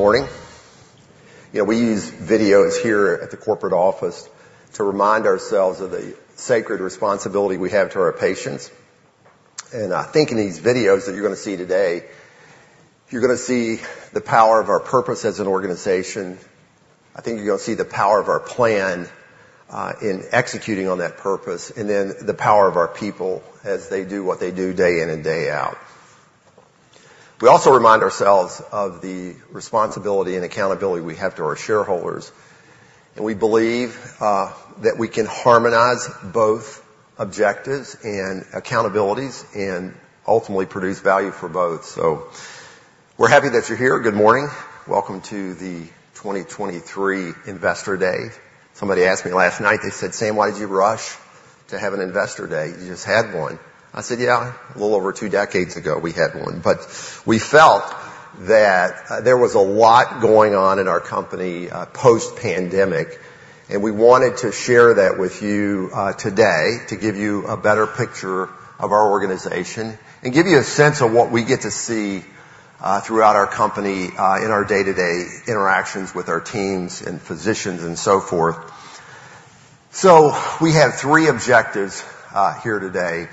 Good morning. You know, we use videos here at the corporate office to remind ourselves of the sacred responsibility we have to our patients. I think in these videos that you're gonna see today, you're gonna see the power of our purpose as an organization. I think you're gonna see the power of our plan in executing on that purpose, and then the power of our people as they do what they do, day in and day out. We also remind ourselves of the responsibility and accountability we have to our shareholders, and we believe that we can harmonize both objectives and accountabilities, and ultimately produce value for both. So we're happy that you're here. Good morning. Welcome to the 2023 Investor Day. Somebody asked me last night, they said, "Sam, why'd you rush to have an Investor Day? You just had one." I said, "Yeah, a little over two decades ago, we had one." But we felt that there was a lot going on in our company, post-pandemic, and we wanted to share that with you today to give you a better picture of our organization, and give you a sense of what we get to see throughout our company in our day-to-day interactions with our teams and physicians, and so forth. So we have three objectives here today.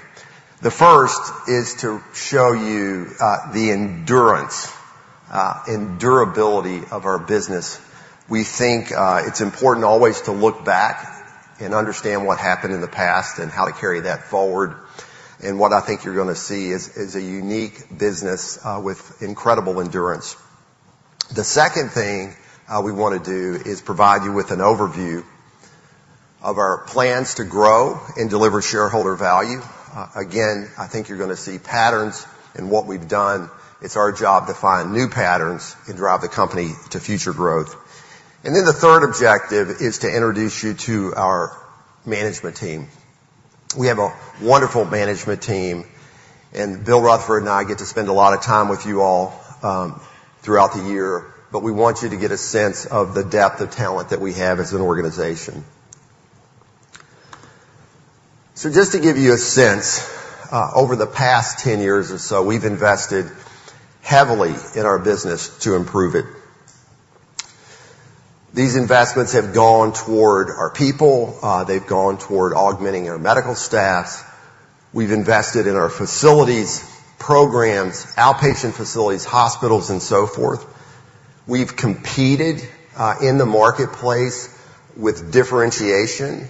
The first is to show you the endurance and durability of our business. We think it's important always to look back and understand what happened in the past, and how to carry that forward. And what I think you're gonna see is a unique business with incredible endurance. The second thing, we wanna do is provide you with an overview of our plans to grow and deliver shareholder value. Again, I think you're gonna see patterns in what we've done. It's our job to find new patterns and drive the company to future growth. The third objective is to introduce you to our management team. We have a wonderful management team, and Bill Rutherford and I get to spend a lot of time with you all, throughout the year, but we want you to get a sense of the depth of talent that we have as an organization. Just to give you a sense, over the past 10 years or so, we've invested heavily in our business to improve it. These investments have gone toward our people. They've gone toward augmenting our medical staff. We've invested in our facilities, programs, outpatient facilities, hospitals, and so forth. We've competed in the marketplace with differentiation,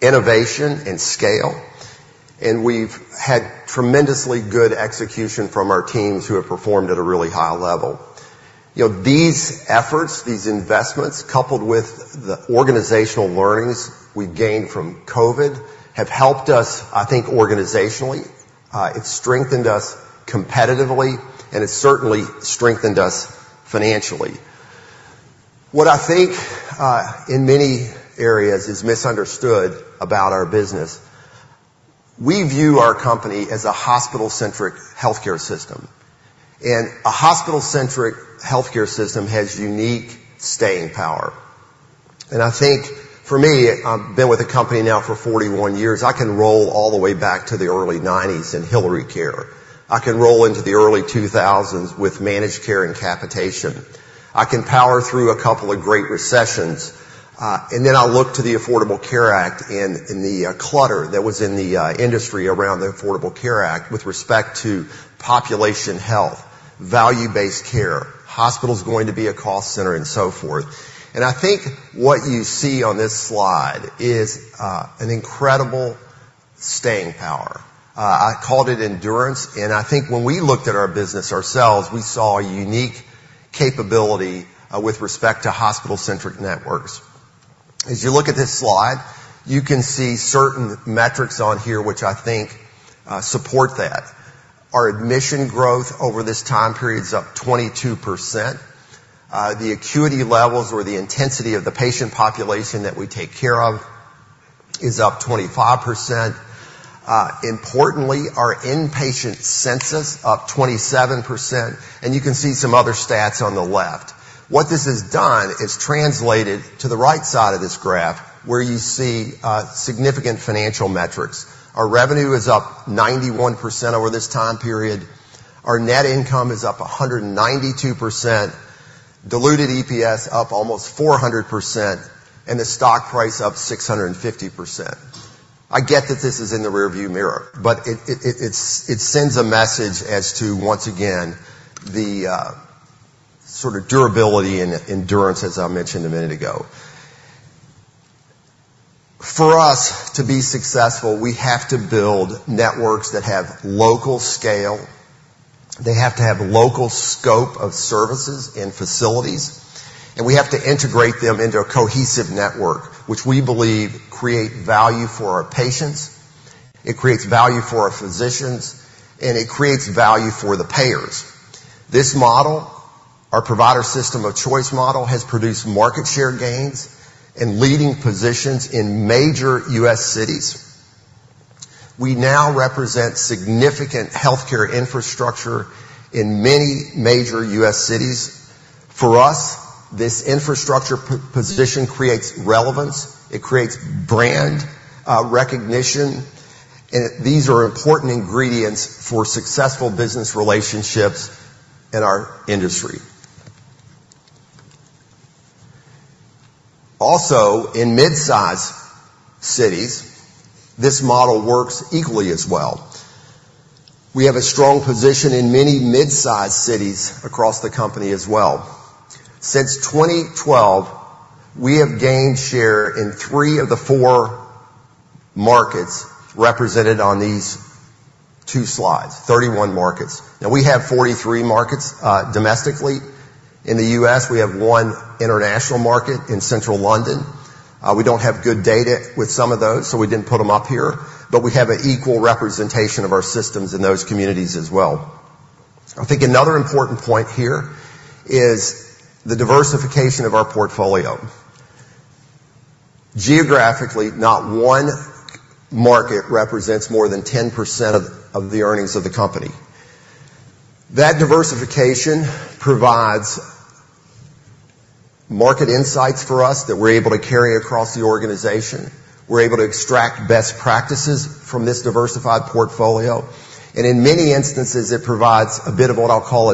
innovation, and scale, and we've had tremendously good execution from our teams who have performed at a really high level. You know, these efforts, these investments, coupled with the organizational learnings we've gained from COVID, have helped us, I think, organizationally. It's strengthened us competitively, and it's certainly strengthened us financially. What I think in many areas is misunderstood about our business, we view our company as a hospital-centric healthcare system. A hospital-centric healthcare system has unique staying power. I think for me, I've been with the company now for 41 years. I can roll all the way back to the early 1990s and Hillarycare. I can roll into the early 2000s with managed care and capitation. I can power through a couple of great recessions. Then I'll look to the Affordable Care Act and the clutter that was in the industry around the Affordable Care Act with respect to population health, value-based care, hospitals going to be a cost center, and so forth. I think what you see on this slide is an incredible staying power. I called it endurance, and I think when we looked at our business ourselves, we saw a unique capability with respect to hospital-centric networks. As you look at this slide, you can see certain metrics on here, which I think support that. Our admission growth over this time period is up 22%. The acuity levels or the intensity of the patient population that we take care of is up 25%. Importantly, our inpatient census, up 27%, and you can see some other stats on the left. What this has done is translated to the right side of this graph, where you see, significant financial metrics. Our revenue is up 91% over this time period, our net income is up 192%, diluted EPS up almost 400%, and the stock price up 650%. I get that this is in the rearview mirror, but it sends a message as to, once again, the, sort of durability and endurance, as I mentioned a minute ago. For us to be successful, we have to build networks that have local scale, they have to have local scope of services and facilities, and we have to integrate them into a cohesive network, which we believe create value for our patients, it creates value for our physicians, and it creates value for the payers. This model, our provider system of choice model, has produced market share gains and leading positions in major U.S. cities. We now represent significant healthcare infrastructure in many major U.S. cities. For us, this infrastructure position creates relevance, it creates brand recognition. These are important ingredients for successful business relationships in our industry. Also, in midsize cities, this model works equally as well. We have a strong position in many midsize cities across the company as well. Since 2012, we have gained share in three of the four markets represented on these two slides, 31 markets. Now we have 43 markets domestically. In the US, we have one international market in Central London. We don't have good data with some of those, so we didn't put them up here, but we have an equal representation of our systems in those communities as well. I think another important point here is the diversification of our portfolio. Geographically, not one market represents more than 10% of, of the earnings of the company. That diversification provides market insights for us that we're able to carry across the organization. We're able to extract best practices from this diversified portfolio, and in many instances, it provides a bit of what I'll call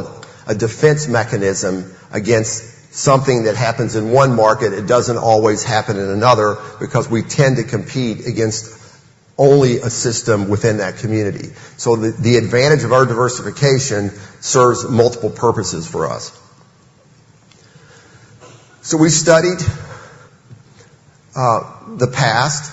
a defense mechanism against something that happens in one market, it doesn't always happen in another, because we tend to compete against only a system within that community. So the advantage of our diversification serves multiple purposes for us. So we studied the past,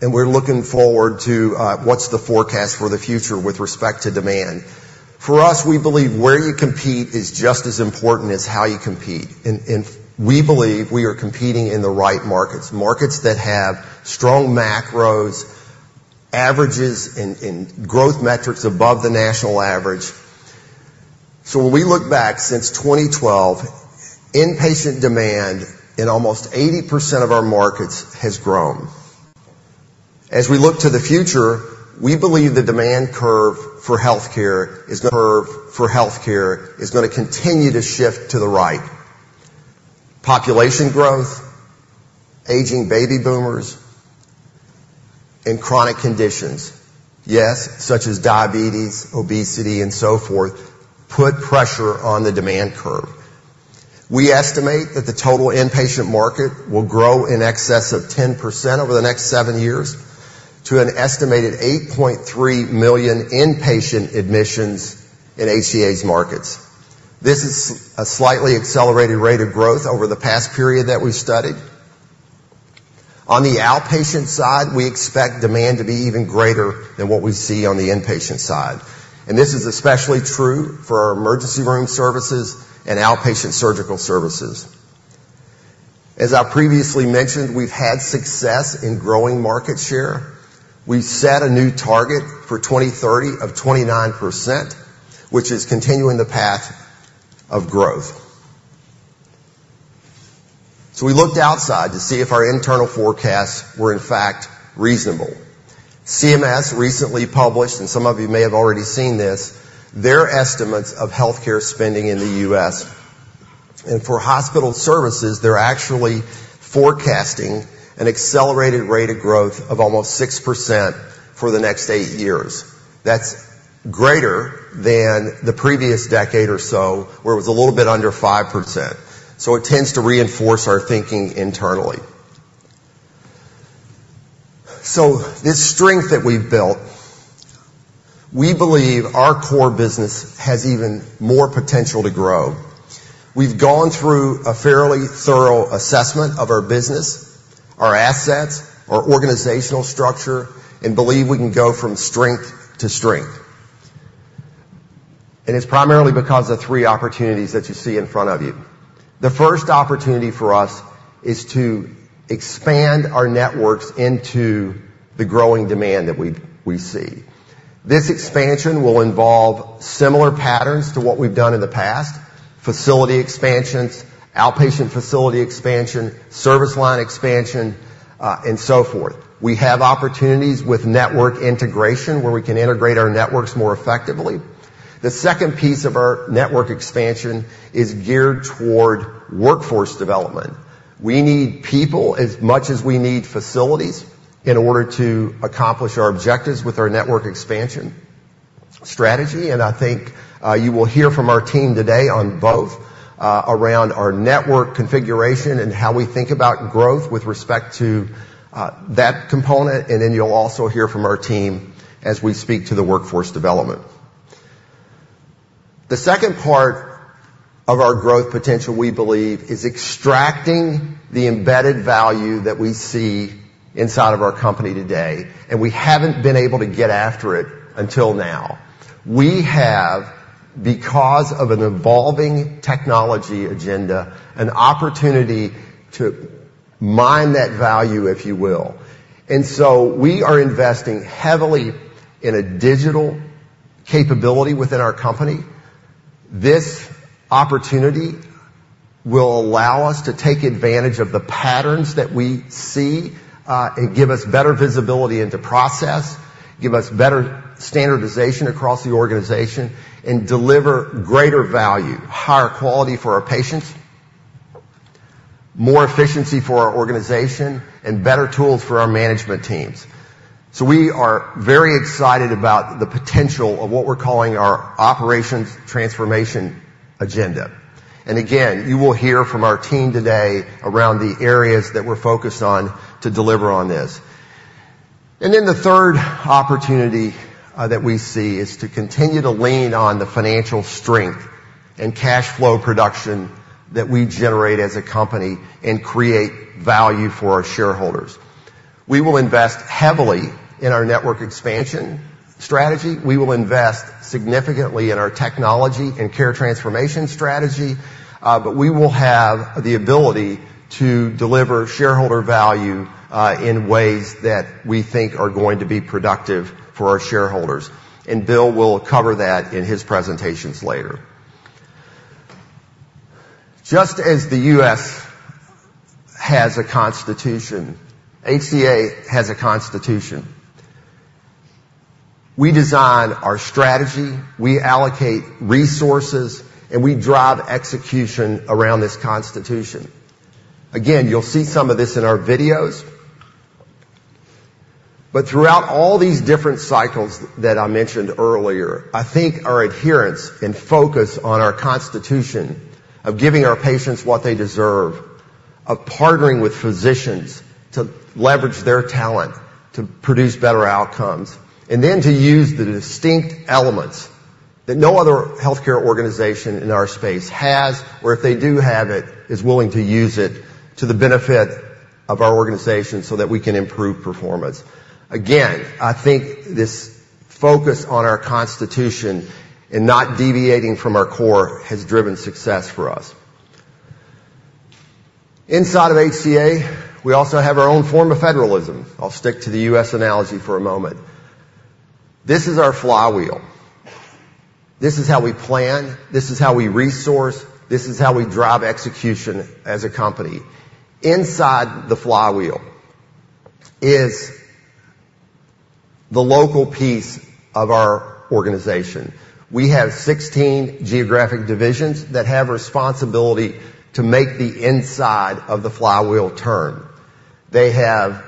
and we're looking forward to what's the forecast for the future with respect to demand. For us, we believe where you compete is just as important as how you compete. And we believe we are competing in the right markets, markets that have strong macros, averages in growth metrics above the national average. So when we look back since 2012, inpatient demand in almost 80% of our markets has grown. As we look to the future, we believe the demand curve for healthcare gonna continue to shift to the right. Population growth, aging baby boomers, and chronic conditions, yes, such as diabetes, obesity, and so forth, put pressure on the demand curve. We estimate that the total inpatient market will grow in excess of 10% over the next seven years, to an estimated 8,300,000 inpatient admissions in HCA's markets. This is a slightly accelerated rate of growth over the past period that we studied. On the outpatient side, we expect demand to be even greater than what we see on the inpatient side, and this is especially true for our emergency room services and outpatient surgical services. As I previously mentioned, we've had success in growing market share. We've set a new target for 2030 of 29%, which is continuing the path of growth. So we looked outside to see if our internal forecasts were, in fact, reasonable. CMS recently published, and some of you may have already seen this, their estimates of healthcare spending in the U.S. For hospital services, they're actually forecasting an accelerated rate of growth of almost 6% for the next eight years. That's greater than the previous decade or so, where it was a little bit under 5%. So it tends to reinforce our thinking internally. So this strength that we've built, we believe our core business has even more potential to grow. We've gone through a fairly thorough assessment of our business, our assets, our organizational structure, and believe we can go from strength to strength. It's primarily because of three opportunities that you see in front of you. The first opportunity for us is to expand our networks into the growing demand that we see. This expansion will involve similar patterns to what we've done in the past: facility expansions, outpatient facility expansion, service line expansion, and so forth. We have opportunities with network integration, where we can integrate our networks more effectively. The second piece of our network expansion is geared toward workforce development. We need people as much as we need facilities in order to accomplish our objectives with our network expansion strategy. I think you will hear from our team today on both, around our network configuration and how we think about growth with respect to that component, and then you'll also hear from our team as we speak to the workforce development. The second part of our growth potential, we believe, is extracting the embedded value that we see inside of our company today, and we haven't been able to get after it until now. We have, because of an evolving technology agenda, an opportunity to mine that value, if you will. And so we are investing heavily in a digital capability within our company. This opportunity will allow us to take advantage of the patterns that we see, and give us better visibility into process, give us better standardization across the organization, and deliver greater value, higher quality for our patients, more efficiency for our organization, and better tools for our management teams. So we are very excited about the potential of what we're calling our operations transformation agenda. And again, you will hear from our team today around the areas that we're focused on to deliver on this. And then the third opportunity, that we see is to continue to lean on the financial strength and cash flow production that we generate as a company and create value for our shareholders. We will invest heavily in our network expansion strategy. We will invest significantly in our technology and care transformation strategy, but we will have the ability to deliver shareholder value, in ways that we think are going to be productive for our shareholders, and Bill will cover that in his presentations later. Just as the U.S. has a constitution, HCA has a constitution. We design our strategy, we allocate resources, and we drive execution around this constitution. Again, you'll see some of this in our videos, but throughout all these different cycles that I mentioned earlier, I think our adherence and focus on our constitution of giving our patients what they deserve, of partnering with physicians to leverage their talent to produce better outcomes, and then to use the distinct elements that no other healthcare organization in our space has, or if they do have it, is willing to use it to the benefit of our organization so that we can improve performance. Again, I think this focus on our constitution and not deviating from our core has driven success for us. Inside of HCA, we also have our own form of federalism. I'll stick to the U.S. analogy for a moment. This is our flywheel. This is how we plan, this is how we resource, this is how we drive execution as a company. Inside the flywheel is the local piece of our organization. We have 16 geographic divisions that have responsibility to make the inside of the flywheel turn. They have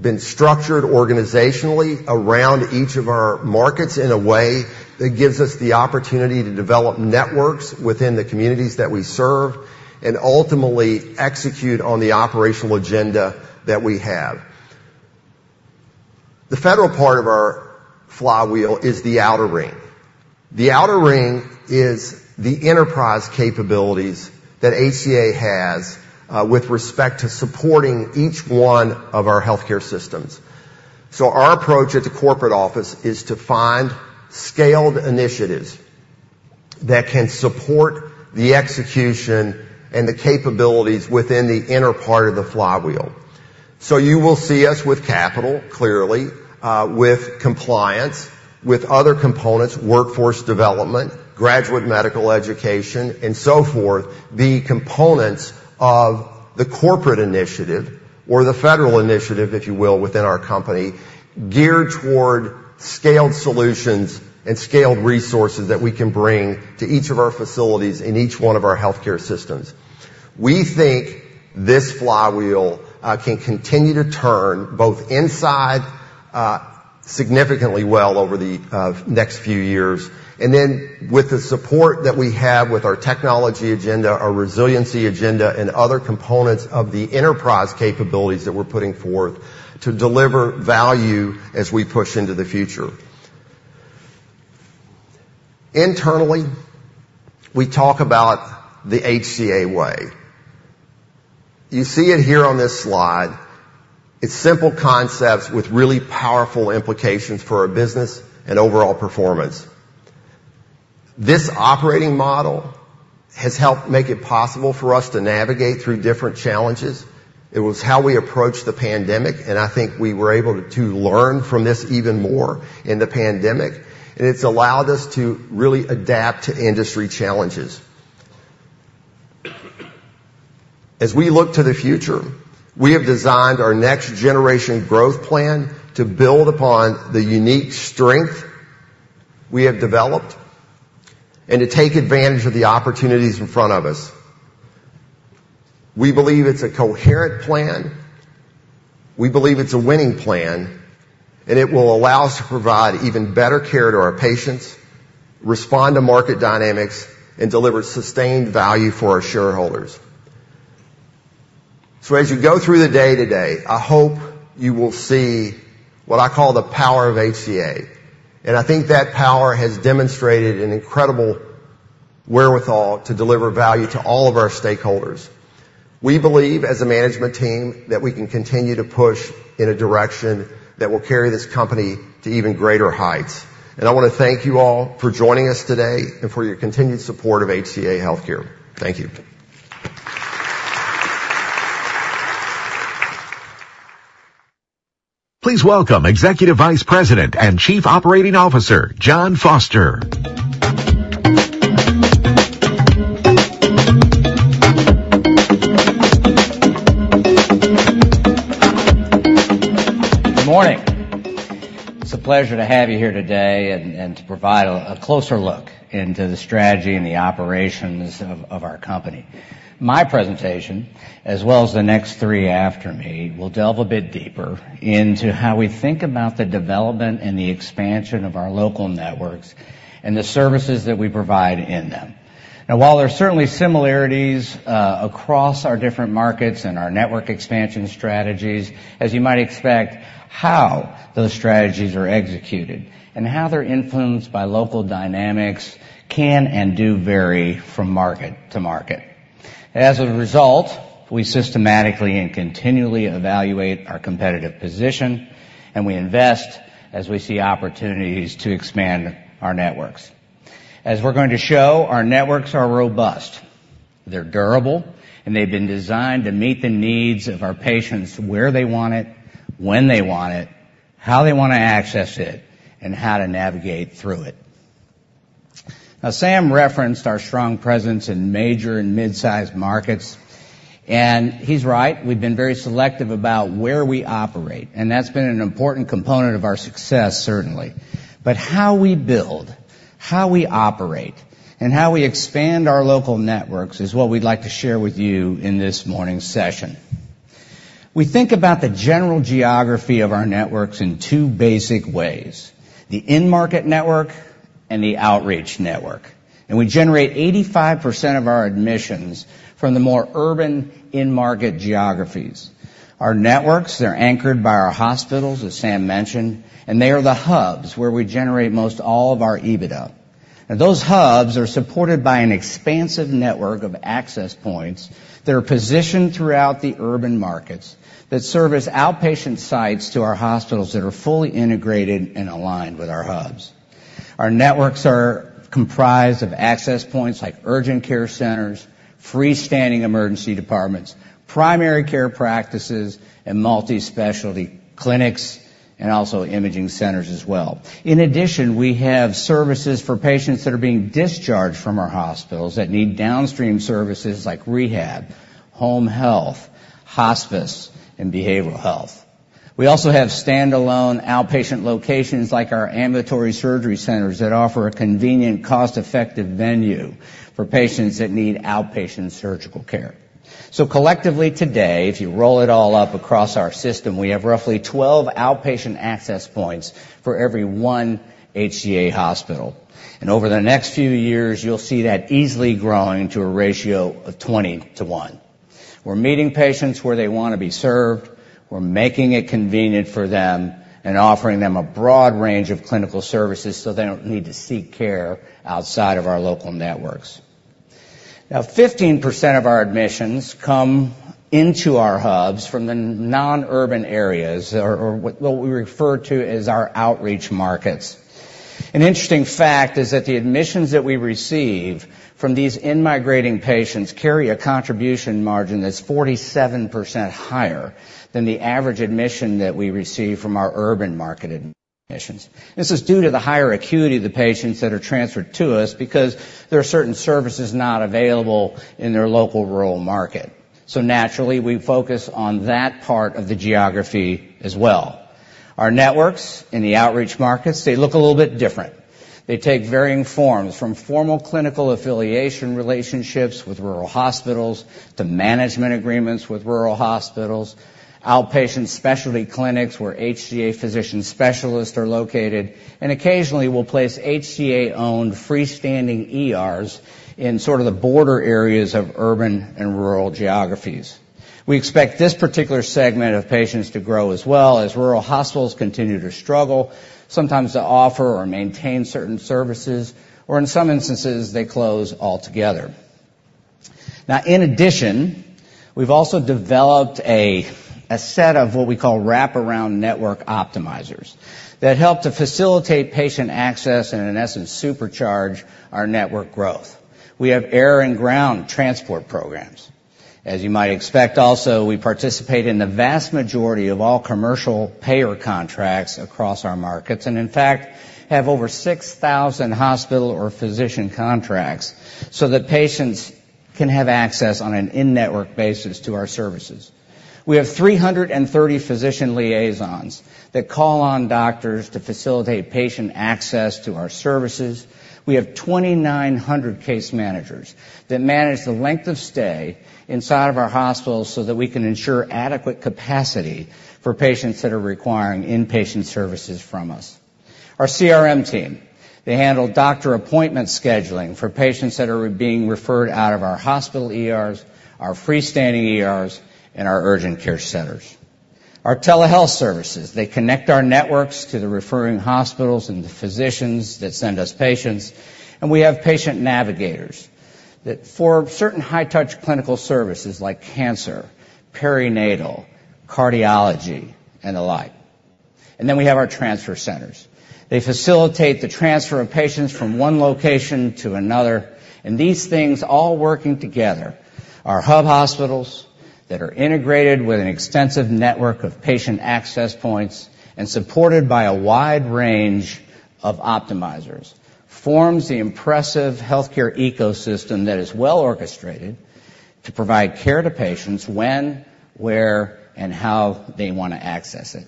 been structured organizationally around each of our markets in a way that gives us the opportunity to develop networks within the communities that we serve, and ultimately execute on the operational agenda that we have. The federal part of our flywheel is the outer ring. The outer ring is the enterprise capabilities that HCA has with respect to supporting each one of our healthcare systems. So our approach at the corporate office is to find scaled initiatives that can support the execution and the capabilities within the inner part of the flywheel. So you will see us with capital, clearly, with compliance, with other components, workforce development, graduate medical education, and so forth. The components of the corporate initiative or the federal initiative, if you will, within our company, geared toward scaled solutions and scaled resources that we can bring to each of our facilities in each one of our healthcare systems. We think this flywheel can continue to turn both inside significantly well over the next few years, and then with the support that we have with our technology agenda, our resiliency agenda, and other components of the enterprise capabilities that we're putting forth to deliver value as we push into the future. Internally, we talk about the HCA Way. You see it here on this slide. It's simple concepts with really powerful implications for our business and overall performance. This operating model has helped make it possible for us to navigate through different challenges. It was how we approached the pandemic, and I think we were able to learn from this even more in the pandemic, and it's allowed us to really adapt to industry challenges. As we look to the future, we have designed our next generation growth plan to build upon the unique strength we have developed and to take advantage of the opportunities in front of us. We believe it's a coherent plan, we believe it's a winning plan, and it will allow us to provide even better care to our patients, respond to market dynamics, and deliver sustained value for our shareholders. So as you go through the day today, I hope you will see what I call the power of HCA, and I think that power has demonstrated an incredible wherewithal to deliver value to all of our stakeholders. We believe, as a management team, that we can continue to push in a direction that will carry this company to even greater heights. I wanna thank you all for joining us today and for your continued support of HCA Healthcare. Thank you. Please welcome Executive Vice President and Chief Operating Officer, Jon Foster. Good morning! It's a pleasure to have you here today and to provide a closer look into the strategy and the operations of our company. My presentation, as well as the next three after me, will delve a bit deeper into how we think about the development and the expansion of our local networks and the services that we provide in them. Now, while there are certainly similarities across our different markets and our network expansion strategies, as you might expect, how those strategies are executed and how they're influenced by local dynamics can and do vary from market to market. As a result, we systematically and continually evaluate our competitive position, and we invest as we see opportunities to expand our networks. As we're going to show, our networks are robust, they're durable, and they've been designed to meet the needs of our patients where they want it, when they want it, how they want to access it, and how to navigate through it. Now, Sam referenced our strong presence in major and mid-sized markets, and he's right. We've been very selective about where we operate, and that's been an important component of our success, certainly. But how we build, how we operate, and how we expand our local networks is what we'd like to share with you in this morning's session. We think about the general geography of our networks in two basic ways: the in-market network and the outreach network. We generate 85% of our admissions from the more urban in-market geographies. Our networks, they're anchored by our hospitals, as Sam mentioned, and they are the hubs where we generate most all of our EBITDA. Now, those hubs are supported by an expansive network of access points that are positioned throughout the urban markets that serve as outpatient sites to our hospitals that are fully integrated and aligned with our hubs. Our networks are comprised of access points like urgent care centers, freestanding emergency departments, primary care practices, and multi-specialty clinics, and also imaging centers as well. In addition, we have services for patients that are being discharged from our hospitals that need downstream services like rehab, home health, hospice, and behavioral health. We also have standalone outpatient locations, like our ambulatory surgery centers, that offer a convenient, cost-effective venue for patients that need outpatient surgical care. So collectively today, if you roll it all up across our system, we have roughly 12 outpatient access points for every 1 HCA hospital, and over the next few years, you'll see that easily growing to a ratio of 20 to 1. We're meeting patients where they want to be served. We're making it convenient for them and offering them a broad range of clinical services, so they don't need to seek care outside of our local networks. Now, 15% of our admissions come into our hubs from the non-urban areas, or what we refer to as our outreach markets. An interesting fact is that the admissions that we receive from these in-migrating patients carry a contribution margin that's 47% higher than the average admission that we receive from our urban market admissions. This is due to the higher acuity of the patients that are transferred to us because there are certain services not available in their local rural market. So naturally, we focus on that part of the geography as well. Our networks in the outreach markets, they look a little bit different. They take varying forms, from formal clinical affiliation relationships with rural hospitals to management agreements with rural hospitals, outpatient specialty clinics, where HCA physician specialists are located, and occasionally we'll place HCA-owned freestanding ERs in sort of the border areas of urban and rural geographies. We expect this particular segment of patients to grow as well as rural hospitals continue to struggle, sometimes to offer or maintain certain services, or in some instances, they close altogether. Now, in addition, we've also developed a set of what we call wraparound network optimizers that help to facilitate patient access and, in essence, supercharge our network growth. We have air and ground transport programs. As you might expect also, we participate in the vast majority of all commercial payer contracts across our markets and, in fact, have over 6,000 hospital or physician contracts so that patients can have access on an in-network basis to our services. We have 330 physician liaisons that call on doctors to facilitate patient access to our services. We have 2,900 case managers that manage the length of stay inside of our hospitals so that we can ensure adequate capacity for patients that are requiring inpatient services from us. Our CRM team, they handle doctor appointment scheduling for patients that are being referred out of our hospital ERs, our freestanding ERs, and our urgent care centers. Our telehealth services, they connect our networks to the referring hospitals and the physicians that send us patients. We have patient navigators that, for certain high-touch clinical services like cancer, perinatal, cardiology, and the like. Then we have our transfer centers. They facilitate the transfer of patients from one location to another, and these things all working together. Our hub hospitals that are integrated with an extensive network of patient access points and supported by a wide range of optimizers, forms the impressive healthcare ecosystem that is well orchestrated, to provide care to patients when, where, and how they want to access it.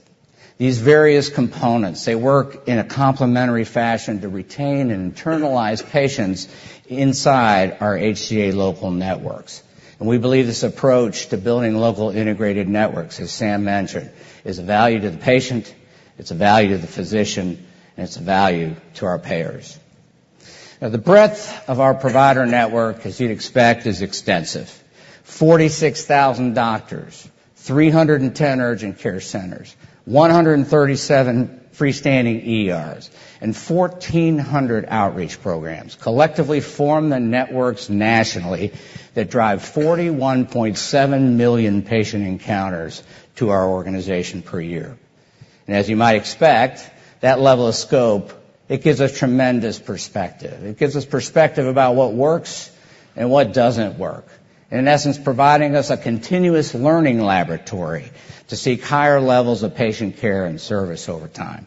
These various components, they work in a complementary fashion to retain and internalize patients inside our HCA local networks. And we believe this approach to building local integrated networks, as Sam mentioned, is a value to the patient, it's a value to the physician, and it's a value to our payers. Now, the breadth of our provider network, as you'd expect, is extensive. 46,000 doctors, 310 urgent care centers, 137 freestanding ERs, and 1,400 outreach programs collectively form the networks nationally that drive 41.,700,000 patient encounters to our organization per year. And as you might expect, that level of scope, it gives us tremendous perspective. It gives us perspective about what works and what doesn't work, and in essence, providing us a continuous learning laboratory to seek higher levels of patient care and service over time.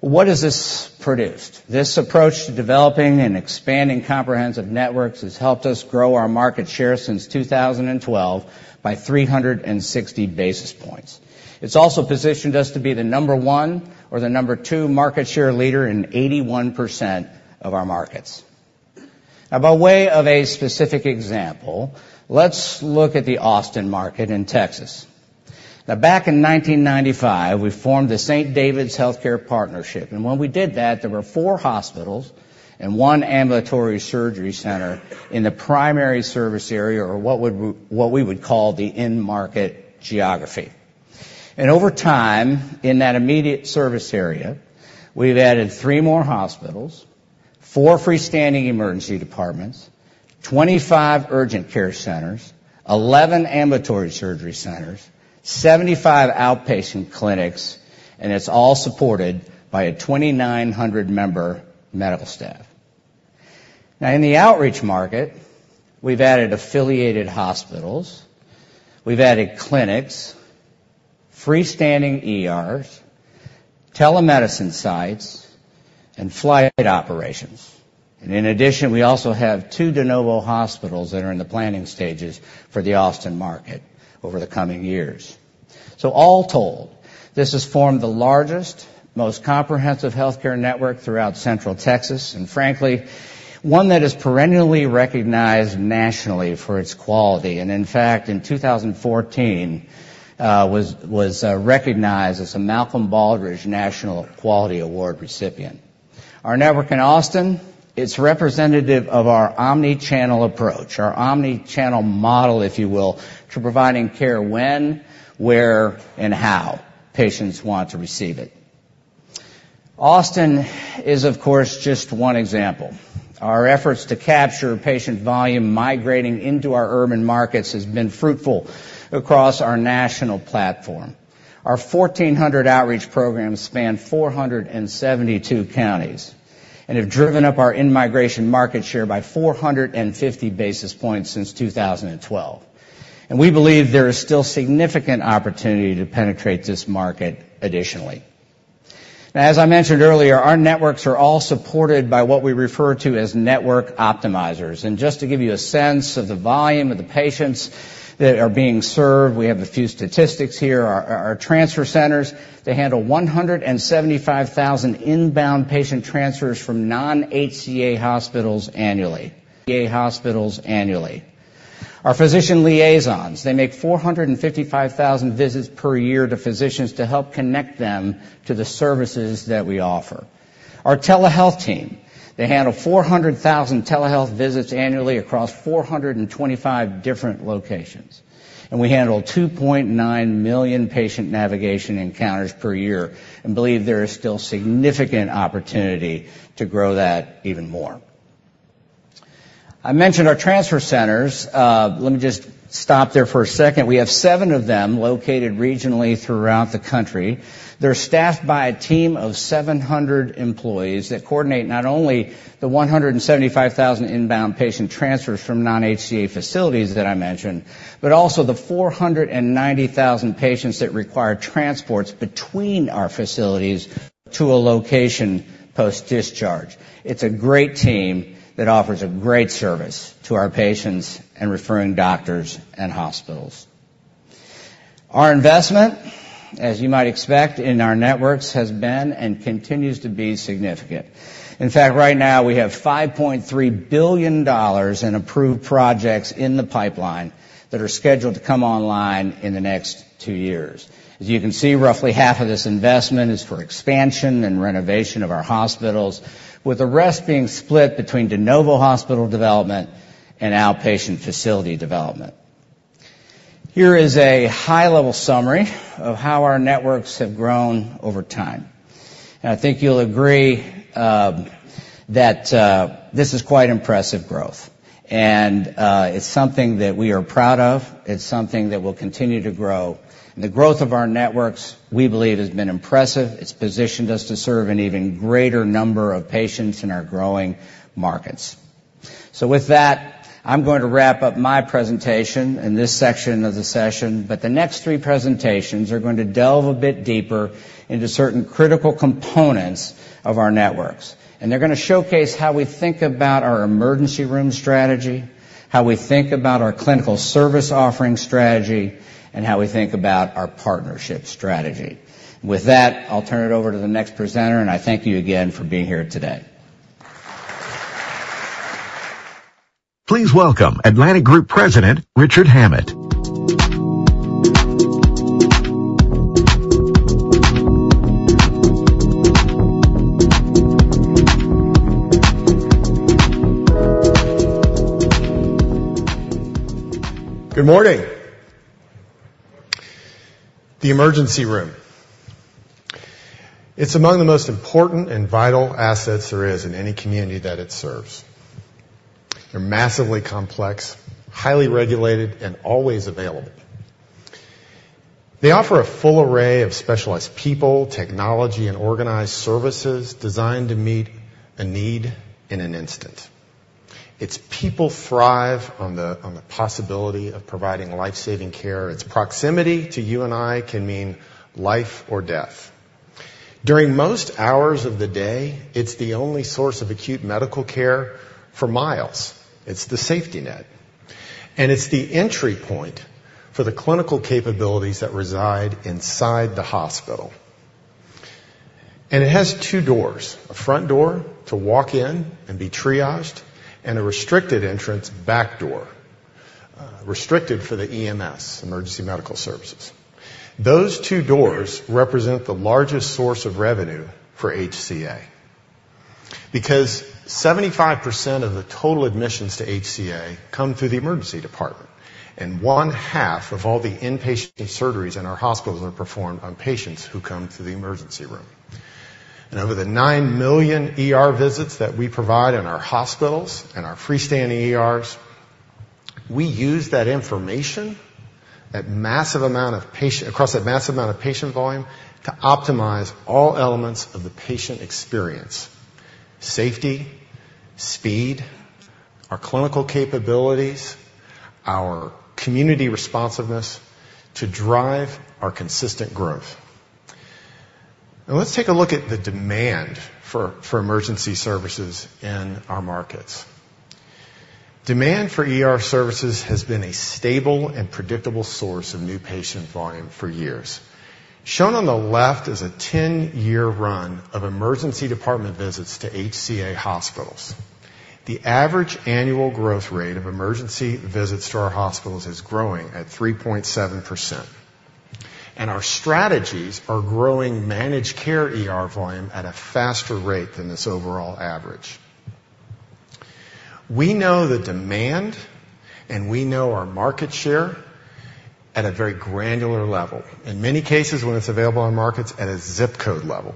What has this produced? This approach to developing and expanding comprehensive networks has helped us grow our market share since 2012 by 360 basis points. It's also positioned us to be the number 1 or the number 2 market share leader in 81% of our markets. Now, by way of a specific example, let's look at the Austin market in Texas. Now, back in 1995, we formed the St. David's HealthCare partnership, and when we did that, there were 4 hospitals and 1 ambulatory surgery center in the primary service area, or what we would call the end market geography. Over time, in that immediate service area, we've added 3 more hospitals, 4 freestanding emergency departments, 25 urgent care centers, 11 ambulatory surgery centers, 75 outpatient clinics, and it's all supported by a 2,900-member medical staff. Now, in the outreach market, we've added affiliated hospitals, we've added clinics, freestanding ERs, telemedicine sites, and flight operations. And in addition, we also have two de novo hospitals that are in the planning stages for the Austin market over the coming years. So all told, this has formed the largest, most comprehensive healthcare network throughout central Texas, and frankly, one that is perennially recognized nationally for its quality. And in fact, in 2014, was recognized as a Malcolm Baldrige National Quality Award recipient. Our network in Austin, it's representative of our omni-channel approach, our omni-channel model, if you will, to providing care when, where, and how patients want to receive it. Austin is, of course, just one example. Our efforts to capture patient volume migrating into our urban markets has been fruitful across our national platform. Our 1,400 outreach programs span 472 counties and have driven up our in-migration market share by 450 basis points since 2012. We believe there is still significant opportunity to penetrate this market additionally. Now, as I mentioned earlier, our networks are all supported by what we refer to as network optimizers. Just to give you a sense of the volume of the patients that are being served, we have a few statistics here. Our transfer centers, they handle 175,000 inbound patient transfers from non-HCA hospitals annually, HCA hospitals annually. Our physician liaisons, they make 455,000 visits per year to physicians to help connect them to the services that we offer. Our telehealth team, they handle 400,000 telehealth visits annually across 425 different locations, and we handle 2,900,000 patient navigation encounters per year and believe there is still significant opportunity to grow that even more. I mentioned our transfer centers. Let me just stop there for a second. We have 7 of them located regionally throughout the country. They're staffed by a team of 700 employees that coordinate not only the 175,000 inbound patient transfers from non-HCA facilities that I mentioned, but also the 490,000 patients that require transports between our facilities to a location post-discharge. It's a great team that offers a great service to our patients in referring doctors and hospitals. Our investment, as you might expect in our networks, has been and continues to be significant. In fact, right now, we have $5,300,000,000 in approved projects in the pipeline that are scheduled to come online in the next two years. As you can see, roughly half of this investment is for expansion and renovation of our hospitals, with the rest being split between de novo hospital development and outpatient facility development. Here is a high-level summary of how our networks have grown over time. I think you'll agree that this is quite impressive growth, and it's something that we are proud of. It's something that will continue to grow. The growth of our networks, we believe, has been impressive. It's positioned us to serve an even greater number of patients in our growing markets. So with that, I'm going to wrap up my presentation in this section of the session, but the next three presentations are going to delve a bit deeper into certain critical components of our networks. They're gonna showcase how we think about our emergency room strategy, how we think about our clinical service offering strategy, and how we think about our partnership strategy. With that, I'll turn it over to the next presenter, and I thank you again for being here today. Please welcome Atlantic Group President, Richard Hammett. Good morning! The emergency room. It's among the most important and vital assets there is in any community that it serves. They're massively complex, highly regulated, and always available. They offer a full array of specialized people, technology, and organized services designed to meet a need in an instant. Its people thrive on the possibility of providing life-saving care. Its proximity to you and I can mean life or death. During most hours of the day, it's the only source of acute medical care for miles. It's the safety net, and it's the entry point for the clinical capabilities that reside inside the hospital. It has two doors, a front door to walk in and be triaged, and a restricted entrance back door, restricted for the EMS, Emergency Medical Services. Those two doors represent the largest source of revenue for HCA. Because 75% of the total admissions to HCA come through the emergency department, and one-half of all the inpatient surgeries in our hospitals are performed on patients who come through the emergency room. And over the 9,000,000 ER visits that we provide in our hospitals and our freestanding ERs, we use that information, that massive amount of patient volume, to optimize all elements of the patient experience: safety, speed, our clinical capabilities, our community responsiveness to drive our consistent growth. Now, let's take a look at the demand for emergency services in our markets. Demand for ER services has been a stable and predictable source of new patient volume for years. Shown on the left is a 10-year run of emergency department visits to HCA hospitals. The average annual growth rate of emergency visits to our hospitals is growing at 3.7%, and our strategies are growing managed care ER volume at a faster rate than this overall average. We know the demand, and we know our market share at a very granular level, in many cases, when it's available on markets, at a zip code level.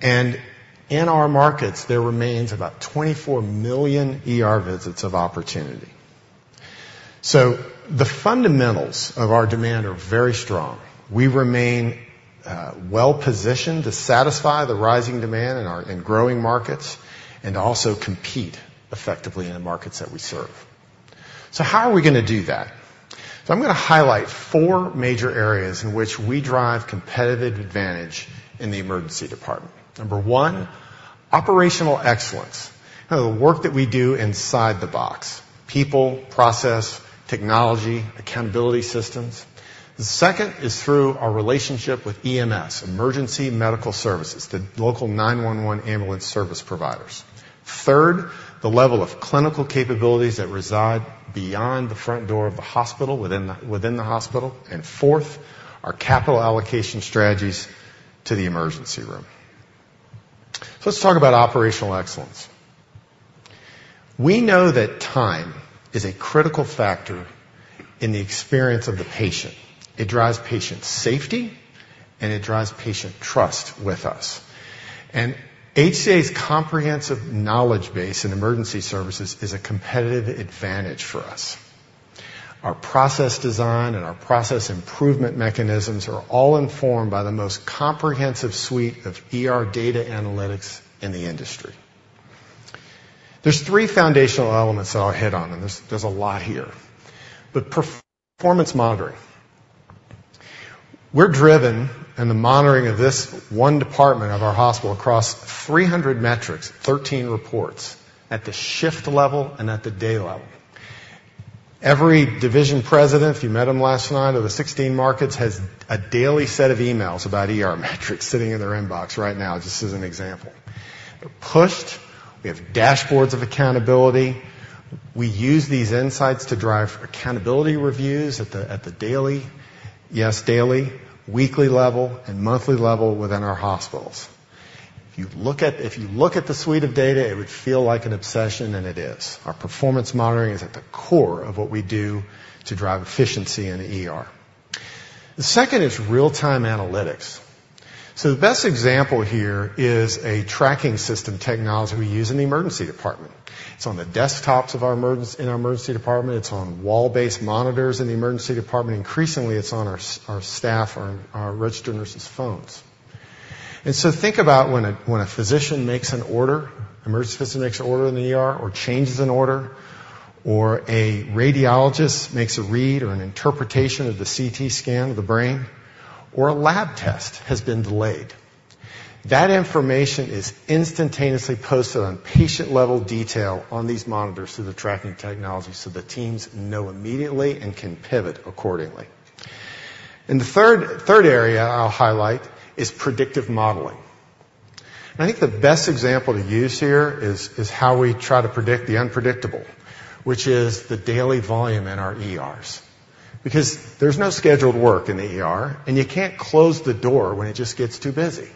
And in our markets, there remains about 24,000,000 ER visits of opportunity. So the fundamentals of our demand are very strong. We remain well-positioned to satisfy the rising demand in our, in growing markets and also compete effectively in the markets that we serve. So how are we gonna do that? So I'm gonna highlight four major areas in which we drive competitive advantage in the emergency department. Number one, operational excellence. Now, the work that we do inside the box, people, process, technology, accountability systems. The second is through our relationship with EMS, Emergency Medical Services, the local 911 ambulance service providers. Third, the level of clinical capabilities that reside beyond the front door of the hospital, within the, within the hospital. And fourth, our capital allocation strategies to the emergency room. So let's talk about operational excellence. We know that time is a critical factor in the experience of the patient. It drives patient safety, and it drives patient trust with us. And HCA's comprehensive knowledge base in emergency services is a competitive advantage for us. Our process design and our process improvement mechanisms are all informed by the most comprehensive suite of ER data analytics in the industry. There's three foundational elements that I'll hit on, and there's, there's a lot here, but performance monitoring. We're driven in the monitoring of this one department of our hospital across 300 metrics, 13 reports at the shift level and at the day level. Every division president, if you met them last night, of the 16 markets, has a daily set of emails about ER metrics sitting in their inbox right now, just as an example. They're pushed. We have dashboards of accountability. We use these insights to drive accountability reviews at the daily, yes, daily, weekly level, and monthly level within our hospitals. If you look at the suite of data, it would feel like an obsession, and it is. Our performance monitoring is at the core of what we do to drive efficiency in the ER. The second is real-time analytics. So the best example here is a tracking system technology we use in the emergency department. It's on the desktops of our emergency department, it's on wall-based monitors in the emergency department. Increasingly, it's on our staff, on our registered nurses' phones. And so think about when a physician makes an order, emergency physician makes an order in the ER or changes an order, or a radiologist makes a read or an interpretation of the CT scan of the brain, or a lab test has been delayed. That information is instantaneously posted on patient-level detail on these monitors through the tracking technology, so the teams know immediately and can pivot accordingly. And the third area I'll highlight is predictive modeling. I think the best example to use here is how we try to predict the unpredictable, which is the daily volume in our ERs. Because there's no scheduled work in the ER, and you can't close the door when it just gets too busy.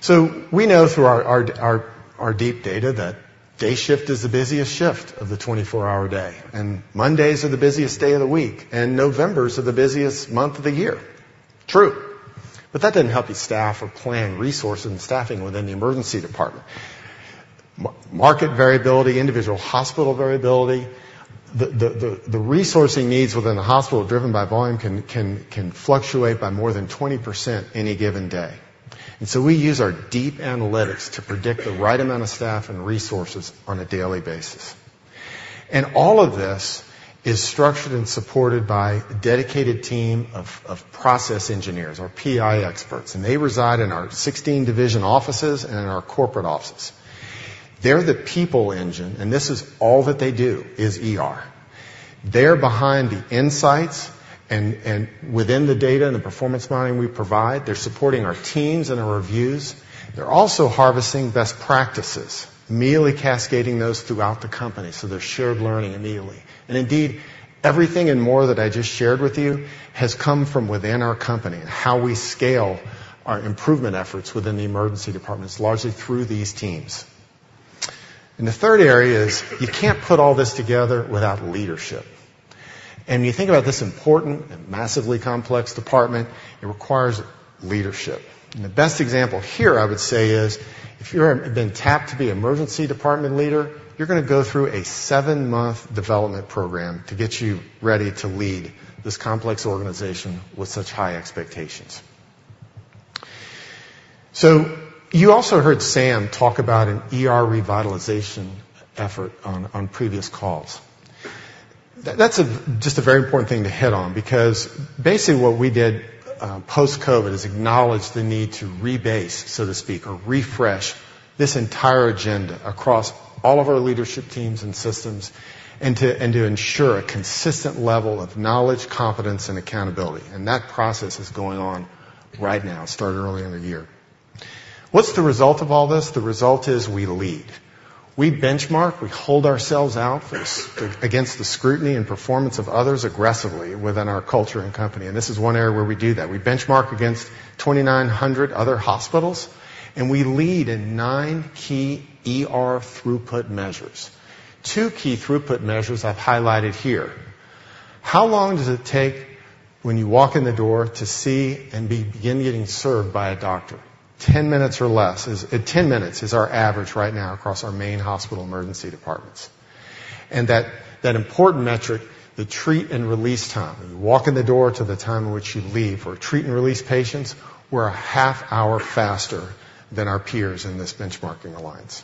So we know through our deep data that day shift is the busiest shift of the 24-hour day, and Mondays are the busiest day of the week, and Novembers are the busiest month of the year. True, but that doesn't help you staff or plan resources and staffing within the emergency department. Market variability, individual hospital variability, the resourcing needs within a hospital driven by volume can fluctuate by more than 20% any given day. And so we use our deep analytics to predict the right amount of staff and resources on a daily basis. All of this is structured and supported by a dedicated team of process engineers, our PI experts, and they reside in our 16 division offices and in our corporate offices. They're the people engine, and this is all that they do, is ER. They're behind the insights and within the data and the performance modeling we provide. They're supporting our teams and our reviews. They're also harvesting best practices, immediately cascading those throughout the company, so there's shared learning immediately. Indeed, everything and more that I just shared with you has come from within our company and how we scale our improvement efforts within the emergency departments, largely through these teams. The third area is you can't put all this together without leadership. You think about this important and massively complex department; it requires leadership. The best example here, I would say, is if you're been tapped to be an emergency department leader, you're gonna go through a 7-month development program to get you ready to lead this complex organization with such high expectations. You also heard Sam talk about an ER revitalization effort on, on previous calls. That's just a very important thing to hit on because basically, what we did post-COVID is acknowledge the need to rebase, so to speak, or refresh this entire agenda across all of our leadership teams and systems, and to, and to ensure a consistent level of knowledge, confidence, and accountability. That process is going on right now, started earlier in the year. What's the result of all this? The result is we lead, we benchmark. We hold ourselves out against the scrutiny and performance of others aggressively within our culture and company, and this is one area where we do that. We benchmark against 2,900 other hospitals, and we lead in nine key ER throughput measures. Two key throughput measures I've highlighted here. How long does it take when you walk in the door to see and begin getting served by a doctor? 10 minutes or less is... 10 minutes is our average right now across our main hospital emergency departments. And that, that important metric, the treat and release time, when you walk in the door to the time in which you leave. For treat and release patients, we're a half hour faster than our peers in this benchmarking alliance.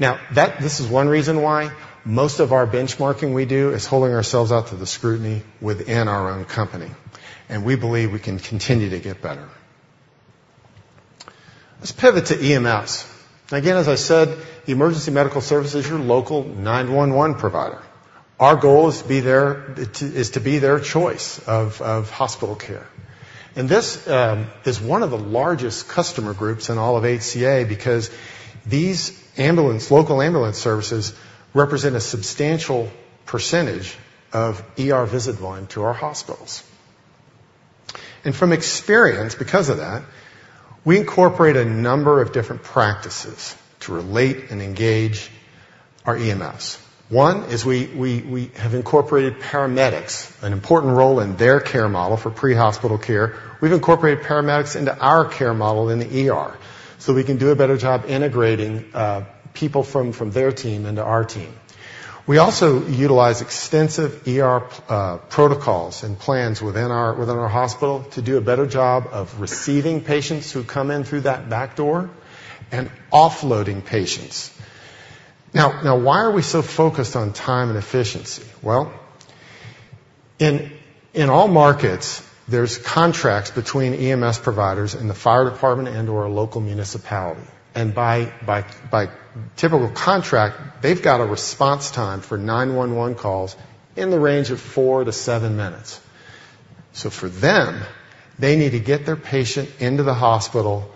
Now, this is one reason why most of our benchmarking we do is holding ourselves out to the scrutiny within our own company, and we believe we can continue to get better. Let's pivot to EMS. Again, as I said, emergency medical services is your local 911 provider. Our goal is to be there, to be their choice of hospital care. And this is one of the largest customer groups in all of HCA because these local ambulance services represent a substantial percentage of ER visit volume to our hospitals. And from experience, because of that, we incorporate a number of different practices to relate and engage our EMS. One is we have incorporated paramedics, an important role in their care model for pre-hospital care. We've incorporated paramedics into our care model in the ER, so we can do a better job integrating people from, from their team into our team. We also utilize extensive ER protocols and plans within our, within our hospital to do a better job of receiving patients who come in through that back door and offloading patients. Now, why are we so focused on time and efficiency? Well, in all markets, there's contracts between EMS providers and the fire department and or a local municipality, and by typical contract, they've got a response time for 911 calls in the range of 4-7 minutes. So for them, they need to get their patient into the hospital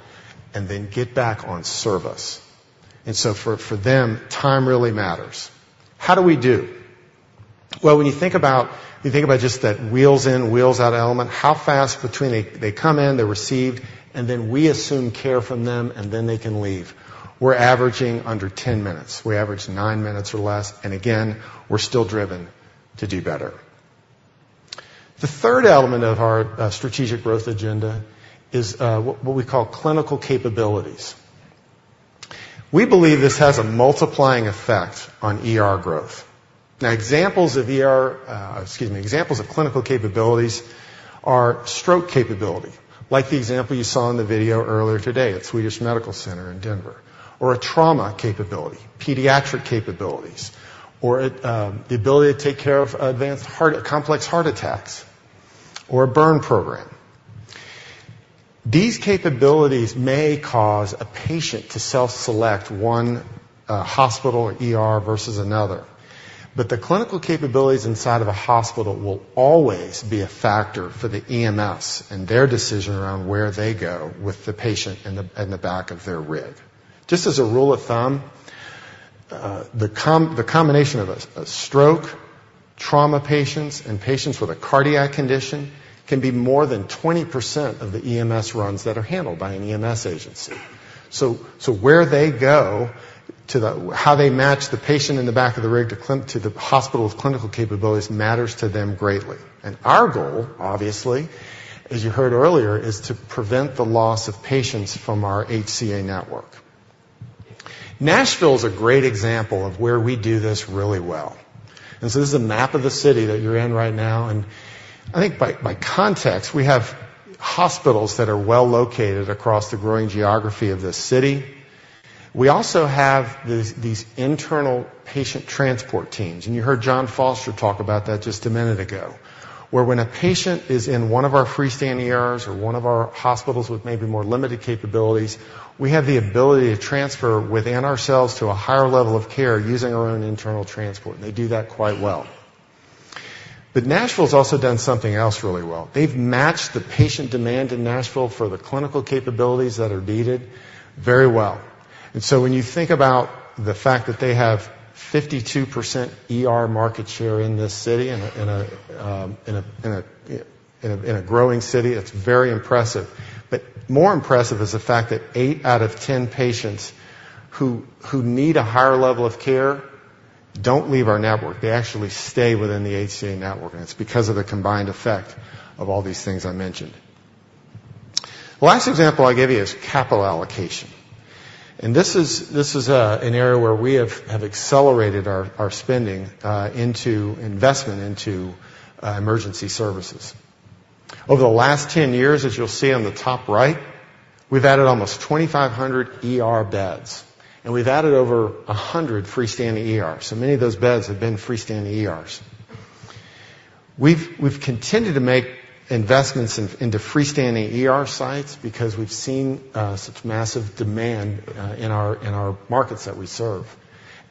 and then get back on service. And so for them, time really matters. How do we do? Well, when you think about, you think about just that wheels in, wheels out element, how fast between they come in, they're received, and then we assume care from them, and then they can leave. We're averaging under 10 minutes. We average nine minutes or less, and again, we're still driven to do better. The third element of our strategic growth agenda is what we call clinical capabilities. We believe this has a multiplying effect on ER growth. Now, examples of ER, excuse me, examples of clinical capabilities are stroke capability, like the example you saw in the video earlier today at Swedish Medical Center in Denver, or a trauma capability, pediatric capabilities, or at the ability to take care of advanced heart, complex heart attacks or a burn program. These capabilities may cause a patient to self-select one hospital or ER versus another. But the clinical capabilities inside of a hospital will always be a factor for the EMS and their decision around where they go with the patient in the back of their rig. Just as a rule of thumb, the combination of a stroke, trauma patients, and patients with a cardiac condition can be more than 20% of the EMS runs that are handled by an EMS agency. So, where they go, how they match the patient in the back of the rig to the hospital's clinical capabilities matters to them greatly. And our goal, obviously, as you heard earlier, is to prevent the loss of patients from our HCA network. Nashville is a great example of where we do this really well. This is a map of the city that you're in right now, and I think by context, we have hospitals that are well located across the growing geography of this city. We also have these internal patient transport teams, and you heard Jon Foster talk about that just a minute ago, where when a patient is in one of our freestanding ERs or one of our hospitals with maybe more limited capabilities, we have the ability to transfer within ourselves to a higher level of care using our own internal transport, and they do that quite well. But Nashville's also done something else really well. They've matched the patient demand in Nashville for the clinical capabilities that are needed very well. And so when you think about the fact that they have 52% ER market share in this city, in a growing city, it's very impressive. But more impressive is the fact that eight out of ten patients who need a higher level of care don't leave our network. They actually stay within the HCA network, and it's because of the combined effect of all these things I mentioned. The last example I'll give you is capital allocation, and this is an area where we have accelerated our spending into investment into emergency services. Over the last 10 years, as you'll see on the top right, we've added almost 2,500 ER beds, and we've added over 100 freestanding ERs, so many of those beds have been freestanding ERs. We've continued to make investments into freestanding ER sites because we've seen such massive demand in our markets that we serve.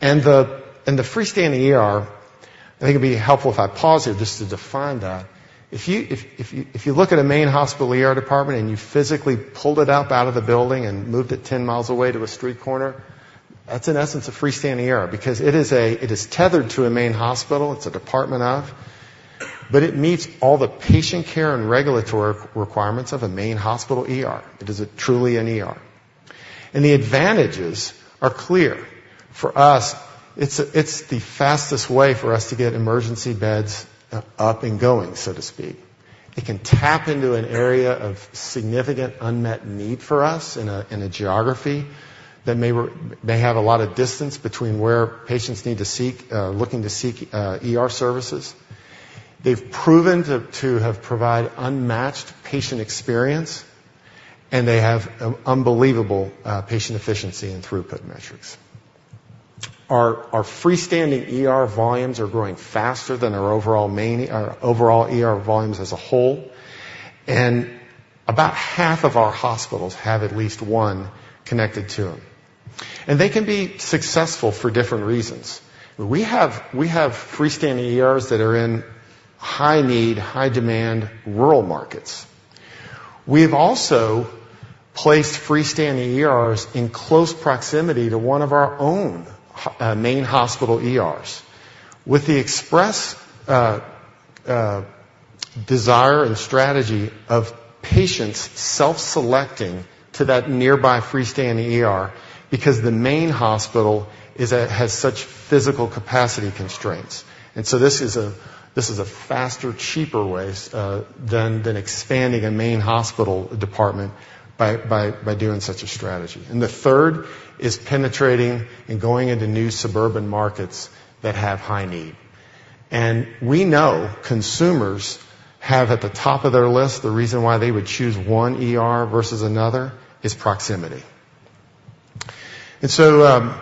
And the freestanding ER, I think it'd be helpful if I pause here just to define that. If you look at a main hospital ER department, and you physically pulled it up out of the building and moved it 10 miles away to a street corner, that's in essence a freestanding ER because it is a - it is tethered to a main hospital. It's a department of, but it meets all the patient care and regulatory requirements of a main hospital ER. It is truly an ER, and the advantages are clear. For us, it's the fastest way for us to get emergency beds up and going, so to speak. It can tap into an area of significant unmet need for us in a geography that may have a lot of distance between where patients need to seek ER services. They've proven to provide unmatched patient experience, and they have an unbelievable patient efficiency and throughput metrics. Our freestanding ER volumes are growing faster than our overall ER volumes as a whole, and about half of our hospitals have at least one connected to them, and they can be successful for different reasons. We have freestanding ERs that are in high need, high demand, rural markets. We've also placed freestanding ERs in close proximity to one of our own main hospital ERs, with the express desire and strategy of patients self-selecting to that nearby freestanding ER because the main hospital has such physical capacity constraints. And so this is a faster, cheaper way than expanding a main hospital department by doing such a strategy. And the third is penetrating and going into new suburban markets that have high need. And we know consumers have at the top of their list, the reason why they would choose one ER versus another, is proximity. And so,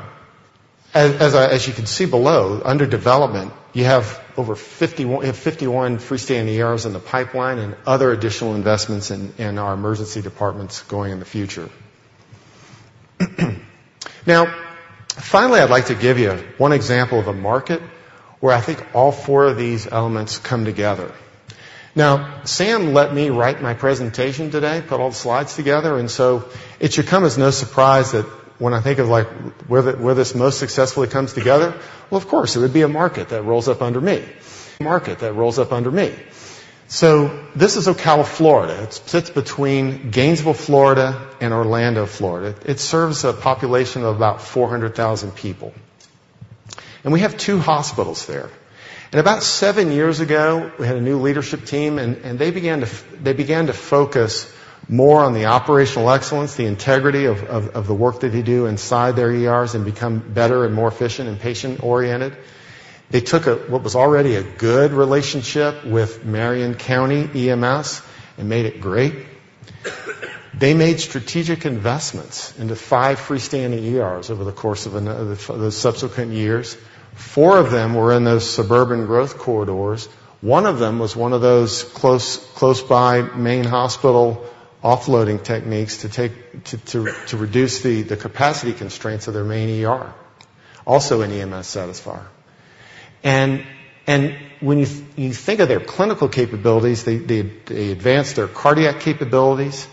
as you can see below, under development, you have over fifty- we have 51 freestanding ERs in the pipeline and other additional investments in our emergency departments going in the future. Now, finally, I'd like to give you one example of a market where I think all four of these elements come together. Now, Sam, let me write my presentation today, put all the slides together, and so it should come as no surprise that when I think of, like, where the, where this most successfully comes together, well, of course, it would be a market that rolls up under me, market that rolls up under me. So this is Ocala, Florida. It sits between Gainesville, Florida, and Orlando, Florida. It serves a population of about 400,000 people, and we have two hospitals there. About seven years ago, we had a new leadership team, and they began to focus more on the operational excellence, the integrity of the work that they do inside their ERs and become better and more efficient and patient-oriented. They took what was already a good relationship with Marion County EMS and made it great. They made strategic investments into five freestanding ERs over the course of the subsequent years. Four of them were in those suburban growth corridors. One of them was one of those close by main hospital offloading techniques to take to reduce the capacity constraints of their main ER. Also an EMS satisfier. And when you think of their clinical capabilities, they advanced their cardiac capabilities.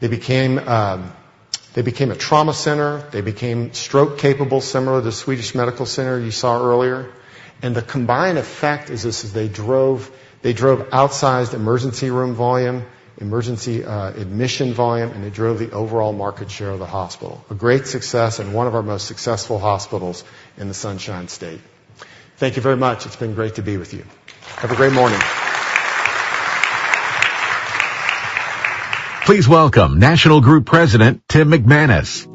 They became a trauma center. They became stroke-capable, similar to the Swedish Medical Center you saw earlier. And the combined effect is this, is they drove, they drove outsized emergency room volume, emergency, admission volume, and they drove the overall market share of the hospital. A great success and one of our most successful hospitals in the Sunshine State. Thank you very much. It's been great to be with you. Have a great morning. Please welcome National Group President, Tim McManus.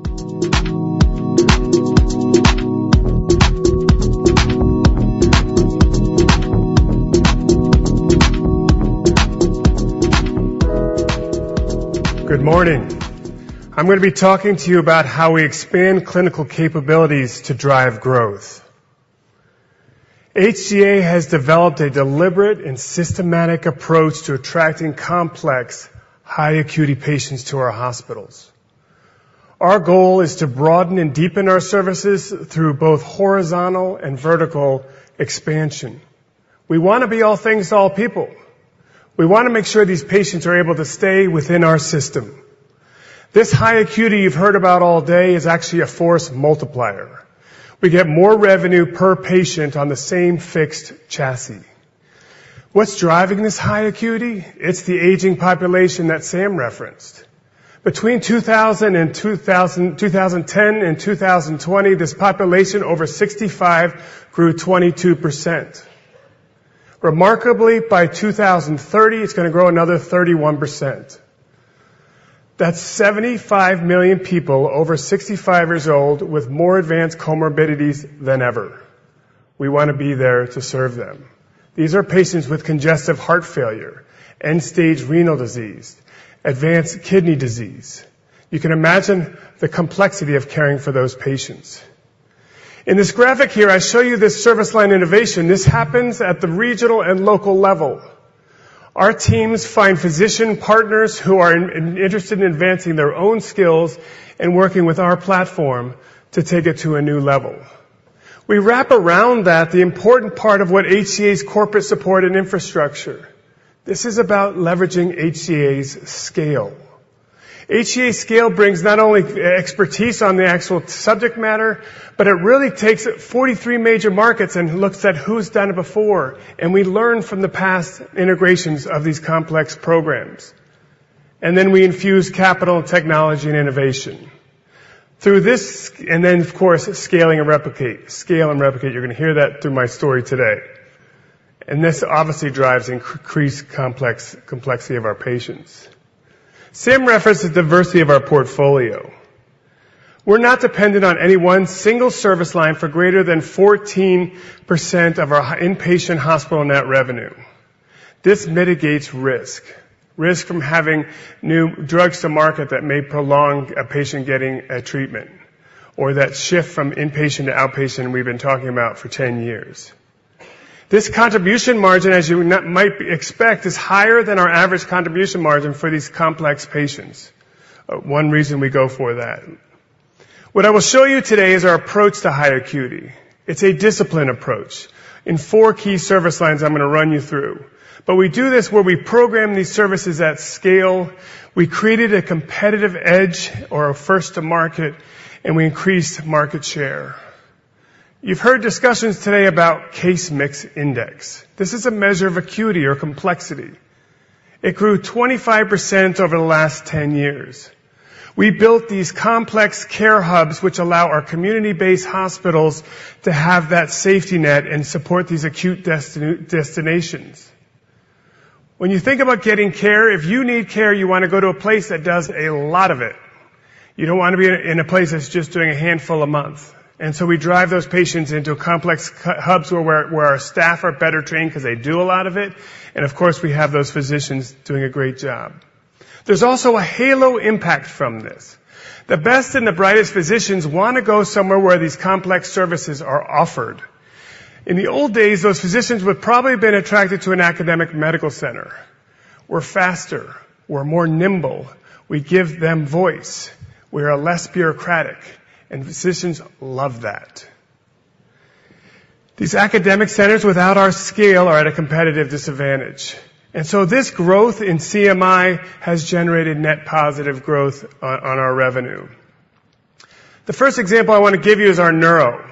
Good morning. I'm gonna be talking to you about how we expand clinical capabilities to drive growth. HCA has developed a deliberate and systematic approach to attracting complex, high-acuity patients to our hospitals. Our goal is to broaden and deepen our services through both horizontal and vertical expansion. We wanna be all things to all people. We wanna make sure these patients are able to stay within our system. This high acuity you've heard about all day is actually a force multiplier. We get more revenue per patient on the same fixed chassis. What's driving this high acuity? It's the aging population that Sam referenced. Between 2010 and 2020, this population over 65 grew 22%. Remarkably, by 2030, it's gonna grow another 31%. That's 75,000,000 people over 65 years old with more advanced comorbidities than ever. We wanna be there to serve them. These are patients with congestive heart failure, end-stage renal disease, advanced kidney disease. You can imagine the complexity of caring for those patients. In this graphic here, I show you this service line innovation. This happens at the regional and local level. Our teams find physician partners who are interested in advancing their own skills and working with our platform to take it to a new level. We wrap around that, the important part of what HCA's corporate support and infrastructure. This is about leveraging HCA's scale. HCA's scale brings not only expertise on the actual subject matter, but it really takes 43 major markets and looks at who's done it before, and we learn from the past integrations of these complex programs. And then we infuse capital, technology, and innovation. Through this, and then, of course, scaling and replicate. Scale and replicate, you're gonna hear that through my story today. This obviously drives increased complex, complexity of our patients. Sam referenced the diversity of our portfolio. We're not dependent on any one single service line for greater than 14% of our inpatient hospital net revenue. This mitigates risk, risk from having new drugs to market that may prolong a patient getting a treatment, or that shift from inpatient to outpatient, and we've been talking about for 10 years. This contribution margin, as you net, might expect, is higher than our average contribution margin for these complex patients. One reason we go for that. What I will show you today is our approach to high acuity. It's a discipline approach. In four key service lines, I'm gonna run you through, but we do this where we program these services at scale, we created a competitive edge or a first to market, and we increased market share. You've heard discussions today about Case Mix Index. This is a measure of acuity or complexity. It grew 25% over the last 10 years. We built these complex care hubs, which allow our community-based hospitals to have that safety net and support these acute destinations. When you think about getting care, if you need care, you wanna go to a place that does a lot of it. You don't wanna be in a, in a place that's just doing a handful a month. And so we drive those patients into complex c-hubs where, where our staff are better trained because they do a lot of it, and of course, we have those physicians doing a great job. There's also a halo impact from this. The best and the brightest physicians wanna go somewhere where these complex services are offered. In the old days, those physicians would probably have been attracted to an academic medical center. We're faster, we're more nimble, we give them voice, we are less bureaucratic, and physicians love that. These academic centers without our scale are at a competitive disadvantage. And so this growth in CMI has generated net positive growth on, on our revenue. The first example I wanna give you is our neuro.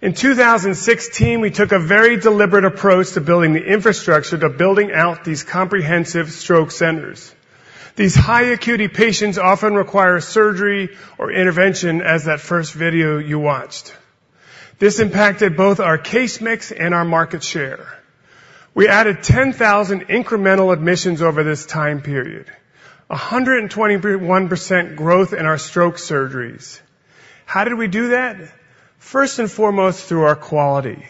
In 2016, we took a very deliberate approach to building the infrastructure, to building out these comprehensive stroke centers. These high acuity patients often require surgery or intervention as that first video you watched. This impacted both our case mix and our market share. We added 10,000 incremental admissions over this time period. 121% growth in our stroke surgeries. How did we do that? First and foremost, through our quality.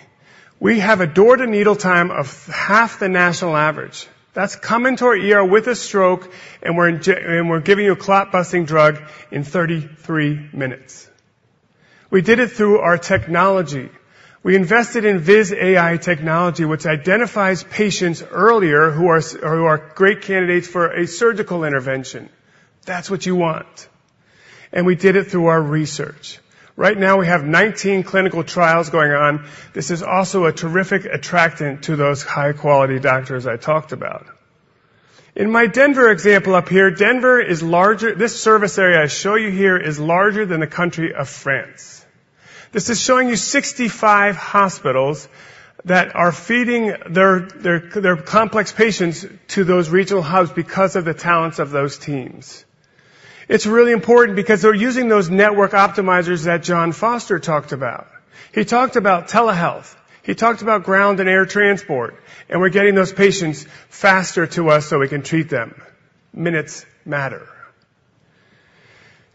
We have a door to needle time of half the national average. That's coming to our ER with a stroke, and we're giving you a clot-busting drug in 33 minutes. We did it through our technology. We invested in Viz.ai technology, which identifies patients earlier who are great candidates for a surgical intervention. That's what you want, and we did it through our research. Right now, we have 19 clinical trials going on. This is also a terrific attractant to those high-quality doctors I talked about. In my Denver example up here, Denver is larger. This service area I show you here is larger than the country of France. This is showing you 65 hospitals that are feeding their complex patients to those regional hubs because of the talents of those teams. It's really important because they're using those network optimizers that Jon Foster talked about. He talked about telehealth. He talked about ground and air transport, and we're getting those patients faster to us so we can treat them. Minutes matter.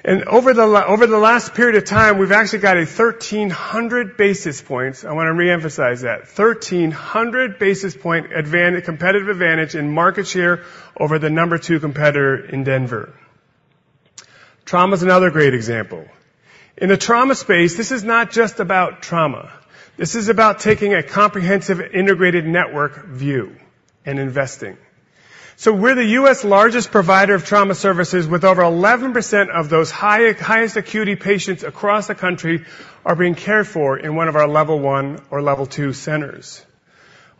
Over the last period of time, we've actually got a 1,300 basis points. I want to reemphasize that, 1,300 basis point advantage, competitive advantage in market share over the number two competitor in Denver. Trauma is another great example. In the trauma space, this is not just about trauma. This is about taking a comprehensive, integrated network view and investing. So we're the U.S. largest provider of trauma services, with over 11% of those high, highest acuity patients across the country are being cared for in one of our level one or level two centers.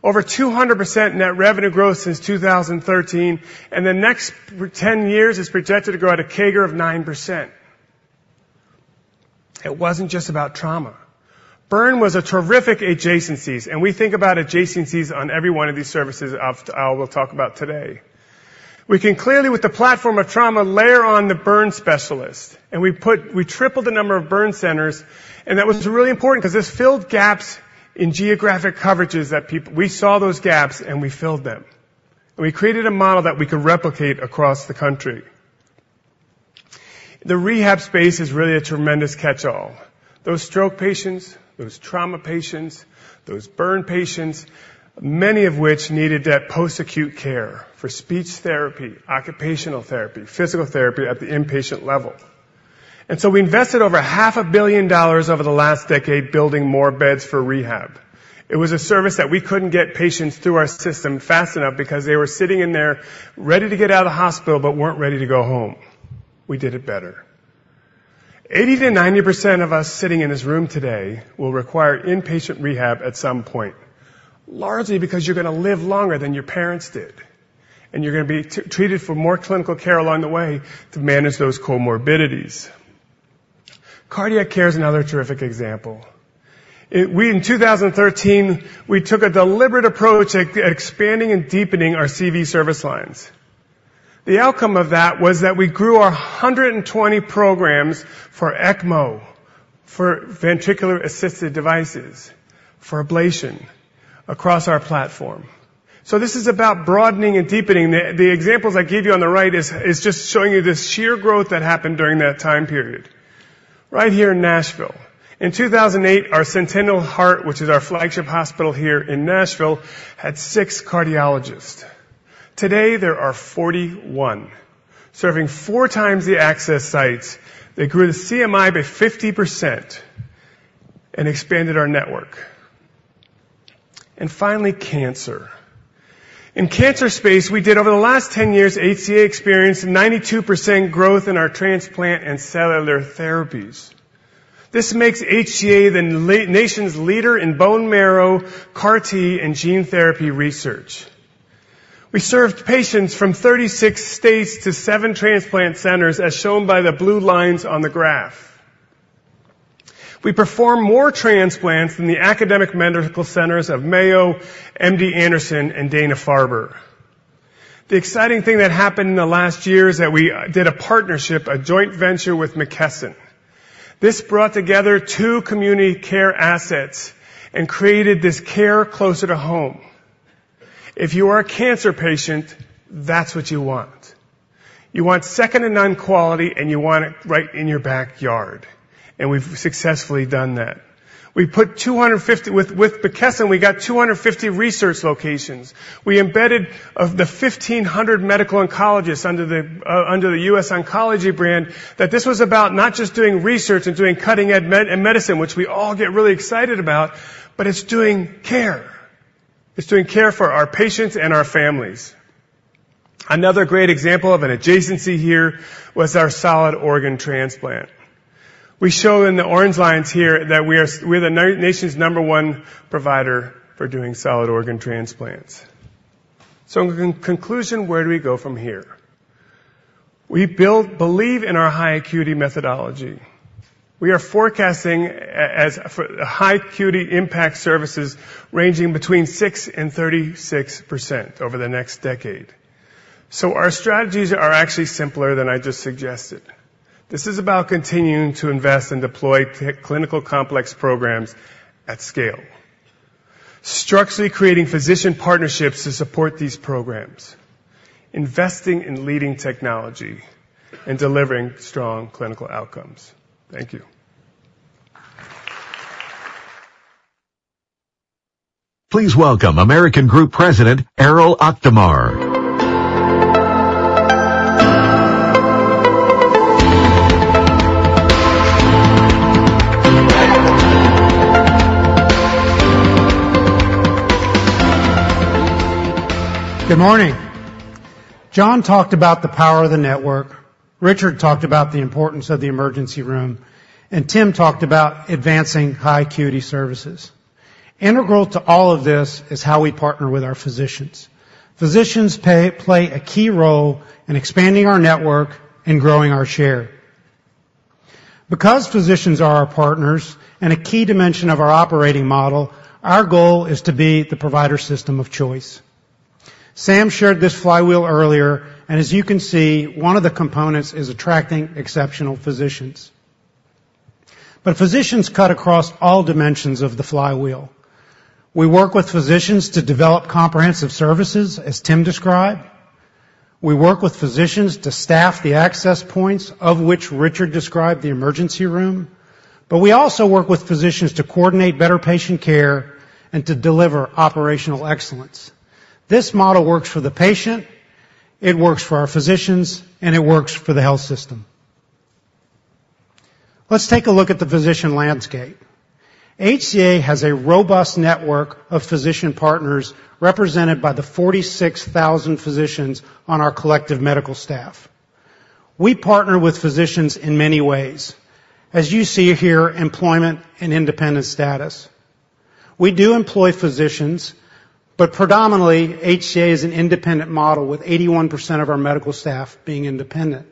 Over 200% net revenue growth since 2013, and the next 10 years is projected to grow at a CAGR of 9%. It wasn't just about trauma. Burn was a terrific adjacencies, and we think about adjacencies on every one of these services I'll, I will talk about today. We can clearly, with the platform of trauma, layer on the burn specialist, and we put... We tripled the number of burn centers, and that was really important because this filled gaps in geographic coverages that people, we saw those gaps, and we filled them. We created a model that we could replicate across the country. The rehab space is really a tremendous catch-all. Those stroke patients, those trauma patients, those burn patients, many of which needed that post-acute care for speech therapy, occupational therapy, physical therapy at the inpatient level. And so we invested over $500,000,000 over the last decade building more beds for rehab. It was a service that we couldn't get patients through our system fast enough because they were sitting in there ready to get out of the hospital but weren't ready to go home. We did it better. 80%-90% of us sitting in this room today will require inpatient rehab at some point, largely because you're gonna live longer than your parents did, and you're gonna be treated for more clinical care along the way to manage those comorbidities. Cardiac care is another terrific example. We, in 2013, we took a deliberate approach at expanding and deepening our CV service lines. The outcome of that was that we grew our 120 programs for ECMO, for ventricular assisted devices, for ablation across our platform. So this is about broadening and deepening. The examples I gave you on the right is just showing you the sheer growth that happened during that time period. Right here in Nashville, in 2008, our Centennial Heart, which is our flagship hospital here in Nashville, had six cardiologists. Today, there are 41, serving four times the access sites. They grew the CMI by 50% and expanded our network. And finally, cancer. In cancer space, we did over the last 10 years, HCA experienced 92% growth in our transplant and cellular therapies. This makes HCA the nation's leader in bone marrow, CAR-T, and gene therapy research. We served patients from 36 states to 7 transplant centers, as shown by the blue lines on the graph. We perform more transplants than the academic medical centers of Mayo, MD Anderson, and Dana-Farber. The exciting thing that happened in the last year is that we did a partnership, a joint venture with McKesson. This brought together two community care assets and created this care closer to home. If you are a cancer patient, that's what you want. You want second to none quality, and you want it right in your backyard, and we've successfully done that. With McKesson, we got 250 research locations. We embedded of the 1,500 medical oncologists under the under the US Oncology brand, that this was about not just doing research and doing cutting-edge medicine, which we all get really excited about, but it's doing care. It's doing care for our patients and our families. Another great example of an adjacency here was our solid organ transplant. We show in the orange lines here that we are, we're the nation's number one provider for doing solid organ transplants. So in conclusion, where do we go from here? We believe in our high acuity methodology. We are forecasting as for high acuity impact services ranging between 6%-36% over the next decade. So our strategies are actually simpler than I just suggested. This is about continuing to invest and deploy clinical complex programs at scale, structurally creating physician partnerships to support these programs, investing in leading technology, and delivering strong clinical outcomes. Thank you. Please welcome American Group President, Erol Akdamar. Good morning! Jon talked about the power of the network, Richard talked about the importance of the emergency room, and Tim talked about advancing high acuity services. Integral to all of this is how we partner with our physicians. Physicians play a key role in expanding our network and growing our share. Because physicians are our partners and a key dimension of our operating model, our goal is to be the provider system of choice. Sam shared this flywheel earlier, and as you can see, one of the components is attracting exceptional physicians. But physicians cut across all dimensions of the flywheel. We work with physicians to develop comprehensive services, as Tim described. We work with physicians to staff the access points, of which Richard described the emergency room. But we also work with physicians to coordinate better patient care and to deliver operational excellence. This model works for the patient, it works for our physicians, and it works for the health system. Let's take a look at the physician landscape. HCA has a robust network of physician partners, represented by the 46,000 physicians on our collective medical staff. We partner with physicians in many ways. As you see here, employment and independent status. We do employ physicians, but predominantly, HCA is an independent model, with 81% of our medical staff being independent.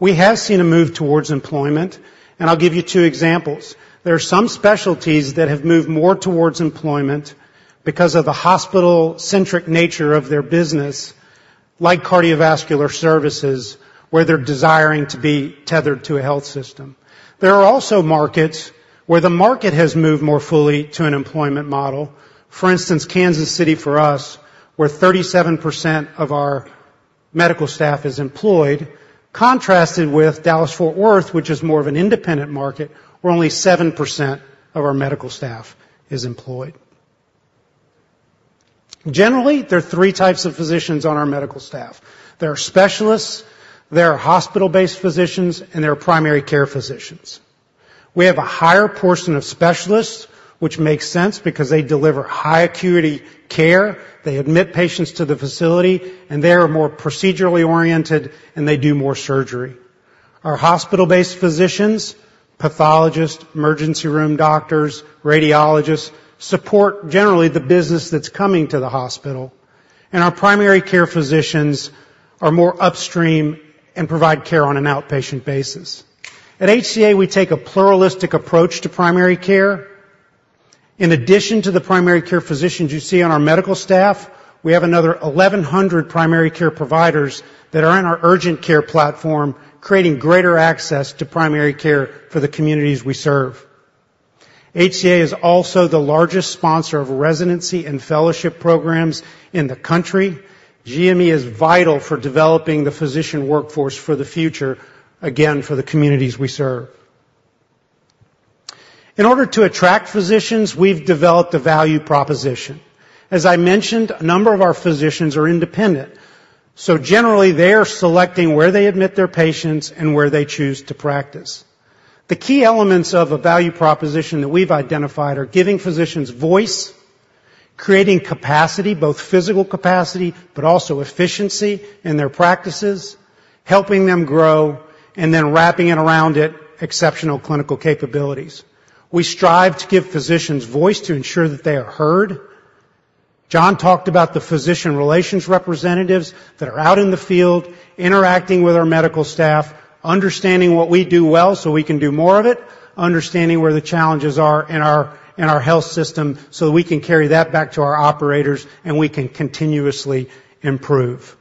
We have seen a move towards employment, and I'll give you two examples. There are some specialties that have moved more towards employment because of the hospital-centric nature of their business, like cardiovascular services, where they're desiring to be tethered to a health system. There are also markets where the market has moved more fully to an employment model. For instance, Kansas City, for us, where 37% of our medical staff is employed, contrasted with Dallas-Fort Worth, which is more of an independent market, where only 7% of our medical staff is employed. Generally, there are three types of physicians on our medical staff. There are specialists, there are hospital-based physicians, and there are primary care physicians. We have a higher portion of specialists, which makes sense because they deliver high acuity care, they admit patients to the facility, and they are more procedurally oriented, and they do more surgery. Our hospital-based physicians, pathologists, emergency room doctors, radiologists, support generally the business that's coming to the hospital, and our primary care physicians are more upstream and provide care on an outpatient basis. At HCA, we take a pluralistic approach to primary care. In addition to the primary care physicians you see on our medical staff, we have another 1,100 primary care providers that are in our urgent care platform, creating greater access to primary care for the communities we serve. HCA is also the largest sponsor of residency and fellowship programs in the country. GME is vital for developing the physician workforce for the future, again, for the communities we serve. In order to attract physicians, we've developed a value proposition. As I mentioned, a number of our physicians are independent, so generally, they are selecting where they admit their patients and where they choose to practice. The key elements of a value proposition that we've identified are giving physicians voice, creating capacity, both physical capacity, but also efficiency in their practices, helping them grow and then wrapping it around it, exceptional clinical capabilities. We strive to give physicians voice to ensure that they are heard. Jon talked about the physician relations representatives that are out in the field, interacting with our medical staff, understanding what we do well, so we can do more of it, understanding where the challenges are in our, in our health system, so that we can carry that back to our operators, and we can continuously improve.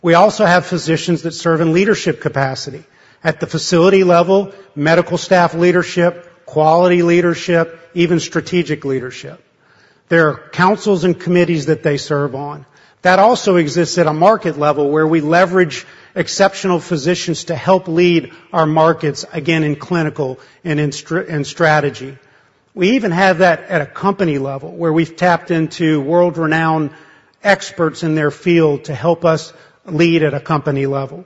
We also have physicians that serve in leadership capacity at the facility level, medical staff leadership, quality leadership, even strategic leadership. There are councils and committees that they serve on. That also exists at a market level, where we leverage exceptional physicians to help lead our markets, again, in clinical and in strategy. We even have that at a company level, where we've tapped into world-renowned experts in their field to help us lead at a company level.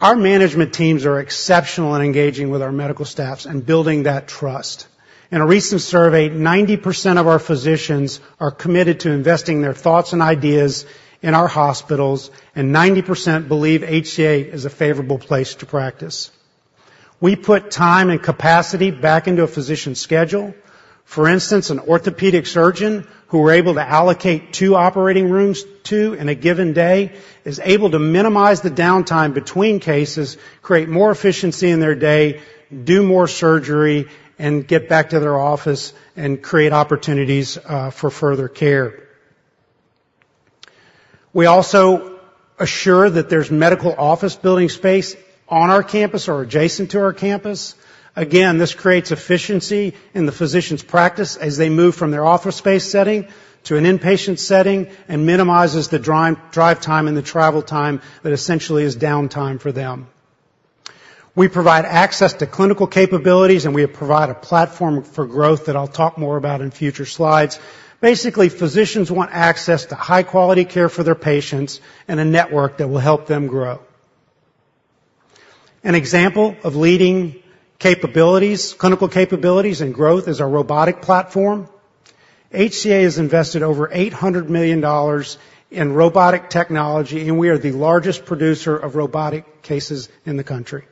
Our management teams are exceptional in engaging with our medical staffs and building that trust. In a recent survey, 90% of our physicians are committed to investing their thoughts and ideas in our hospitals, and 90% believe HCA is a favorable place to practice. We put time and capacity back into a physician's schedule. For instance, an orthopedic surgeon who we're able to allocate two operating rooms to in a given day is able to minimize the downtime between cases, create more efficiency in their day, do more surgery, and get back to their office and create opportunities for further care. We also assure that there's medical office building space on our campus or adjacent to our campus. Again, this creates efficiency in the physician's practice as they move from their office space setting to an inpatient setting and minimizes the drive time and the travel time that essentially is downtime for them. We provide access to clinical capabilities, and we provide a platform for growth that I'll talk more about in future slides. Basically, physicians want access to high-quality care for their patients and a network that will help them grow.... An example of leading capabilities, clinical capabilities and growth is our robotic platform. HCA has invested over $800,000,000 in robotic technology, and we are the largest producer of robotic cases in the country.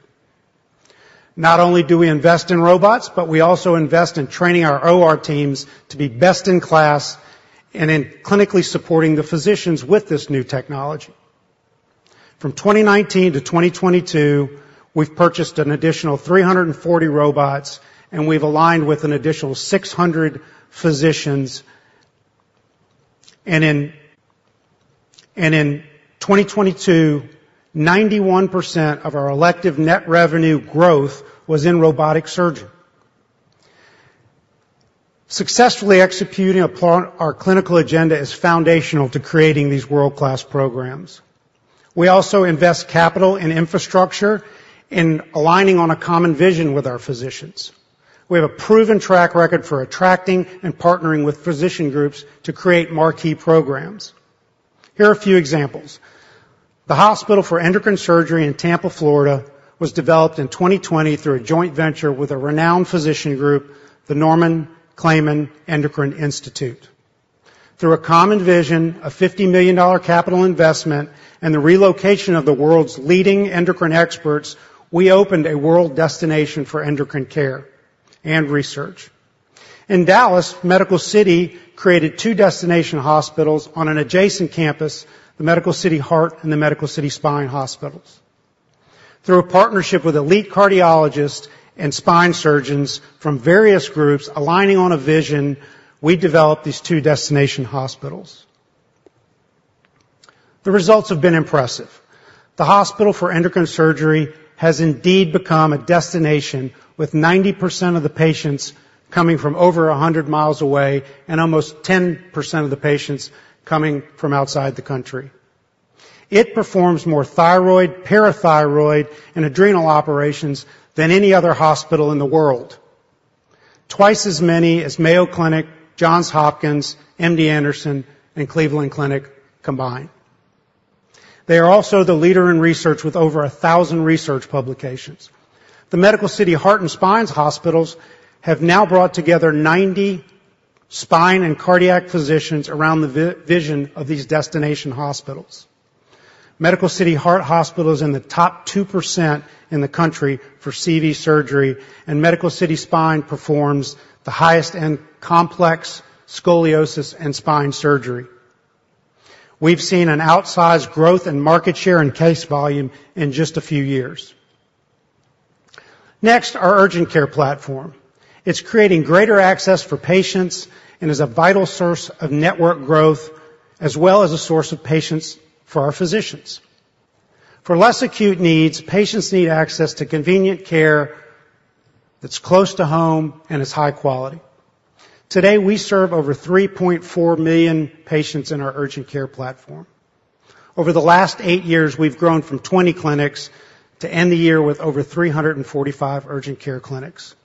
Not only do we invest in robots, but we also invest in training our OR teams to be best in class and in clinically supporting the physicians with this new technology. From 2019 to 2022, we've purchased an additional 340 robots, and we've aligned with an additional 600 physicians. In 2022, 91% of our elective net revenue growth was in robotic surgery. Successfully executing upon our clinical agenda is foundational to creating these world-class programs. We also invest capital in infrastructure, in aligning on a common vision with our physicians. We have a proven track record for attracting and partnering with physician groups to create marquee programs. Here are a few examples: The Hospital for Endocrine Surgery in Tampa, Florida, was developed in 2020 through a joint venture with a renowned physician group, the Norman Clayman Endocrine Institute. Through a common vision, a $50,000,000 capital investment, and the relocation of the world's leading endocrine experts, we opened a world destination for endocrine care and research. In Dallas, Medical City created two destination hospitals on an adjacent campus, the Medical City Heart and the Medical City Spine Hospitals. Through a partnership with elite cardiologists and spine surgeons from various groups aligning on a vision, we developed these two destination hospitals. The results have been impressive. The Hospital for Endocrine Surgery has indeed become a destination, with 90% of the patients coming from over 100 miles away and almost 10% of the patients coming from outside the country. It performs more thyroid, parathyroid, and adrenal operations than any other hospital in the world. Twice as many as Mayo Clinic, Johns Hopkins, MD Anderson, and Cleveland Clinic combined. They are also the leader in research, with over 1,000 research publications. The Medical City Heart and Spine Hospitals have now brought together 90 spine and cardiac physicians around the vision of these destination hospitals. Medical City Heart Hospital is in the top 2% in the country for CV surgery, and Medical City Spine performs the highest and complex scoliosis and spine surgery. We've seen an outsized growth in market share and case volume in just a few years. Next, our urgent care platform. It's creating greater access for patients and is a vital source of network growth, as well as a source of patients for our physicians. For less acute needs, patients need access to convenient care that's close to home and is high quality. Today, we serve over 3,400,000 patients in our urgent care platform. Over the last 8 years, we've grown from 20 clinics to end the year with over 345 urgent care clinics.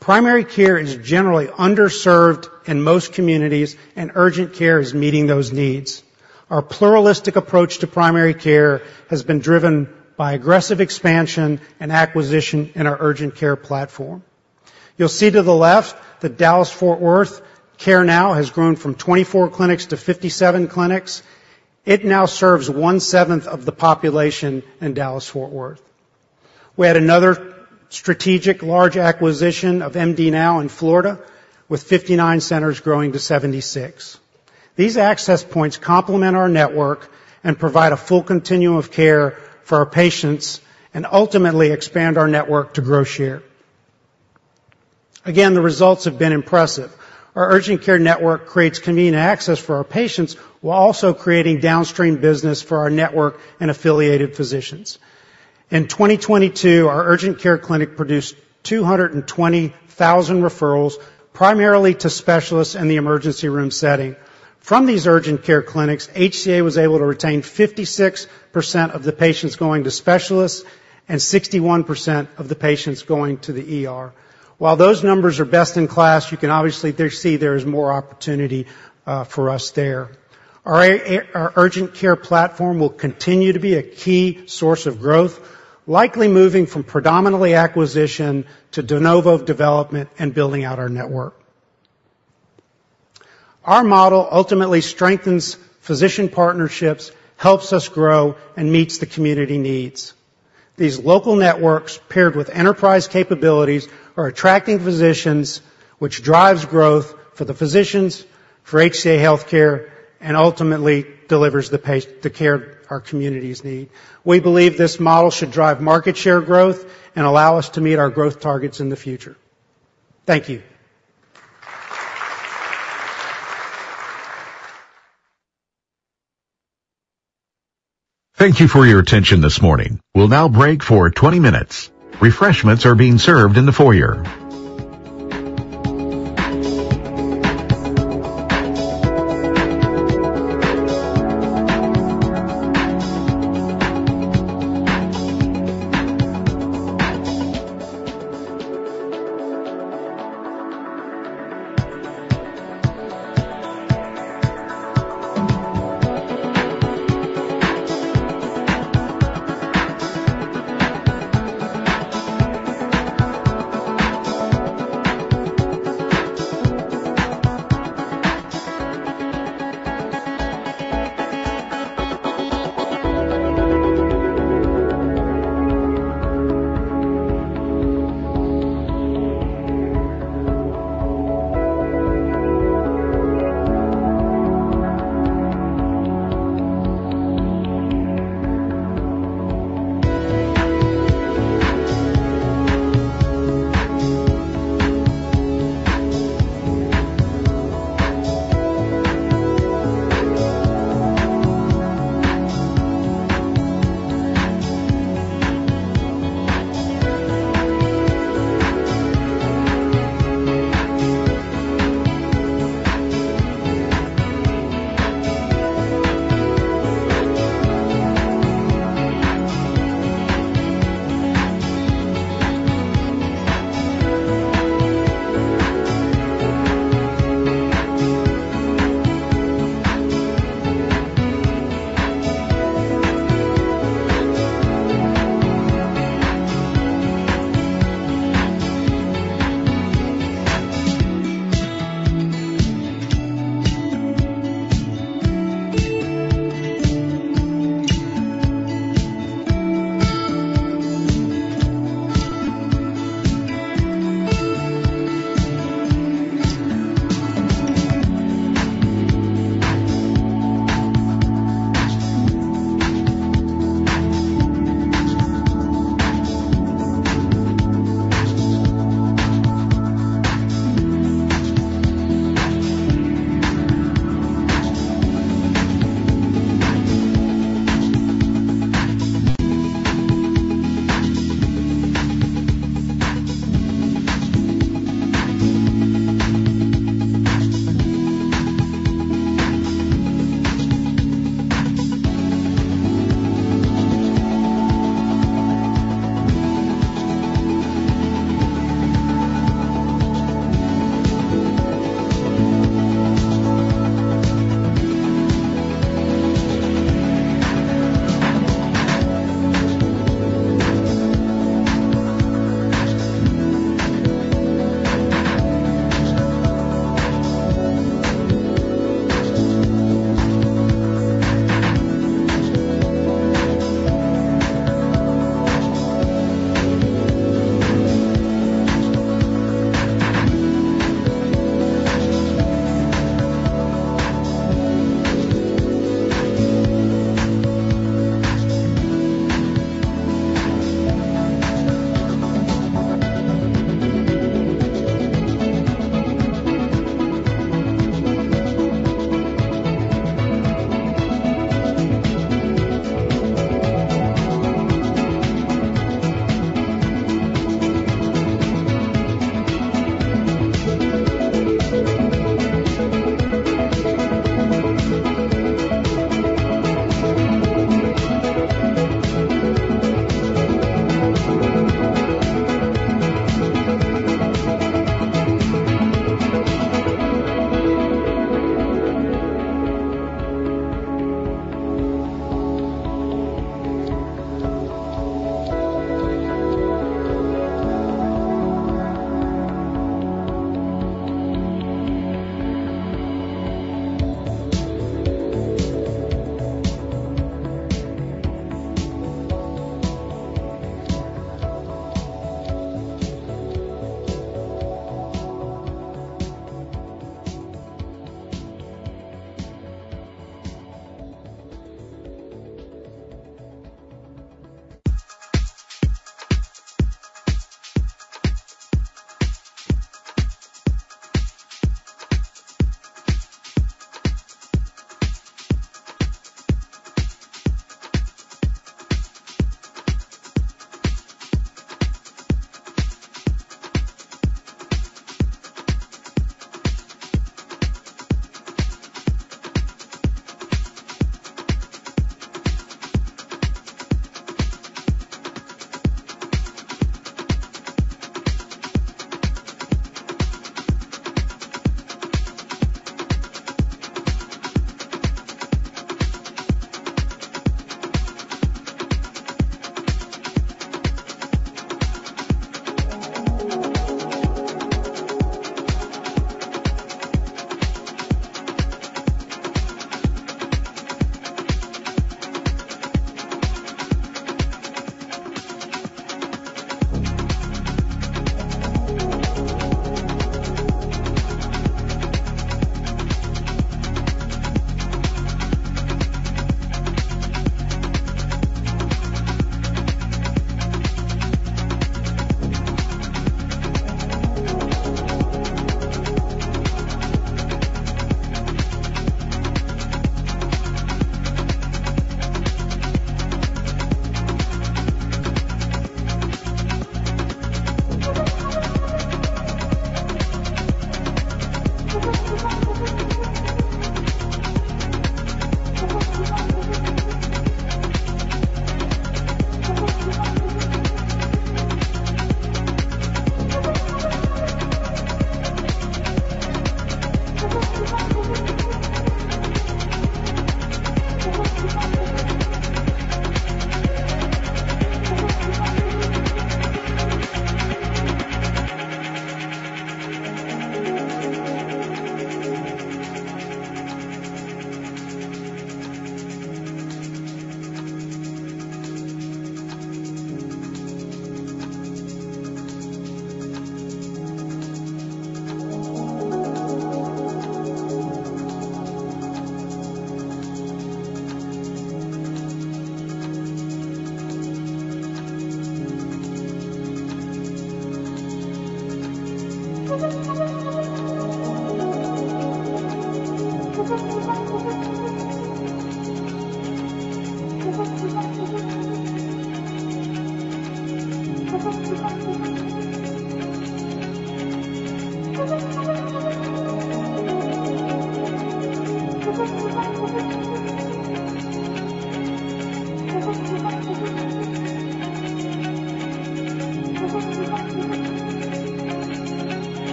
Primary care is generally underserved in most communities, and urgent care is meeting those needs. Our pluralistic approach to primary care has been driven by aggressive expansion and acquisition in our urgent care platform. You'll see to the left that Dallas-Fort Worth CareNow has grown from 24 clinics to 57 clinics. It now serves one-seventh of the population in Dallas-Fort Worth. We had another strategic, large acquisition of MD Now in Florida, with 59 centers growing to 76. These access points complement our network and provide a full continuum of care for our patients and ultimately expand our network to grow share. Again, the results have been impressive. Our urgent care network creates convenient access for our patients while also creating downstream business for our network and affiliated physicians. In 2022, our urgent care clinic produced 220,000 referrals, primarily to specialists in the emergency room setting. From these urgent care clinics, HCA was able to retain 56% of the patients going to specialists and 61% of the patients going to the ER. While those numbers are best in class, you can obviously see there is more opportunity for us there. Our, our urgent care platform will continue to be a key source of growth, likely moving from predominantly acquisition to de novo development and building out our network. Our model ultimately strengthens physician partnerships, helps us grow, and meets the community needs. These local networks, paired with enterprise capabilities, are attracting physicians, which drives growth for the physicians, for HCA Healthcare, and ultimately delivers the care our communities need. We believe this model should drive market share growth and allow us to meet our growth targets in the future. Thank you. Thank you for your attention this morning. We'll now break for 20 minutes. Refreshments are being served in the foyer.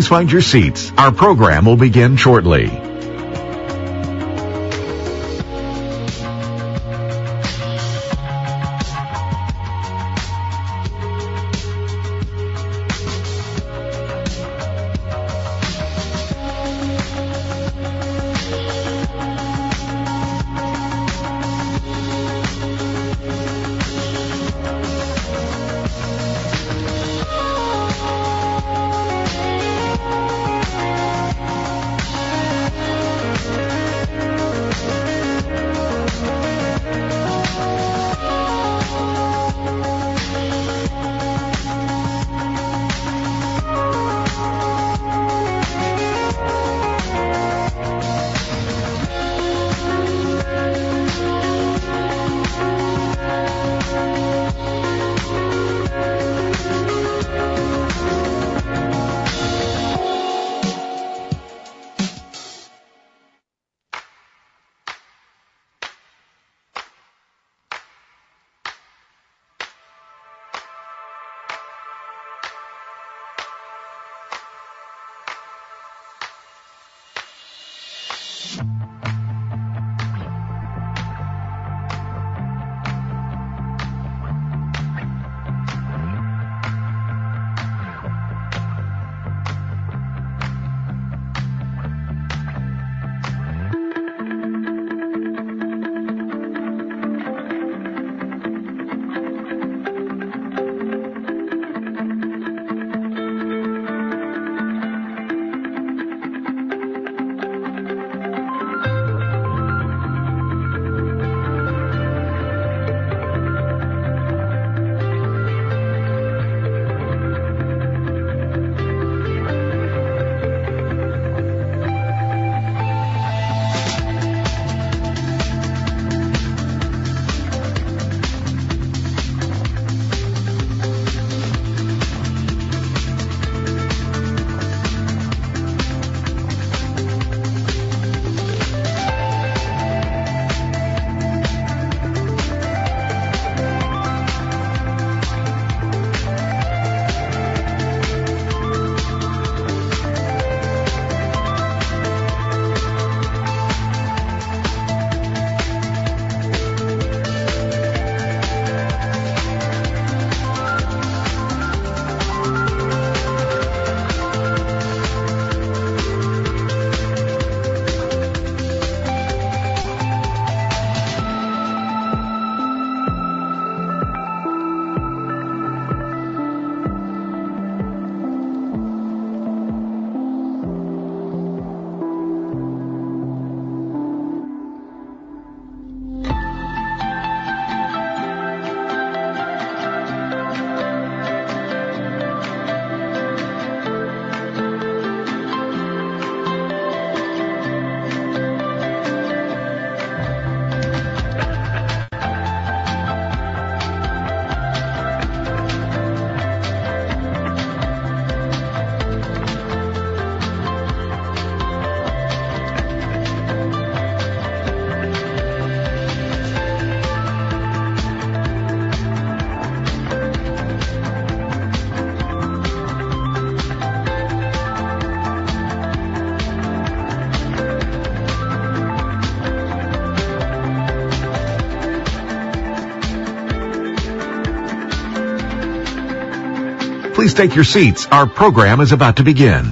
Please find your seats. Our program will begin shortly. Please take your seats. Our program is about to begin. ...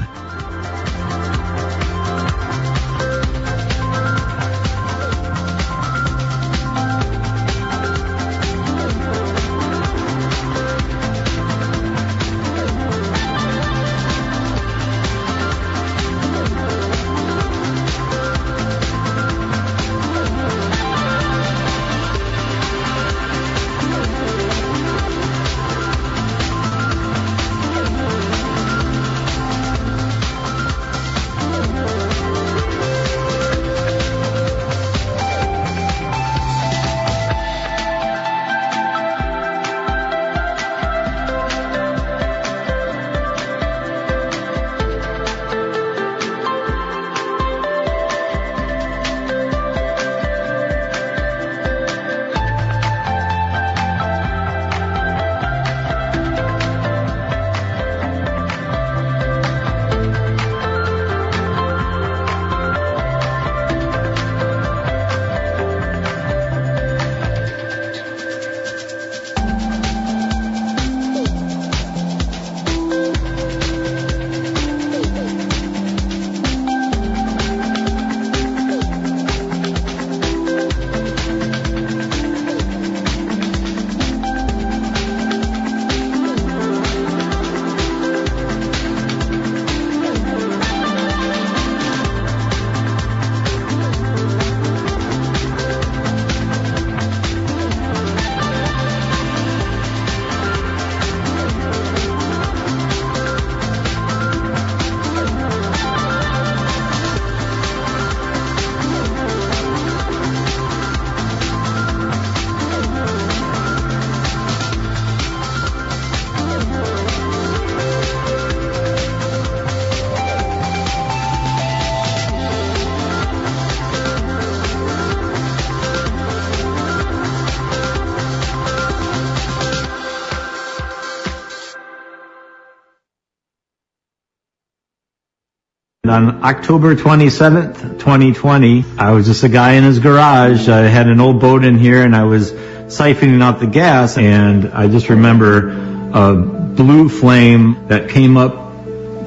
On October 27th, 2020, I was just a guy in his garage. I had an old boat in here, and I was siphoning out the gas, and I just remember a blue flame that came up,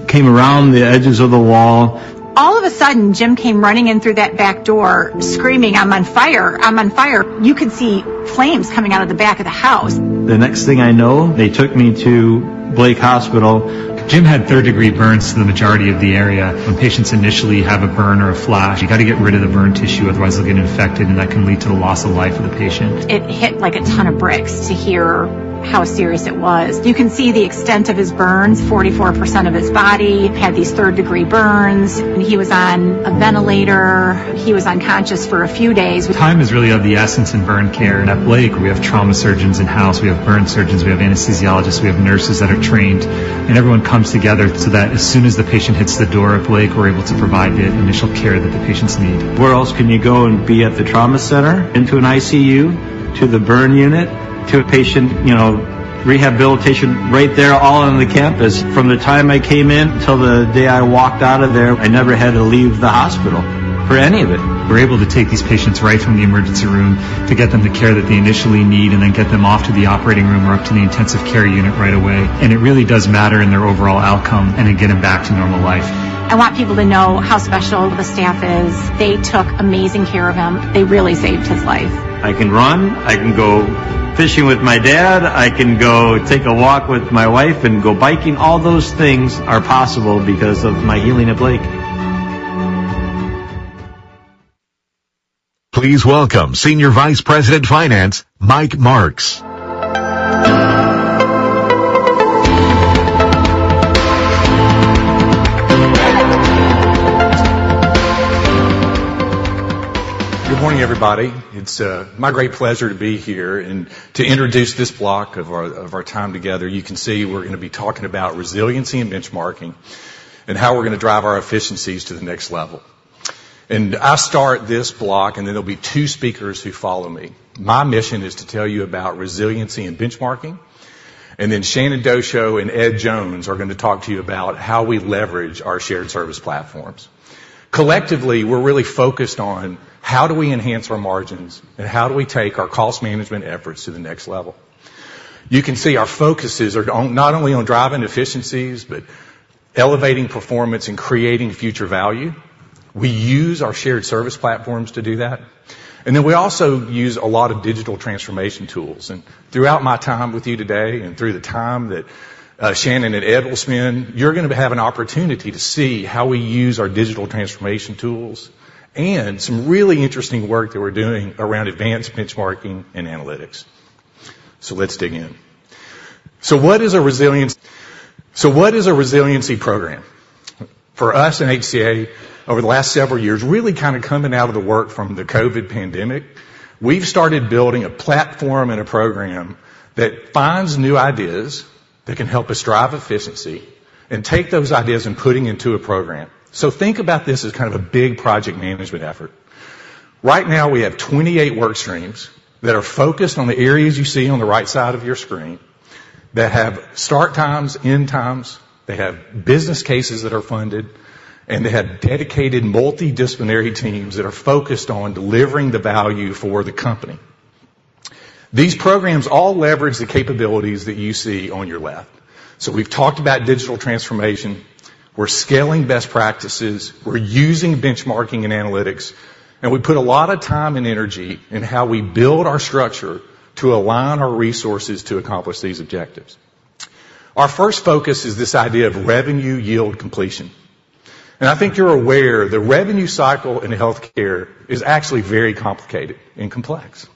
came around the edges of the wall. All of a sudden, Jim came running in through that back door, screaming, "I'm on fire! I'm on fire." You could see flames coming out of the back of the house. The next thing I know, they took me to Blake Hospital. Jim had third-degree burns to the majority of the area. When patients initially have a burn or a flash, you gotta get rid of the burn tissue, otherwise it'll get infected, and that can lead to the loss of life of the patient. It hit like a ton of bricks to hear how serious it was. You can see the extent of his burns. 44% of his body had these third-degree burns, and he was on a ventilator. He was unconscious for a few days. Time is really of the essence in burn care, and at Blake, we have trauma surgeons in-house. We have burn surgeons, we have anesthesiologists, we have nurses that are trained, and everyone comes together so that as soon as the patient hits the door at Blake, we're able to provide the initial care that the patients need. Where else can you go and be at the trauma center, into an ICU, to the burn unit, to a patient, you know, rehabilitation, right there, all on the campus? From the time I came in until the day I walked out of there, I never had to leave the hospital for any of it. We're able to take these patients right from the emergency room to get them the care that they initially need and then get them off to the operating room or up to the intensive care unit right away. It really does matter in their overall outcome, and in getting back to normal life. I want people to know how special the staff is. They took amazing care of him. They really saved his life. I can run. I can go fishing with my dad. I can go take a walk with my wife and go biking. All those things are possible because of my healing at Blake. Please welcome Senior Vice President, Finance, Mike Marks. Good morning, everybody. It's my great pleasure to be here and to introduce this block of our time together. You can see we're gonna be talking about resiliency and benchmarking, and how we're gonna drive our efficiencies to the next level. I start this block, and then there'll be two speakers who follow me. My mission is to tell you about resiliency and benchmarking, and then Shannon Dauchot and Ed Jones are gonna talk to you about how we leverage our shared service platforms. Collectively, we're really focused on: how do we enhance our margins, and how do we take our cost management efforts to the next level? You can see our focuses are on not only driving efficiencies, but elevating performance and creating future value. We use our shared service platforms to do that, and then we also use a lot of digital transformation tools. And throughout my time with you today, and through the time that Shannon and Ed will spend, you're gonna have an opportunity to see how we use our digital transformation tools and some really interesting work that we're doing around advanced benchmarking and analytics. So let's dig in. So what is a resiliency program? For us in HCA, over the last several years, really kind of coming out of the work from the COVID pandemic, we've started building a platform and a program that finds new ideas that can help us drive efficiency and take those ideas and putting into a program. So think about this as kind of a big project management effort. Right now, we have 28 work streams that are focused on the areas you see on the right side of your screen, that have start times, end times, they have business cases that are funded, and they have dedicated multidisciplinary teams that are focused on delivering the value for the company. These programs all leverage the capabilities that you see on your left. So we've talked about digital transformation. We're scaling best practices. We're using benchmarking and analytics, and we put a lot of time and energy in how we build our structure to align our resources to accomplish these objectives. Our first focus is this idea of revenue yield completion, and I think you're aware the revenue cycle in healthcare is actually very complicated and complex.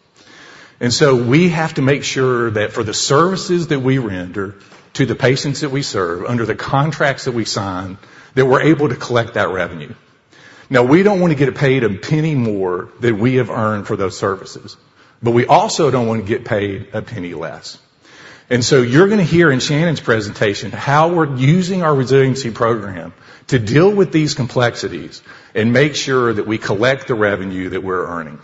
And so we have to make sure that for the services that we render to the patients that we serve, under the contracts that we sign, that we're able to collect that revenue. Now, we don't want to get paid a penny more than we have earned for those services, but we also don't want to get paid a penny less. And so you're gonna hear in Shannon's presentation how we're using our resiliency program to deal with these complexities and make sure that we collect the revenue that we're earning.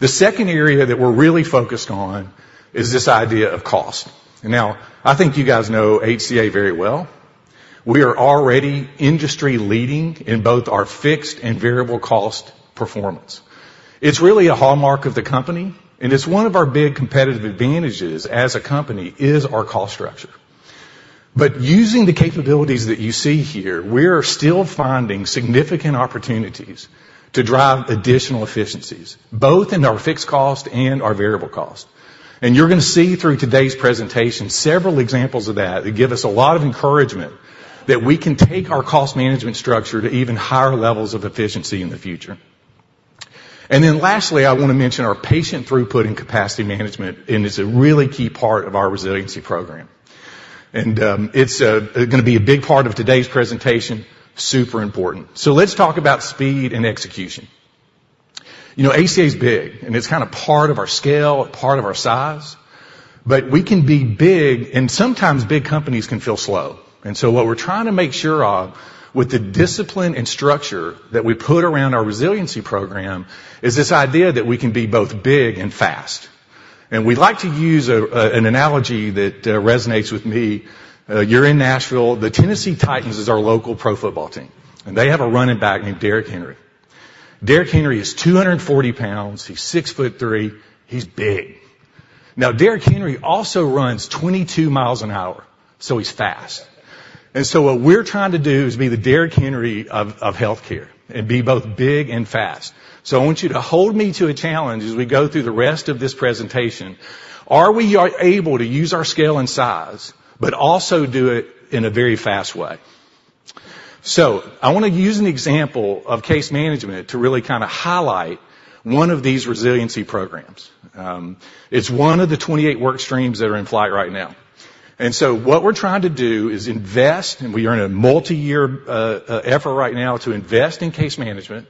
The second area that we're really focused on is this idea of cost. Now, I think you guys know HCA very well. We are already industry-leading in both our fixed and variable cost performance. It's really a hallmark of the company, and it's one of our big competitive advantages as a company is our cost structure. But using the capabilities that you see here, we are still finding significant opportunities to drive additional efficiencies, both in our fixed cost and our variable cost. And you're gonna see through today's presentation several examples of that, that give us a lot of encouragement, that we can take our cost management structure to even higher levels of efficiency in the future.... And then lastly, I wanna mention our patient throughput and capacity management, and it's a really key part of our resiliency program. And, it's, gonna be a big part of today's presentation. Super important. So let's talk about speed and execution. You know, HCA is big, and it's kinda part of our scale, part of our size, but we can be big, and sometimes big companies can feel slow. What we're trying to make sure of, with the discipline and structure that we put around our resiliency program, is this idea that we can be both big and fast. We like to use an analogy that resonates with me. You're in Nashville. The Tennessee Titans is our local pro football team, and they have a running back named Derrick Henry. Derrick Henry is 240 pounds. He's 6 foot 3. He's big. Now, Derrick Henry also runs 22 miles an hour, so he's fast. What we're trying to do is be the Derrick Henry of healthcare and be both big and fast. I want you to hold me to a challenge as we go through the rest of this presentation. Are we able to use our scale and size, but also do it in a very fast way? So I wanna use an example of case management to really kinda highlight one of these resiliency programs. It's one of the 28 work streams that are in flight right now. And so what we're trying to do is invest, and we are in a multiyear effort right now to invest in case management.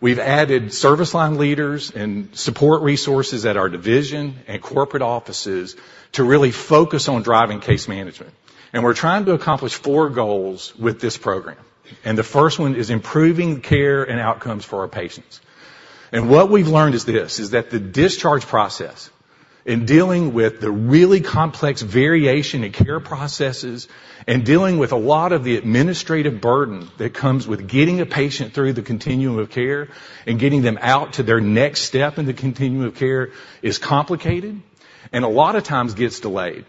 We've added service line leaders and support resources at our division and corporate offices to really focus on driving case management. And we're trying to accomplish four goals with this program, and the first one is improving care and outcomes for our patients. What we've learned is this, is that the discharge process, in dealing with the really complex variation in care processes and dealing with a lot of the administrative burden that comes with getting a patient through the continuum of care and getting them out to their next step in the continuum of care, is complicated and a lot of times gets delayed.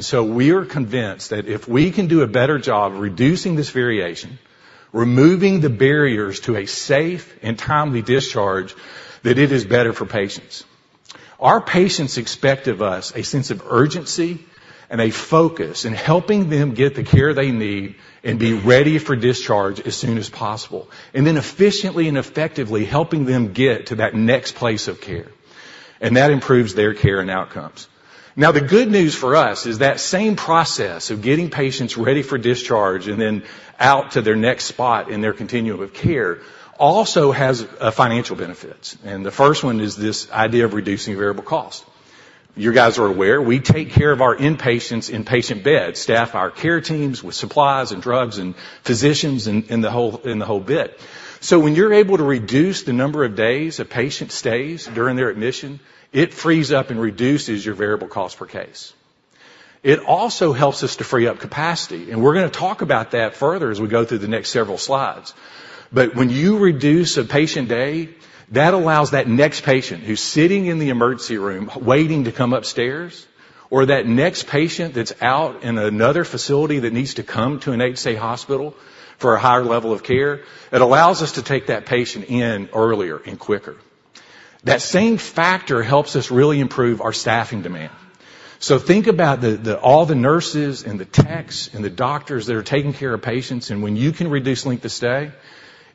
So we are convinced that if we can do a better job reducing this variation, removing the barriers to a safe and timely discharge, that it is better for patients. Our patients expect of us a sense of urgency and a focus in helping them get the care they need and be ready for discharge as soon as possible, and then efficiently and effectively helping them get to that next place of care, and that improves their care and outcomes. Now, the good news for us is that same process of getting patients ready for discharge and then out to their next spot in their continuum of care also has financial benefits, and the first one is this idea of reducing variable cost. You guys are aware, we take care of our inpatients in patient beds, staff our care teams with supplies and drugs and physicians and the whole bit. So when you're able to reduce the number of days a patient stays during their admission, it frees up and reduces your variable cost per case. It also helps us to free up capacity, and we're gonna talk about that further as we go through the next several slides. When you reduce a patient day, that allows that next patient who's sitting in the emergency room waiting to come upstairs, or that next patient that's out in another facility that needs to come to an HCA hospital for a higher level of care, it allows us to take that patient in earlier and quicker. That same factor helps us really improve our staffing demand. So think about all the nurses and the techs and the doctors that are taking care of patients, and when you can reduce length of stay,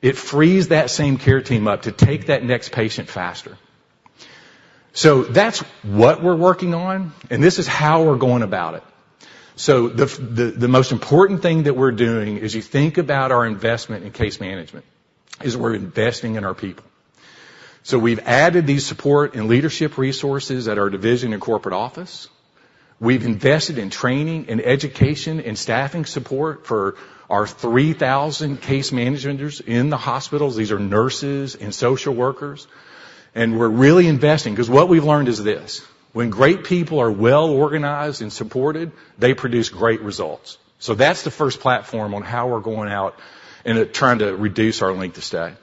it frees that same care team up to take that next patient faster. So that's what we're working on, and this is how we're going about it. So the most important thing that we're doing, as you think about our investment in case management, is we're investing in our people. So we've added these support and leadership resources at our division and corporate office. We've invested in training and education and staffing support for our 3,000 case managers in the hospitals. These are nurses and social workers, and we're really investing because what we've learned is this: when great people are well-organized and supported, they produce great results. So that's the first platform on how we're going out and trying to reduce our length of stay.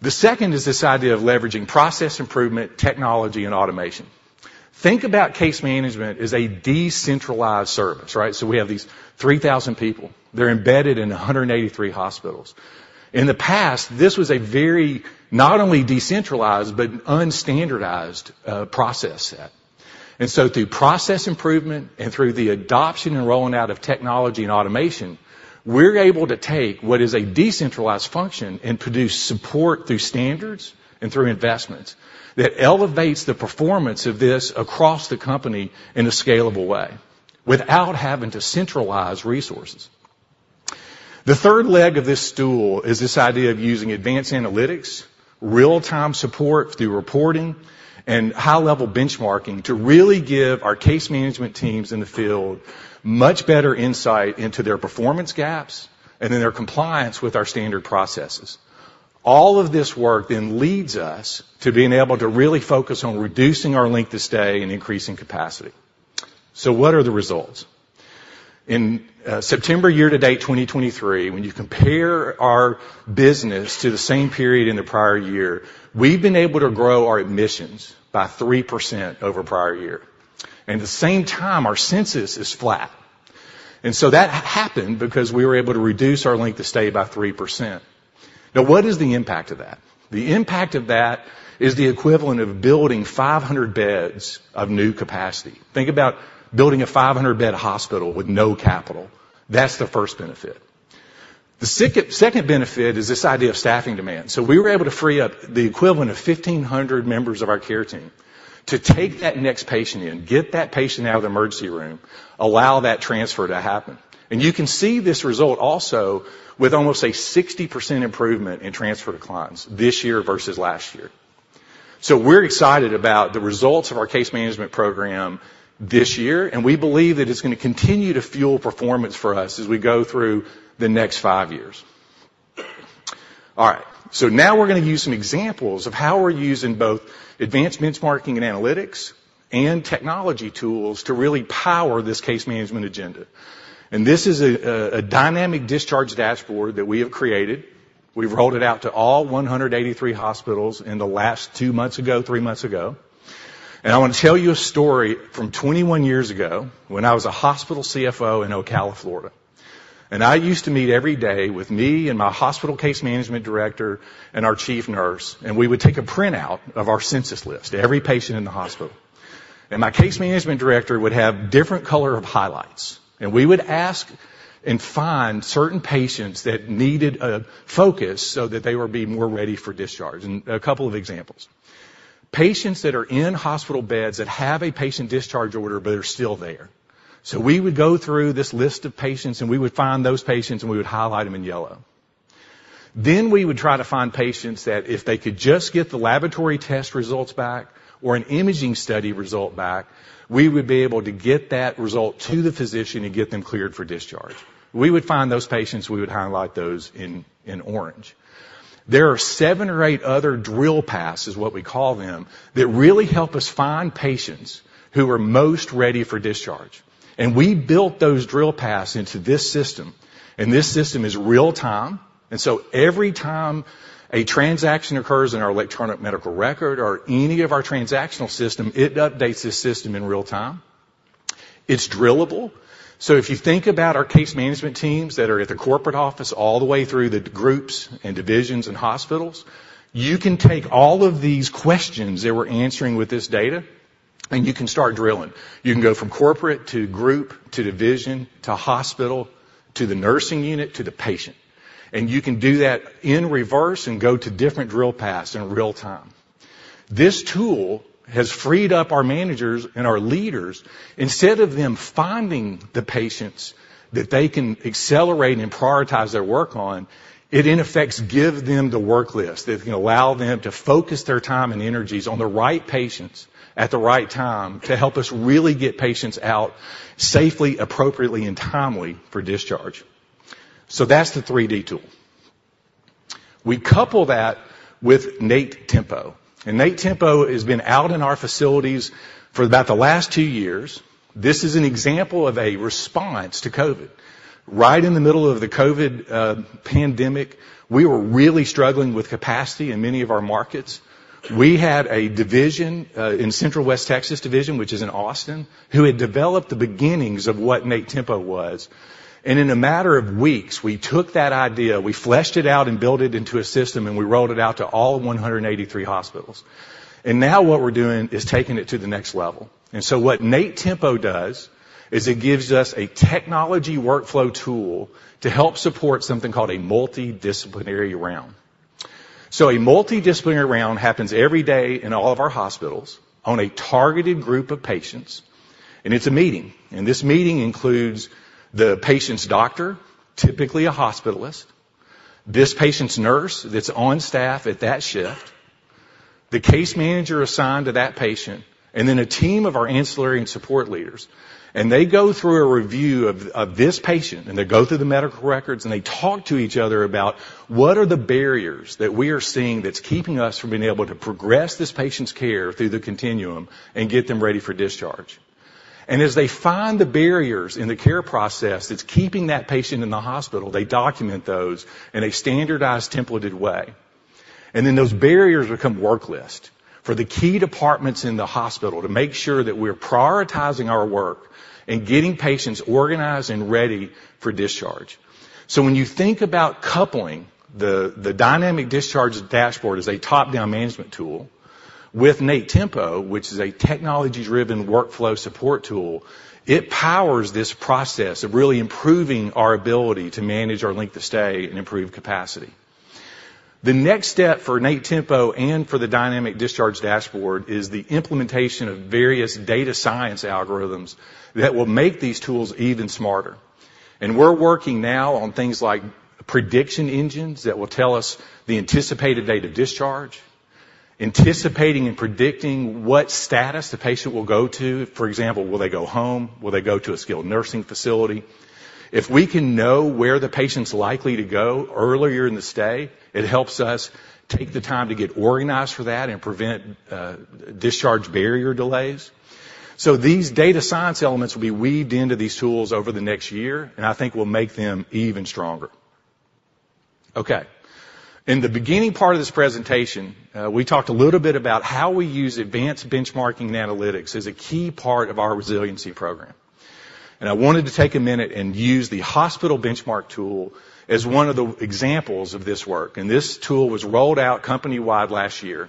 The second is this idea of leveraging process improvement, technology, and automation. Think about case management as a decentralized service, right? So we have these 3,000 people. They're embedded in 183 hospitals. In the past, this was a very, not only decentralized, but unstandardized, process set. And so through process improvement and through the adoption and rolling out of technology and automation, we're able to take what is a decentralized function and produce support through standards and through investments that elevates the performance of this across the company in a scalable way, without having to centralize resources. The third leg of this stool is this idea of using advanced analytics, real-time support through reporting, and high-level benchmarking to really give our case management teams in the field much better insight into their performance gaps and then their compliance with our standard processes. All of this work then leads us to being able to really focus on reducing our length of stay and increasing capacity. So what are the results? In September year-to-date, 2023, when you compare our business to the same period in the prior year, we've been able to grow our admissions by 3% over prior year. At the same time, our census is flat, and so that happened because we were able to reduce our length of stay by 3%. Now, what is the impact of that? The impact of that is the equivalent of building 500 beds of new capacity. Think about building a 500-bed hospital with no capital. That's the first benefit.... The second benefit is this idea of staffing demand. So we were able to free up the equivalent of 1,500 members of our care team to take that next patient in, get that patient out of the emergency room, allow that transfer to happen. You can see this result also with almost a 60% improvement in transfer declines this year versus last year. So we're excited about the results of our case management program this year, and we believe that it's gonna continue to fuel performance for us as we go through the next 5 years. All right, so now we're gonna use some examples of how we're using both advanced benchmarking and analytics and technology tools to really power this case management agenda. And this is a, a Dynamic Discharge Dashboard that we have created. We've rolled it out to all 183 hospitals in the last 2 months ago, 3 months ago. And I want to tell you a story from 21 years ago when I was a hospital CFO in Ocala, Florida. I used to meet every day with me and my hospital case management director and our chief nurse, and we would take a printout of our census list, every patient in the hospital. My case management director would have different color of highlights, and we would ask and find certain patients that needed focus so that they would be more ready for discharge. A couple of examples: patients that are in hospital beds that have a patient discharge order but are still there. So we would go through this list of patients, and we would find those patients, and we would highlight them in yellow. Then we would try to find patients that, if they could just get the laboratory test results back or an imaging study result back, we would be able to get that result to the physician and get them cleared for discharge. We would find those patients, we would highlight those in, in orange. There are seven or eight other drill paths, is what we call them, that really help us find patients who are most ready for discharge, and we built those drill paths into this system. And this system is real time, and so every time a transaction occurs in our electronic medical record or any of our transactional system, it updates the system in real time. It's drillable. So if you think about our case management teams that are at the corporate office all the way through the groups and divisions and hospitals, you can take all of these questions that we're answering with this data, and you can start drilling. You can go from corporate to group, to division, to hospital, to the nursing unit, to the patient, and you can do that in reverse and go to different drill paths in real time. This tool has freed up our managers and our leaders. Instead of them finding the patients that they can accelerate and prioritize their work on, it, in effect, gives them the work list that can allow them to focus their time and energies on the right patients at the right time to help us really get patients out safely, appropriately, and timely for discharge. So that's the 3D tool. We couple that with NATE Tempo, and NATE Tempo has been out in our facilities for about the last 2 years. This is an example of a response to COVID. Right in the middle of the COVID pandemic, we were really struggling with capacity in many of our markets. We had a division in Central West Texas division, which is in Austin, who had developed the beginnings of what NATE Tempo was. In a matter of weeks, we took that idea, we fleshed it out and built it into a system, and we rolled it out to all 183 hospitals. Now what we're doing is taking it to the next level. So what NATE Tempo does is it gives us a technology workflow tool to help support something called a multidisciplinary round. So a Multidisciplinary Round happens every day in all of our hospitals on a targeted group of patients, and it's a meeting, and this meeting includes the patient's doctor, typically a hospitalist, this patient's nurse that's on staff at that shift, the case manager assigned to that patient, and then a team of our ancillary and support leaders. They go through a review of this patient, and they go through the medical records, and they talk to each other about what are the barriers that we are seeing that's keeping us from being able to progress this patient's care through the continuum and get them ready for discharge. As they find the barriers in the care process that's keeping that patient in the hospital, they document those in a standardized, templated way. Then those barriers become work list for the key departments in the hospital to make sure that we're prioritizing our work and getting patients organized and ready for discharge. When you think about coupling the Dynamic Discharge Dashboard as a top-down management tool with NATE Tempo, which is a technology-driven workflow support tool, it powers this process of really improving our ability to manage our length of stay and improve capacity. The next step for NATE Tempo and for the Dynamic Discharge Dashboard is the implementation of various data science algorithms that will make these tools even smarter. We're working now on things like prediction engines that will tell us the anticipated date of discharge, anticipating and predicting what status the patient will go to. For example, will they go home? Will they go to a skilled nursing facility? If we can know where the patient's likely to go earlier in the stay, it helps us take the time to get organized for that and prevent discharge barrier delays. So these data science elements will be weaved into these tools over the next year, and I think will make them even stronger. Okay. In the beginning part of this presentation, we talked a little bit about how we use advanced benchmarking and analytics as a key part of our resiliency program. And I wanted to take a minute and use the hospital benchmark tool as one of the examples of this work, and this tool was rolled out company-wide last year....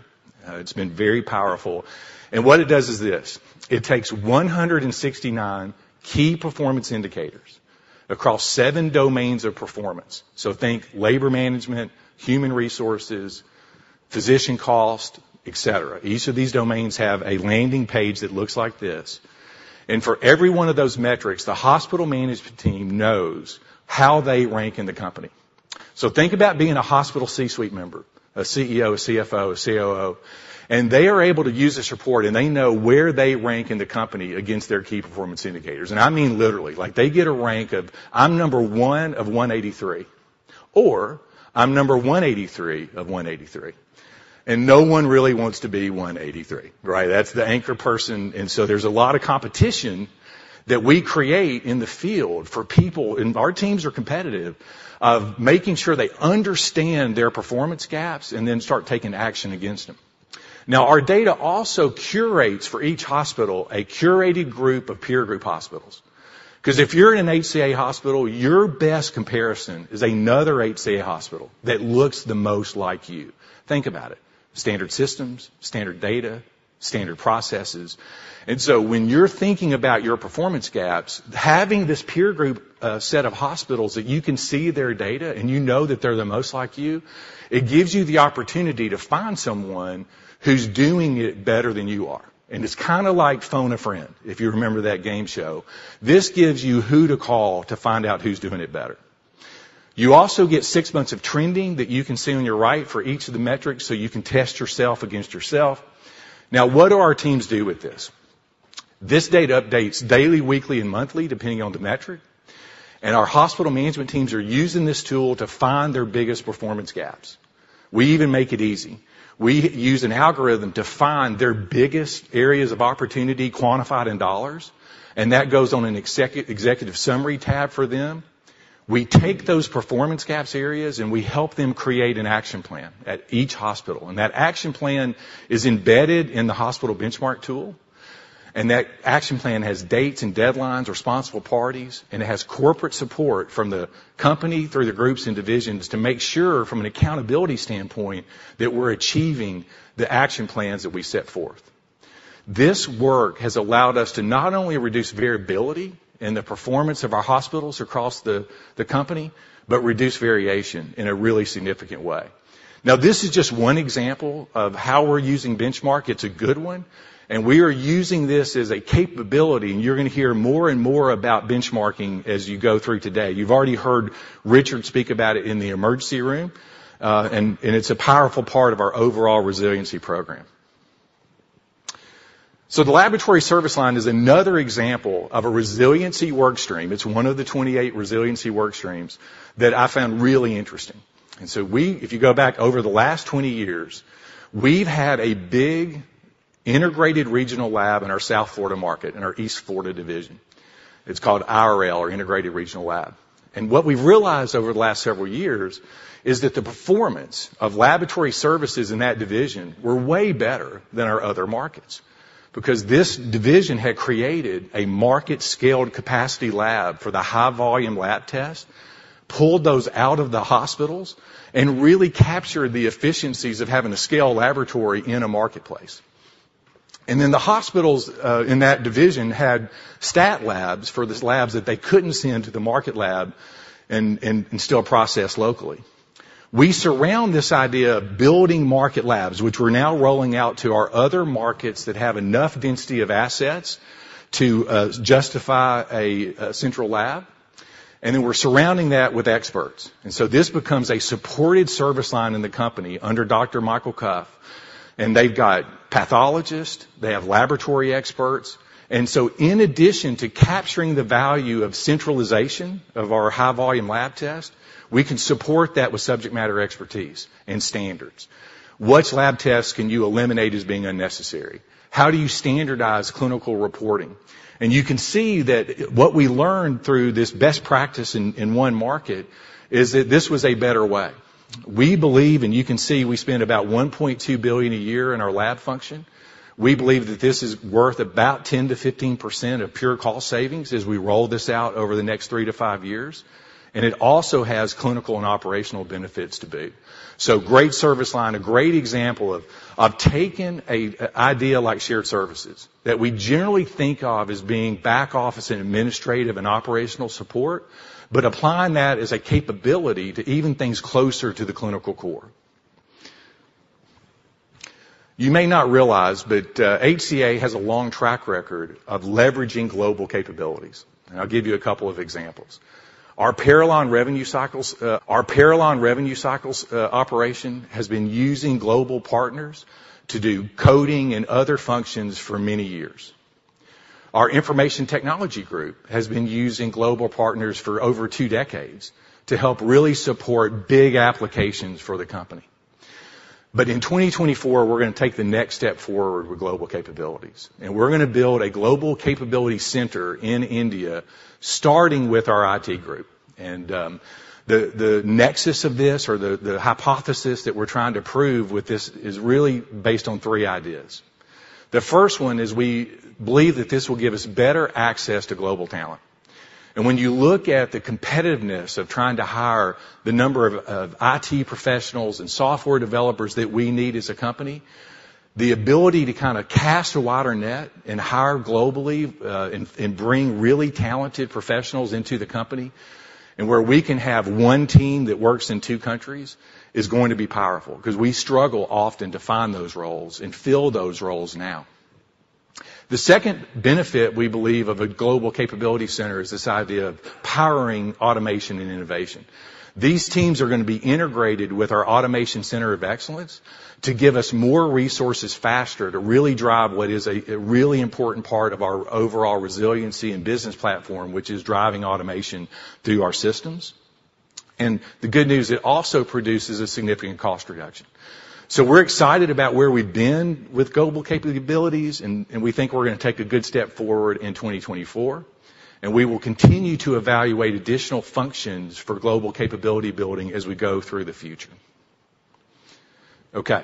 It's been very powerful, and what it does is this: it takes 169 key performance indicators across seven domains of performance. So think labor management, human resources, physician cost, et cetera. Each of these domains have a landing page that looks like this, and for every one of those metrics, the hospital management team knows how they rank in the company. So think about being a hospital C-suite member, a CEO, a CFO, a COO, and they are able to use this report, and they know where they rank in the company against their key performance indicators. I mean, literally, like, they get a rank of, "I'm number one of 183," or, "I'm number 183 of 183." No one really wants to be 183, right? That's the anchor person. So there's a lot of competition that we create in the field for people, and our teams are competitive, of making sure they understand their performance gaps and then start taking action against them. Now, our data also curates for each hospital a curated group of peer group hospitals. 'Cause if you're in an HCA hospital, your best comparison is another HCA hospital that looks the most like you. Think about it. Standard systems, standard data, standard processes. And so when you're thinking about your performance gaps, having this peer group set of hospitals that you can see their data and you know that they're the most like you, it gives you the opportunity to find someone who's doing it better than you are, and it's kinda like Phone a Friend, if you remember that game show. This gives you who to call to find out who's doing it better. You also get six months of trending that you can see on your right for each of the metrics, so you can test yourself against yourself. Now, what do our teams do with this? This data updates daily, weekly, and monthly, depending on the metric, and our hospital management teams are using this tool to find their biggest performance gaps. We even make it easy. We use an algorithm to find their biggest areas of opportunity, quantified in dollars, and that goes on an executive summary tab for them. We take those performance gaps areas, and we help them create an action plan at each hospital, and that action plan is embedded in the hospital benchmark tool, and that action plan has dates and deadlines, responsible parties, and it has corporate support from the company through the groups and divisions to make sure, from an accountability standpoint, that we're achieving the action plans that we set forth. This work has allowed us to not only reduce variability in the performance of our hospitals across the company, but reduce variation in a really significant way. Now, this is just one example of how we're using benchmark. It's a good one, and we are using this as a capability, and you're gonna hear more and more about benchmarking as you go through today. You've already heard Richard speak about it in the emergency room, and it's a powerful part of our overall resiliency program. So the laboratory service line is another example of a resiliency work stream. It's one of the 28 resiliency work streams that I found really interesting. And so we, if you go back over the last 20 years, we've had a big, integrated regional lab in our South Florida market, in our East Florida division. It's called IRL or Integrated Regional Lab. What we've realized over the last several years is that the performance of laboratory services in that division were way better than our other markets because this division had created a market-scaled capacity lab for the high-volume lab test, pulled those out of the hospitals, and really captured the efficiencies of having a scale laboratory in a marketplace. Then the hospitals in that division had stat labs for these labs that they couldn't send to the market lab and still process locally. We surround this idea of building market labs, which we're now rolling out to our other markets that have enough density of assets to justify a central lab, and then we're surrounding that with experts. So this becomes a supported service line in the company under Dr. Michael Cuffe, and they've got pathologists, they have laboratory experts. In addition to capturing the value of centralization of our high-volume lab test, we can support that with subject matter expertise and standards. Which lab tests can you eliminate as being unnecessary? How do you standardize clinical reporting? You can see that what we learned through this best practice in one market is that this was a better way. We believe, and you can see, we spend about $1,200,000,000 a year in our lab function. We believe that this is worth about 10%-15% of pure cost savings as we roll this out over the next 3-5 years, and it also has clinical and operational benefits to boot. So, great service line, a great example of taking an idea like shared services that we generally think of as being back office and administrative and operational support, but applying that as a capability to even things closer to the clinical core. You may not realize, but HCA has a long track record of leveraging global capabilities, and I'll give you a couple of examples. Our Parallon revenue cycles operation has been using global partners to do coding and other functions for many years. Our information technology group has been using global partners for over two decades to help really support big applications for the company. But in 2024, we're gonna take the next step forward with global capabilities, and we're gonna build a global capability center in India, starting with our IT group. The nexus of this, or the hypothesis that we're trying to prove with this is really based on three ideas. The first one is we believe that this will give us better access to global talent. And when you look at the competitiveness of trying to hire the number of IT professionals and software developers that we need as a company, the ability to kind of cast a wider net and hire globally, and bring really talented professionals into the company, and where we can have one team that works in two countries, is going to be powerful. Because we struggle often to find those roles and fill those roles now. The second benefit we believe of a global capability center is this idea of powering automation and innovation. These teams are going to be integrated with our automation center of excellence, to give us more resources faster, to really drive what is a really important part of our overall resiliency and business platform, which is driving automation through our systems. The good news, it also produces a significant cost reduction. So we're excited about where we've been with global capabilities, and we think we're gonna take a good step forward in 2024. And we will continue to evaluate additional functions for global capability building as we go through the future. Okay.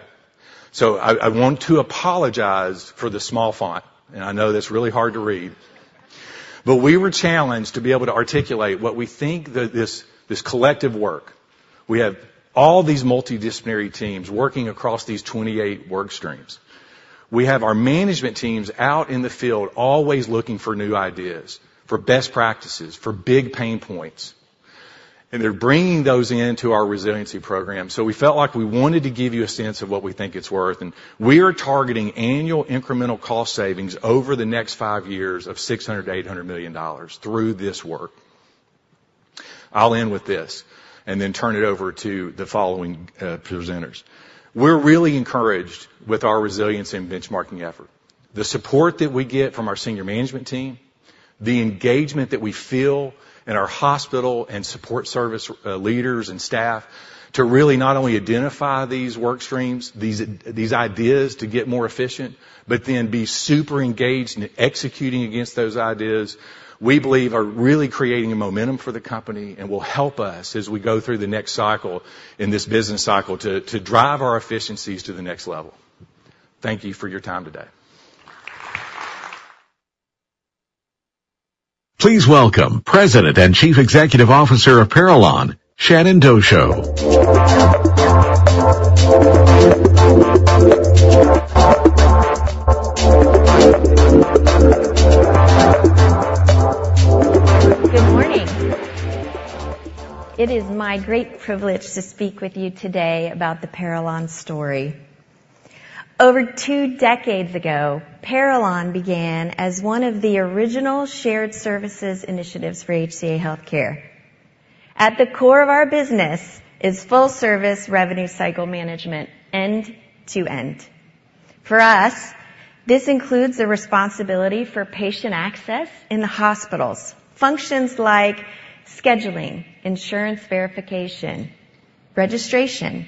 So I want to apologize for the small font, and I know that's really hard to read. But we were challenged to be able to articulate what we think that this collective work... We have all these multidisciplinary teams working across these 28 work streams. We have our management teams out in the field, always looking for new ideas, for best practices, for big pain points, and they're bringing those into our resiliency program. So we felt like we wanted to give you a sense of what we think it's worth, and we are targeting annual incremental cost savings over the next five years of $600,000,000-$800,000,000 through this work. I'll end with this and then turn it over to the following presenters. We're really encouraged with our resilience and benchmarking effort. The support that we get from our senior management team, the engagement that we feel in our hospital and support service leaders and staff to really not only identify these work streams, these ideas to get more efficient, but then be super engaged in executing against those ideas, we believe are really creating a momentum for the company and will help us as we go through the next cycle, in this business cycle, to drive our efficiencies to the next level. Thank you for your time today. Please welcome President and Chief Executive Officer of Parallon, Shannon Dauchot. Good morning. It is my great privilege to speak with you today about the Parallon story. Over two decades ago, Parallon began as one of the original shared services initiatives for HCA Healthcare. At the core of our business is full service revenue cycle management, end to end. For us, this includes the responsibility for patient access in the hospitals. Functions like scheduling, insurance verification, registration,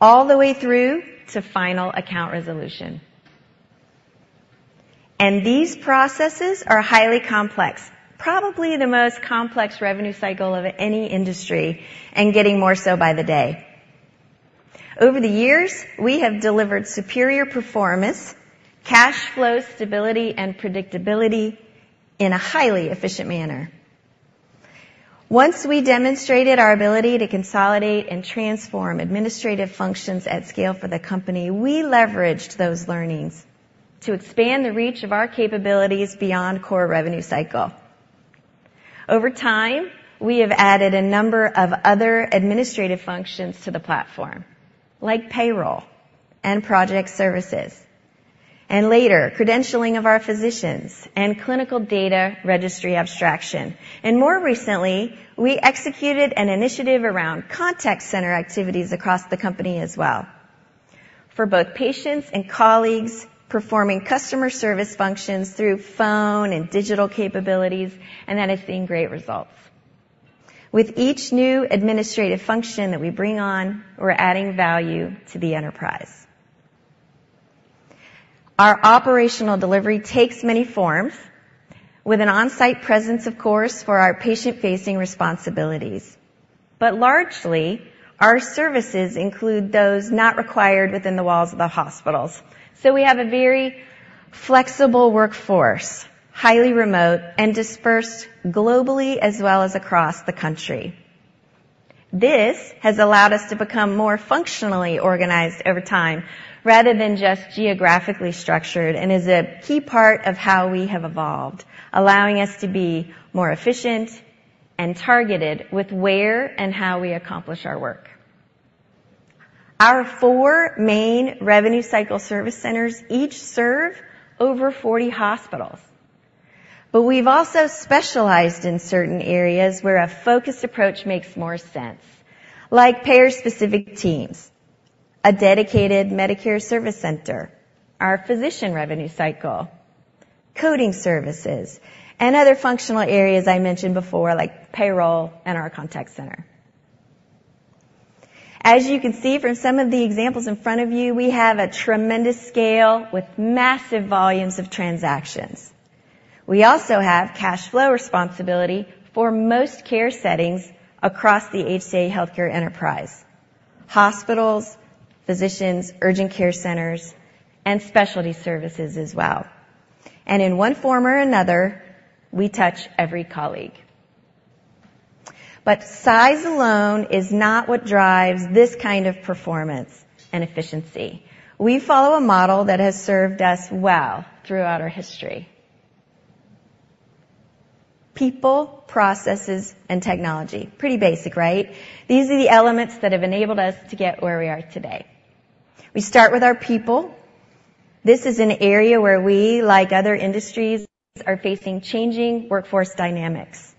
all the way through to final account resolution. These processes are highly complex, probably the most complex revenue cycle of any industry, and getting more so by the day. Over the years, we have delivered superior performance, cash flow stability, and predictability in a highly efficient manner. Once we demonstrated our ability to consolidate and transform administrative functions at scale for the company, we leveraged those learnings to expand the reach of our capabilities beyond core revenue cycle. Over time, we have added a number of other administrative functions to the platform, like payroll and project services, and later, credentialing of our physicians and clinical data registry abstraction. More recently, we executed an initiative around contact center activities across the company as well, for both patients and colleagues, performing customer service functions through phone and digital capabilities, and that is seeing great results. With each new administrative function that we bring on, we're adding value to the enterprise. Our operational delivery takes many forms, with an on-site presence, of course, for our patient-facing responsibilities. Largely, our services include those not required within the walls of the hospitals. We have a very flexible workforce, highly remote and dispersed globally as well as across the country. This has allowed us to become more functionally organized over time rather than just geographically structured, and is a key part of how we have evolved, allowing us to be more efficient and targeted with where and how we accomplish our work. Our 4 main revenue cycle service centers each serve over 40 hospitals. But we've also specialized in certain areas where a focused approach makes more sense, like payer-specific teams, a dedicated Medicare service center, our physician revenue cycle, coding services, and other functional areas I mentioned before, like payroll and our contact center. As you can see from some of the examples in front of you, we have a tremendous scale with massive volumes of transactions. We also have cash flow responsibility for most care settings across the HCA Healthcare enterprise: hospitals, physicians, urgent care centers, and specialty services as well. In one form or another, we touch every colleague. But size alone is not what drives this kind of performance and efficiency. We follow a model that has served us well throughout our history. People, processes, and technology. Pretty basic, right? These are the elements that have enabled us to get where we are today. We start with our people. This is an area where we, like other industries, are facing changing workforce dynamics.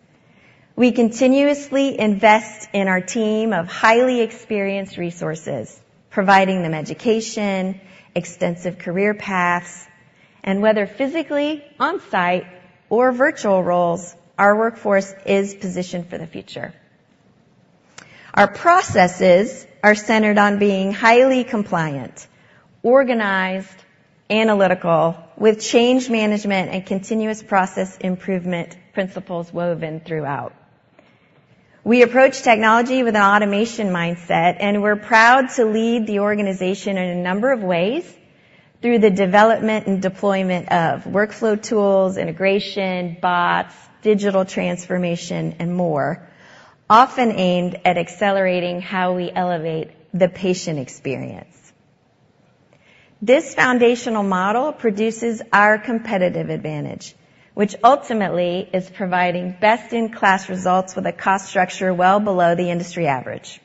We continuously invest in our team of highly experienced resources, providing them education, extensive career paths, and whether physically on-site or virtual roles, our workforce is positioned for the future. Our processes are centered on being highly compliant, organized, analytical, with change management and continuous process improvement principles woven throughout. We approach technology with an automation mindset, and we're proud to lead the organization in a number of ways through the development and deployment of workflow tools, integration, bots, digital transformation, and more, often aimed at accelerating how we elevate the patient experience. This foundational model produces our competitive advantage, which ultimately is providing best-in-class results with a cost structure well below the industry average.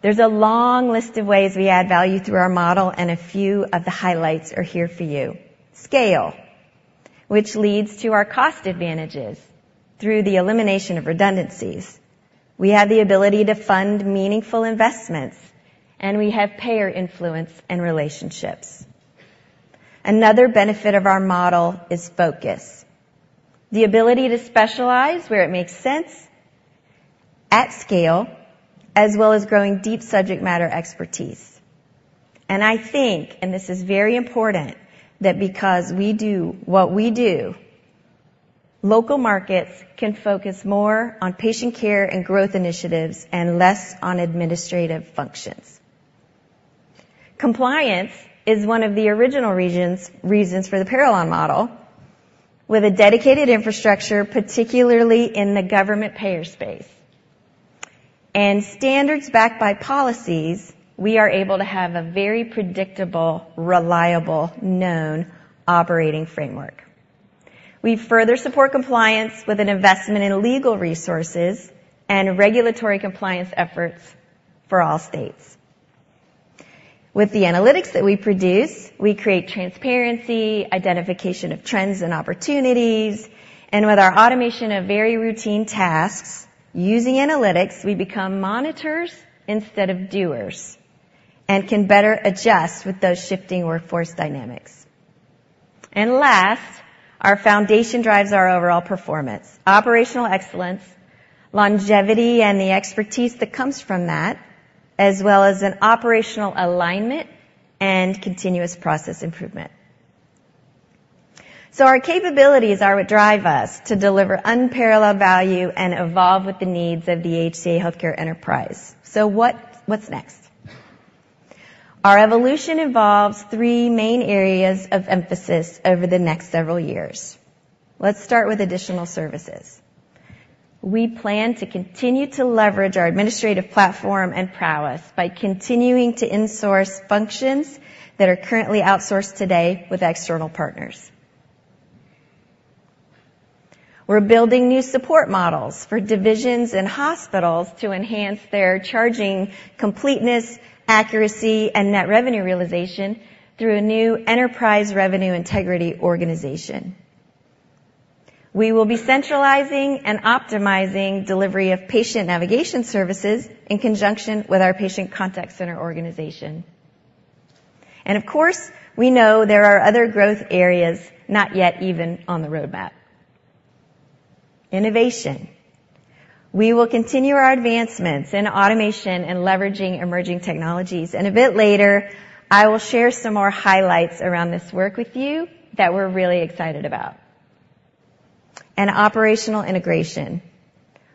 There's a long list of ways we add value through our model, and a few of the highlights are here for you. Scale, which leads to our cost advantages through the elimination of redundancies. We have the ability to fund meaningful investments, and we have payer influence and relationships. Another benefit of our model is focus. The ability to specialize where it makes sense at scale, as well as growing deep subject matter expertise. I think, and this is very important, that because we do what we do, local markets can focus more on patient care and growth initiatives and less on administrative functions. Compliance is one of the original reasons for the Parallon model. With a dedicated infrastructure, particularly in the government payer space, and standards backed by policies, we are able to have a very predictable, reliable, known operating framework. We further support compliance with an investment in legal resources and regulatory compliance efforts for all states. With the analytics that we produce, we create transparency, identification of trends and opportunities, and with our automation of very routine tasks, using analytics, we become monitors instead of doers, and can better adjust with those shifting workforce dynamics. And last, our foundation drives our overall performance, operational excellence, longevity, and the expertise that comes from that, as well as an operational alignment and continuous process improvement. So our capabilities are what drive us to deliver unparalleled value and evolve with the needs of the HCA Healthcare enterprise. So what, what's next? Our evolution involves three main areas of emphasis over the next several years. Let's start with additional services. We plan to continue to leverage our administrative platform and prowess by continuing to insource functions that are currently outsourced today with external partners. We're building new support models for divisions and hospitals to enhance their charging, completeness, accuracy, and net revenue realization through a new enterprise revenue integrity organization. We will be centralizing and optimizing delivery of patient navigation services in conjunction with our patient contact center organization. Of course, we know there are other growth areas, not yet even on the roadmap. Innovation. We will continue our advancements in automation and leveraging emerging technologies. And a bit later, I will share some more highlights around this work with you that we're really excited about. And operational integration.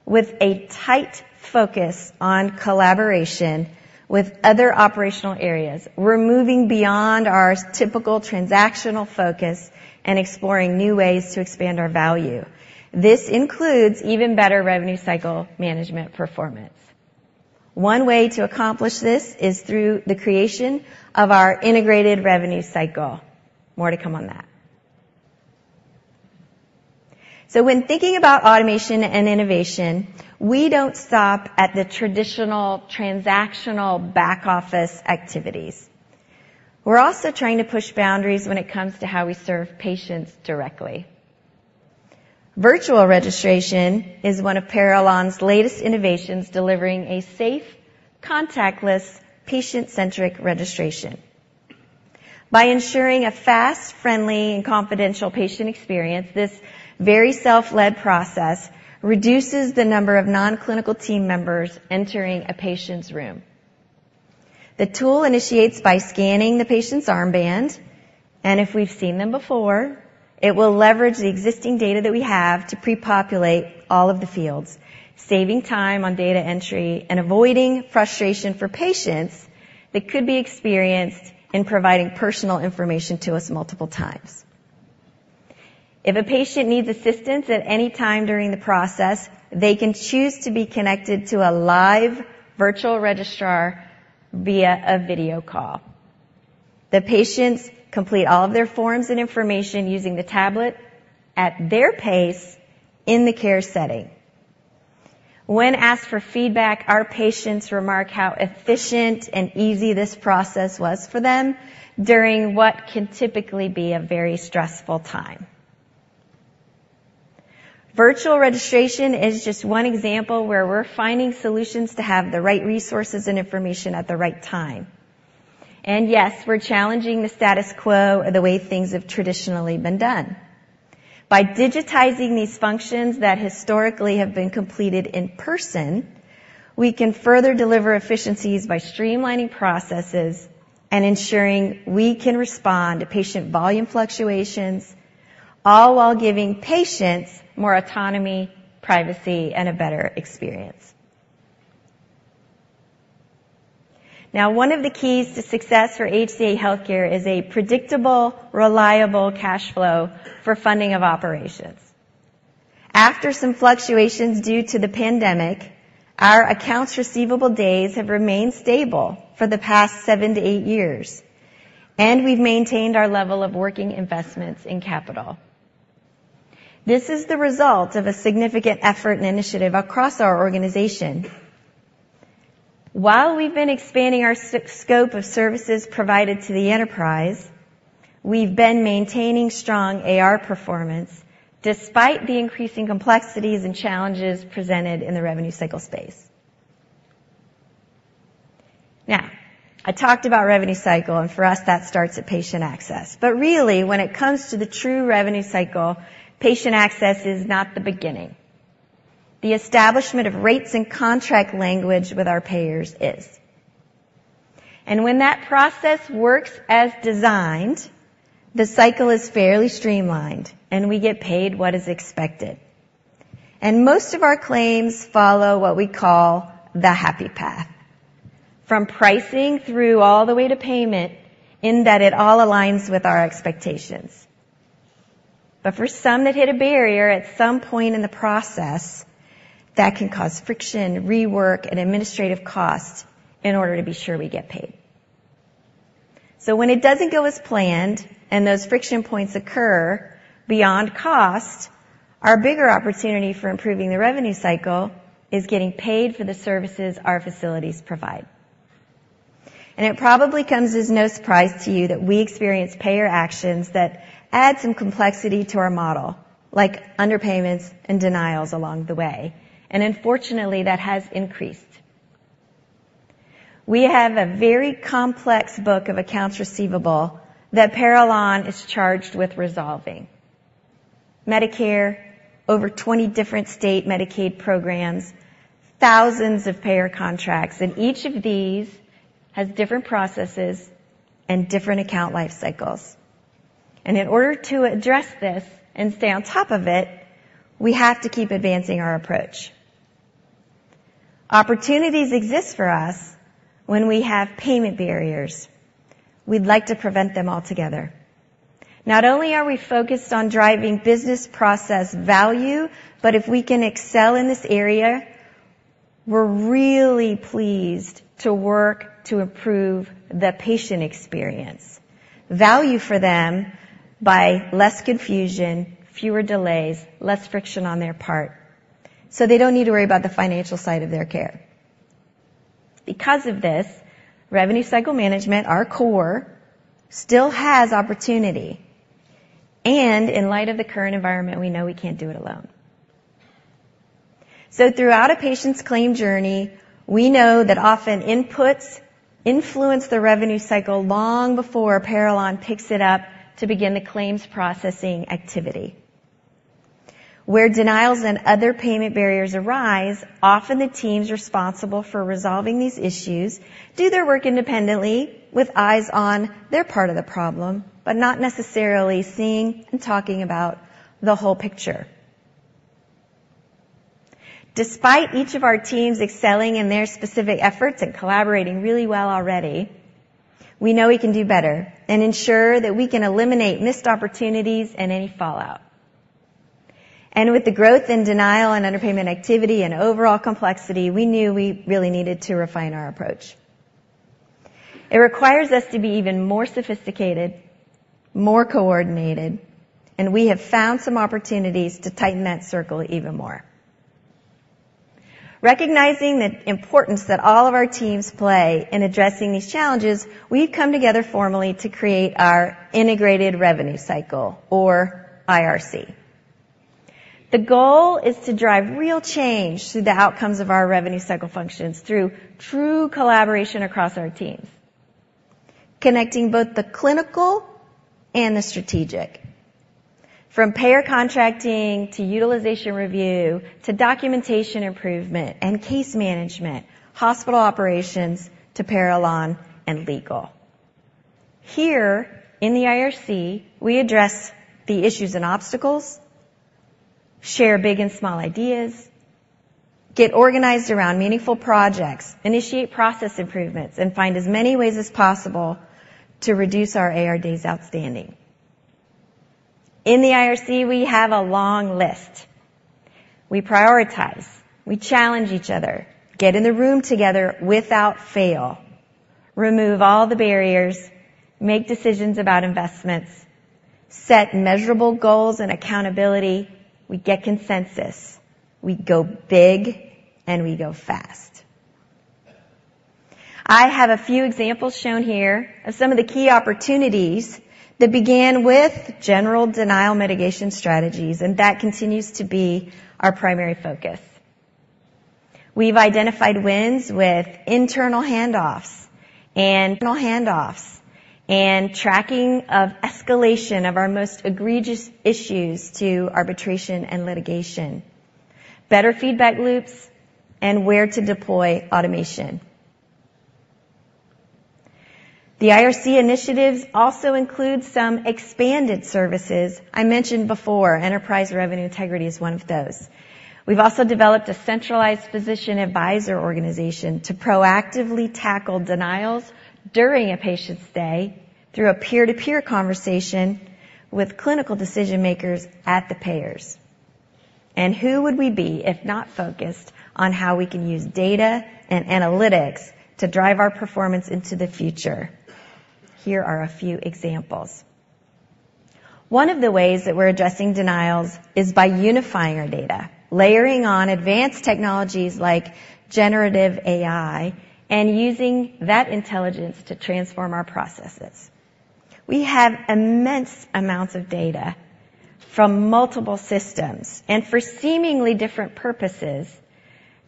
With a tight focus on collaboration with other operational areas, we're moving beyond our typical transactional focus and exploring new ways to expand our value. This includes even better revenue cycle management performance. One way to accomplish this is through the creation of our integrated revenue cycle. More to come on that. So when thinking about automation and innovation, we don't stop at the traditional transactional back-office activities. We're also trying to push boundaries when it comes to how we serve patients directly. Virtual registration is one of Parallon's latest innovations, delivering a safe, contactless, patient-centric registration. By ensuring a fast, friendly, and confidential patient experience, this very self-led process reduces the number of non-clinical team members entering a patient's room... The tool initiates by scanning the patient's armband, and if we've seen them before, it will leverage the existing data that we have to prepopulate all of the fields, saving time on data entry and avoiding frustration for patients that could be experienced in providing personal information to us multiple times. If a patient needs assistance at any time during the process, they can choose to be connected to a live virtual registrar via a video call. The patients complete all of their forms and information using the tablet at their pace in the care setting. When asked for feedback, our patients remark how efficient and easy this process was for them during what can typically be a very stressful time. Virtual registration is just one example where we're finding solutions to have the right resources and information at the right time. And yes, we're challenging the status quo and the way things have traditionally been done. By digitizing these functions that historically have been completed in person, we can further deliver efficiencies by streamlining processes and ensuring we can respond to patient volume fluctuations, all while giving patients more autonomy, privacy, and a better experience. Now, one of the keys to success for HCA Healthcare is a predictable, reliable cash flow for funding of operations. After some fluctuations due to the pandemic, our accounts receivable days have remained stable for the past 7-8 years, and we've maintained our level of working investments in capital. This is the result of a significant effort and initiative across our organization. While we've been expanding our scope of services provided to the enterprise, we've been maintaining strong AR performance despite the increasing complexities and challenges presented in the revenue cycle space. Now, I talked about revenue cycle, and for us, that starts at patient access. But really, when it comes to the true revenue cycle, patient access is not the beginning. The establishment of rates and contract language with our payers is. And when that process works as designed, the cycle is fairly streamlined, and we get paid what is expected. And most of our claims follow what we call the happy path, from pricing through all the way to payment, in that it all aligns with our expectations. But for some that hit a barrier at some point in the process, that can cause friction, rework, and administrative costs in order to be sure we get paid. So when it doesn't go as planned and those friction points occur beyond cost, our bigger opportunity for improving the revenue cycle is getting paid for the services our facilities provide. It probably comes as no surprise to you that we experience payer actions that add some complexity to our model, like underpayments and denials along the way, and unfortunately, that has increased. We have a very complex book of accounts receivable that Parallon is charged with resolving. Medicare, over 20 different state Medicaid programs, thousands of payer contracts, and each of these has different processes and different account life cycles. In order to address this and stay on top of it, we have to keep advancing our approach. Opportunities exist for us when we have payment barriers. We'd like to prevent them altogether. Not only are we focused on driving business process value, but if we can excel in this area, we're really pleased to work to improve the patient experience. Value for them by less confusion, fewer delays, less friction on their part, so they don't need to worry about the financial side of their care. Because of this, revenue cycle management, our core, still has opportunity, and in light of the current environment, we know we can't do it alone. So throughout a patient's claim journey, we know that often inputs influence the revenue cycle long before Parallon picks it up to begin the claims processing activity. Where denials and other payment barriers arise, often the teams responsible for resolving these issues do their work independently with eyes on their part of the problem, but not necessarily seeing and talking about the whole picture. Despite each of our teams excelling in their specific efforts and collaborating really well already, we know we can do better and ensure that we can eliminate missed opportunities and any fallout. With the growth in denial and underpayment activity and overall complexity, we knew we really needed to refine our approach. It requires us to be even more sophisticated, more coordinated, and we have found some opportunities to tighten that circle even more. Recognizing the importance that all of our teams play in addressing these challenges, we've come together formally to create our Integrated Revenue Cycle, or IRC. The goal is to drive real change to the outcomes of our revenue cycle functions through true collaboration across our teams, connecting both the clinical and the strategic, from payer contracting to utilization review, to documentation improvement and case management, hospital operations to Parallon and legal. Here in the IRC, we address the issues and obstacles, share big and small ideas, get organized around meaningful projects, initiate process improvements, and find as many ways as possible to reduce our AR days outstanding. In the IRC, we have a long list. We prioritize, we challenge each other, get in the room together without fail, remove all the barriers, make decisions about investments, set measurable goals and accountability. We get consensus. We go big, and we go fast. I have a few examples shown here of some of the key opportunities that began with general denial mitigation strategies, and that continues to be our primary focus. We've identified wins with internal handoffs and tracking of escalation of our most egregious issues to arbitration and litigation, better feedback loops, and where to deploy automation. The IRC initiatives also include some expanded services. I mentioned before, Enterprise Revenue Integrity is one of those. We've also developed a centralized physician advisor organization to proactively tackle denials during a patient's stay through a peer-to-peer conversation with clinical decision-makers at the payers. And who would we be, if not focused on how we can use data and analytics to drive our performance into the future? Here are a few examples. One of the ways that we're addressing denials is by unifying our data, layering on advanced technologies like Generative AI, and using that intelligence to transform our processes. We have immense amounts of data from multiple systems and for seemingly different purposes,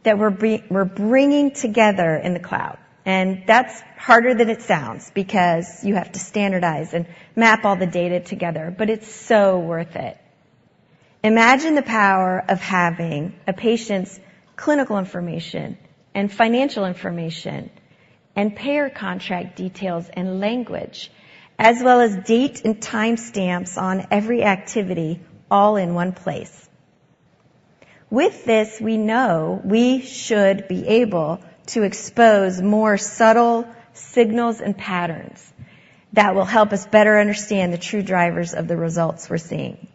that we're bringing together in the cloud. And that's harder than it sounds, because you have to standardize and map all the data together, but it's so worth it. Imagine the power of having a patient's clinical information, and financial information, and payer contract details and language, as well as date and timestamps on every activity, all in one place. With this, we know we should be able to expose more subtle signals and patterns that will help us better understand the true drivers of the results we're seeing.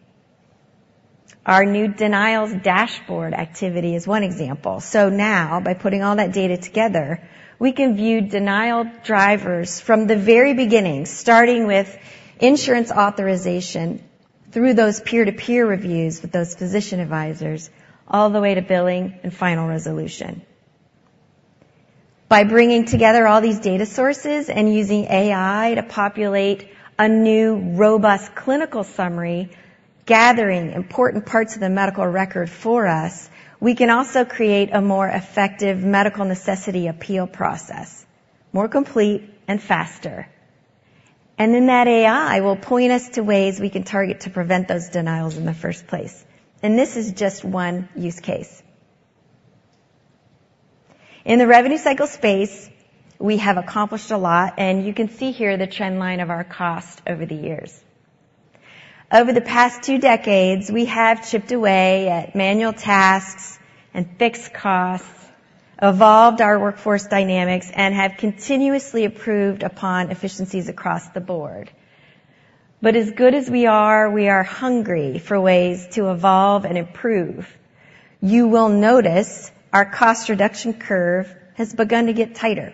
Our new denials dashboard activity is one example. So now, by putting all that data together, we can view denial drivers from the very beginning, starting with insurance authorization through those peer-to-peer reviews with those physician advisors, all the way to billing and final resolution. By bringing together all these data sources and using AI to populate a new, robust clinical summary, gathering important parts of the medical record for us, we can also create a more effective medical necessity appeal process, more complete and faster. Then that AI will point us to ways we can target to prevent those denials in the first place. This is just one use case. In the revenue cycle space, we have accomplished a lot, and you can see here the trend line of our cost over the years. Over the past two decades, we have chipped away at manual tasks and fixed costs, evolved our workforce dynamics, and have continuously improved upon efficiencies across the board. But as good as we are, we are hungry for ways to evolve and improve. You will notice our cost reduction curve has begun to get tighter.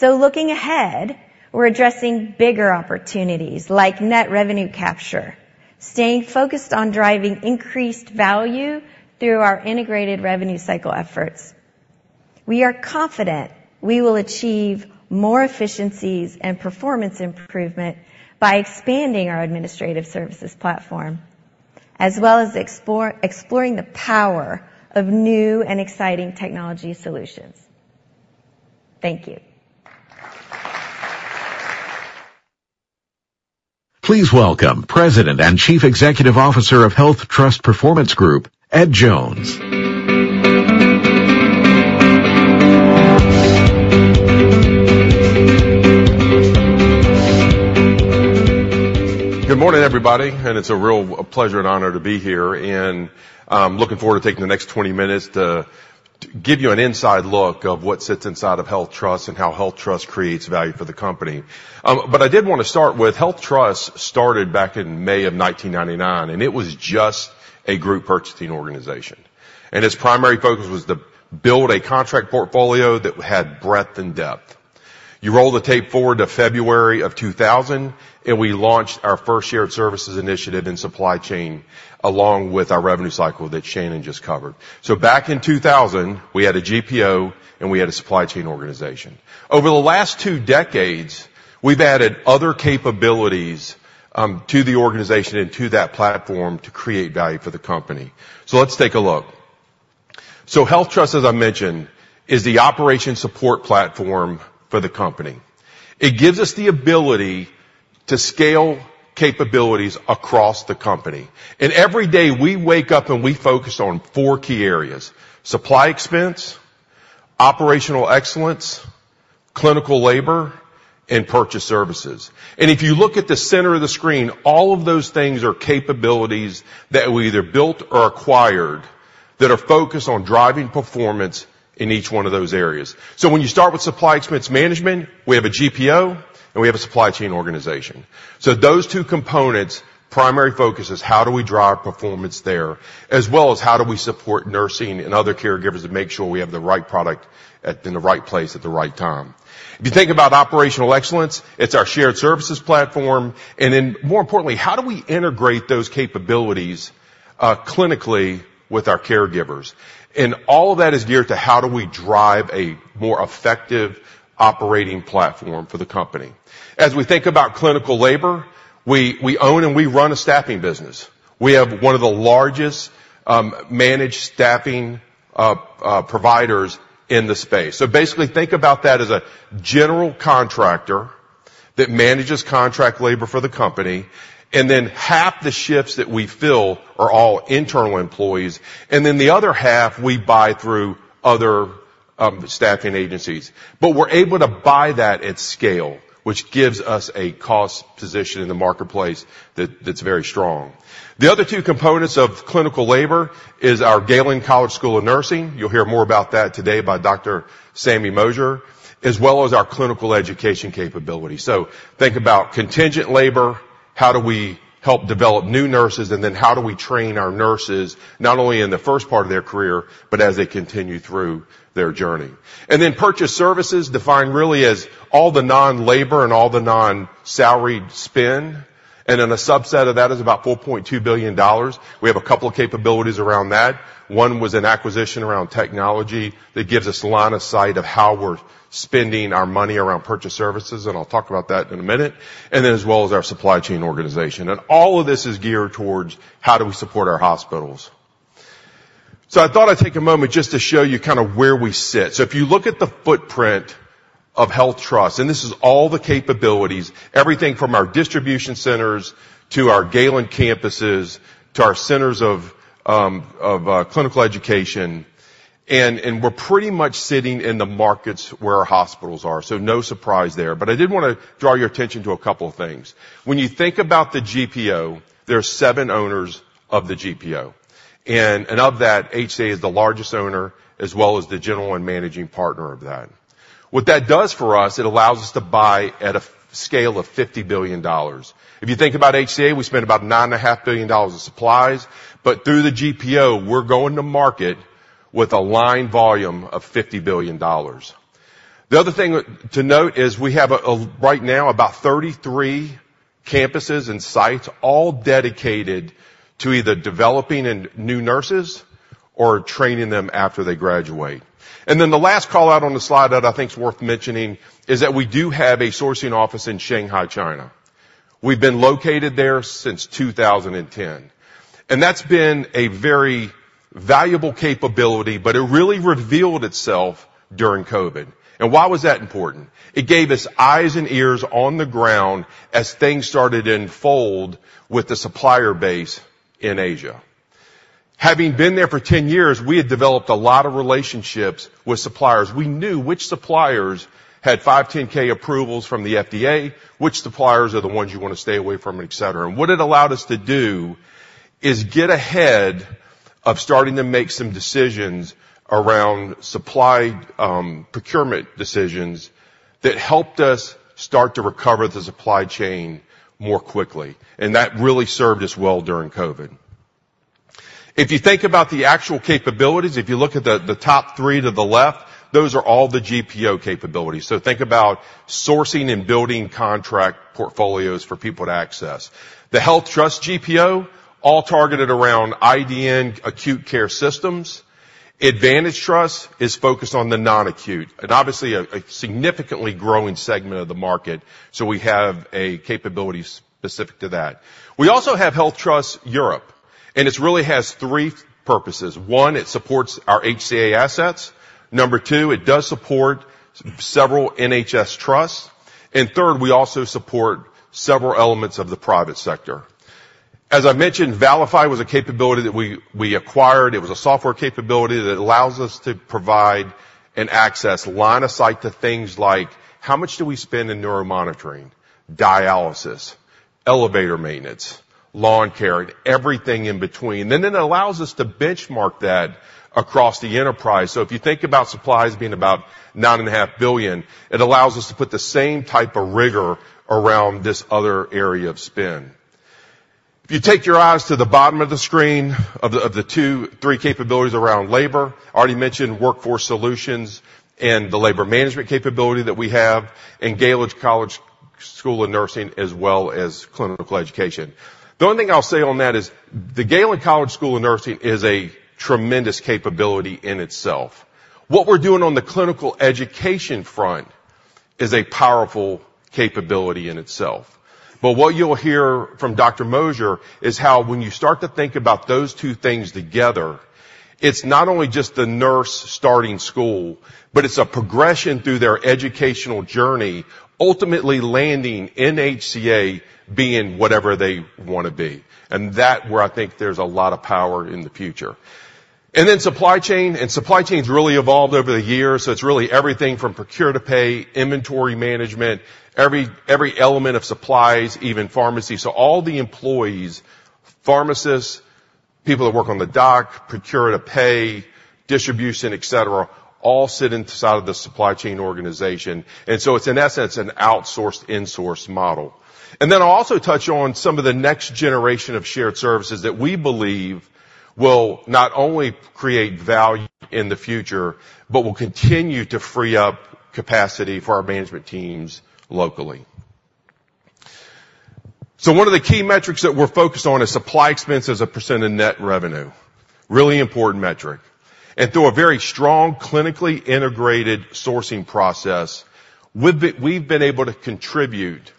Looking ahead, we're addressing bigger opportunities like net revenue capture, staying focused on driving increased value through our integrated revenue cycle efforts. We are confident we will achieve more efficiencies and performance improvement by expanding our administrative services platform, as well as exploring the power of new and exciting technology solutions. Thank you. Please welcome President and Chief Executive Officer of HealthTrust Performance Group, Ed Jones. Good morning, everybody, and it's a real pleasure and honor to be here, and looking forward to taking the next 20 minutes to give you an inside look of what sits inside of HealthTrust and how HealthTrust creates value for the company. But I did want to start with HealthTrust, started back in May of 1999, and it was just a group purchasing organization, and its primary focus was to build a contract portfolio that had breadth and depth. You roll the tape forward to February of 2000, and we launched our first shared services initiative in supply chain, along with our revenue cycle that Shannon just covered. So back in 2000, we had a GPO, and we had a supply chain organization. Over the last two decades, we've added other capabilities to the organization and to that platform to create value for the company. So let's take a look. So HealthTrust, as I mentioned, is the operational support platform for the company. It gives us the ability to scale capabilities across the company. And every day, we wake up, and we focus on four key areas: supply expense, operational excellence, clinical labor, and purchased services. And if you look at the center of the screen, all of those things are capabilities that we either built or acquired, that are focused on driving performance in each one of those areas. So when you start with supply expense management, we have a GPO, and we have a supply chain organization. So those two components' primary focus is how do we drive performance there, as well as how do we support nursing and other caregivers to make sure we have the right product at the right place at the right time. If you think about operational excellence, it's our shared services platform, and then, more importantly, how do we integrate those capabilities clinically with our caregivers? All of that is geared to how do we drive a more effective operating platform for the company. As we think about clinical labor, we own and we run a staffing business. We have one of the largest managed staffing providers in the space. So basically, think about that as a general contractor that manages contract labor for the company, and then half the shifts that we fill are all internal employees, and then the other half we buy through other staffing agencies. But we're able to buy that at scale, which gives us a cost position in the marketplace that's very strong. The other two components of clinical labor is our Galen College of Nursing. You'll hear more about that today by Dr. Sammie Mosier, as well as our clinical education capability. So think about contingent labor, how do we help develop new nurses, and then how do we train our nurses, not only in the first part of their career, but as they continue through their journey? And then purchase services, defined really as all the non-labor and all the non-salaried spend, and then a subset of that is about $4,200,000,000. We have a couple of capabilities around that. One was an acquisition around technology that gives us line of sight of how we're spending our money around purchase services, and I'll talk about that in a minute, and then as well as our supply chain organization. And all of this is geared towards how do we support our hospitals. So I thought I'd take a moment just to show you kinda where we sit. So if you look at the footprint of HealthTrust, and this is all the capabilities, everything from our distribution centers to our Galen campuses to our centers of clinical education. We're pretty much sitting in the markets where our hospitals are, so no surprise there. But I did wanna draw your attention to a couple of things. When you think about the GPO, there are seven owners of the GPO, and of that, HCA is the largest owner as well as the general and managing partner of that. What that does for us, it allows us to buy at a scale of $50,000,000,000. If you think about HCA, we spend about $9,500,000,000 in supplies, but through the GPO, we're going to market with a buying volume of $50,000,000,000. The other thing to note is we have, right now, about 33 campuses and sites, all dedicated to either developing and new nurses or training them after they graduate. Then the last call-out on the slide that I think is worth mentioning is that we do have a sourcing office in Shanghai, China. We've been located there since 2010, and that's been a very valuable capability, but it really revealed itself during COVID. And why was that important? It gave us eyes and ears on the ground as things started to unfold with the supplier base in Asia. Having been there for 10 years, we had developed a lot of relationships with suppliers. We knew which suppliers had 510(k) approvals from the FDA, which suppliers are the ones you wanna stay away from, et cetera. What it allowed us to do is get ahead of starting to make some decisions around supply, procurement decisions that helped us start to recover the supply chain more quickly, and that really served us well during COVID. If you think about the actual capabilities, if you look at the top 3 to the left, those are all the GPO capabilities. So think about sourcing and building contract portfolios for people to access. The HealthTrust GPO, all targeted around IDN acute care systems. Advantage Trust is focused on the non-acute, and obviously a significantly growing segment of the market, so we have a capability specific to that. We also have HealthTrust Europe, and this really has three purposes: 1, it supports our HCA assets, 2, it does support several NHS trusts, and 3, we also support several elements of the private sector. As I mentioned, Valify was a capability that we acquired. It was a software capability that allows us to provide and access line of sight to things like: how much do we spend in neuromonitoring, dialysis, elevator maintenance, lawn care, everything in between? Then it allows us to benchmark that across the enterprise. So if you think about supplies being about $9,500,000,000, it allows us to put the same type of rigor around this other area of spend. If you take your eyes to the bottom of the screen, of the two, three capabilities around labor, I already mentioned Workforce Solutions and the labor management capability that we have, and Galen College of Nursing, as well as clinical education. The only thing I'll say on that is the Galen College of Nursing is a tremendous capability in itself. What we're doing on the clinical education front is a powerful capability in itself. But what you'll hear from Dr. Mosier is how, when you start to think about those two things together, it's not only just the nurse starting school, but it's a progression through their educational journey, ultimately landing in HCA, being whatever they wanna be. And that's where I think there's a lot of power in the future. And then supply chain. And supply chain's really evolved over the years, so it's really everything from procure to pay, inventory management, every element of supplies, even pharmacy. So all the employees, pharmacists, people that work on the dock, procure to pay, distribution, et cetera, all sit inside of the supply chain organization. And so it's, in essence, an outsourced insourced model. Then I'll also touch on some of the next generation of shared services that we believe will not only create value in the future, but will continue to free up capacity for our management teams locally. So one of the key metrics that we're focused on is supply expense as a percent of net revenue. Really important metric. And through a very strong, clinically integrated sourcing process, we've been, we've been able to contribute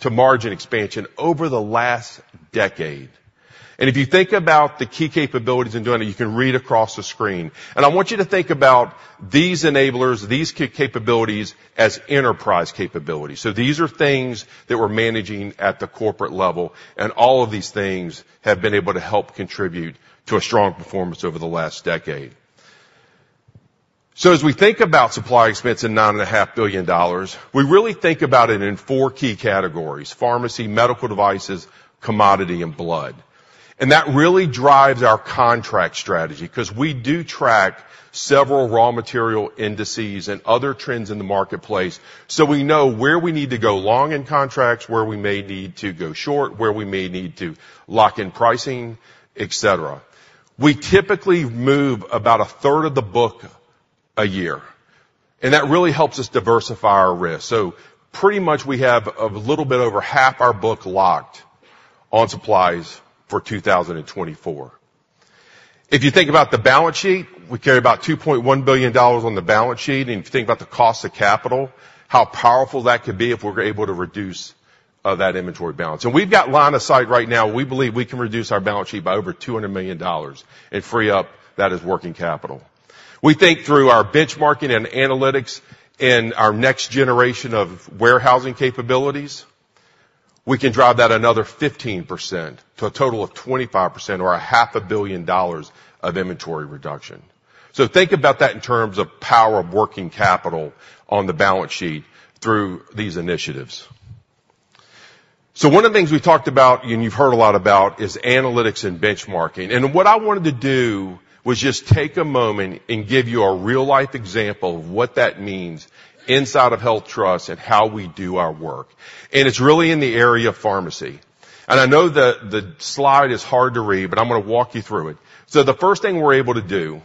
to margin expansion over the last decade. And if you think about the key capabilities in doing it, you can read across the screen, and I want you to think about these enablers, these key capabilities, as enterprise capabilities. So these are things that we're managing at the corporate level, and all of these things have been able to help contribute to a strong performance over the last decade. So as we think about supply expense and $9,500,000,000, we really think about it in four key categories: pharmacy, medical devices, commodity, and blood. And that really drives our contract strategy, 'cause we do track several raw material indices and other trends in the marketplace. So we know where we need to go long in contracts, where we may need to go short, where we may need to lock in pricing, et cetera. We typically move about a third of the book a year, and that really helps us diversify our risk. So pretty much, we have a little bit over half our book locked on supplies for 2024. If you think about the balance sheet, we carry about $2,100,000,000 on the balance sheet, and if you think about the cost of capital, how powerful that could be if we're able to reduce that inventory balance. We've got line of sight right now. We believe we can reduce our balance sheet by over $200,000,000 and free up that as working capital. We think, through our benchmarking and analytics and our next generation of warehousing capabilities, we can drive that another 15% to a total of 25% or $500,000,000 of inventory reduction. So think about that in terms of power of working capital on the balance sheet through these initiatives. So one of the things we talked about, and you've heard a lot about, is analytics and benchmarking. What I wanted to do was just take a moment and give you a real-life example of what that means inside of HealthTrust and how we do our work. It's really in the area of pharmacy. I know the slide is hard to read, but I'm gonna walk you through it. So the first thing we're able to do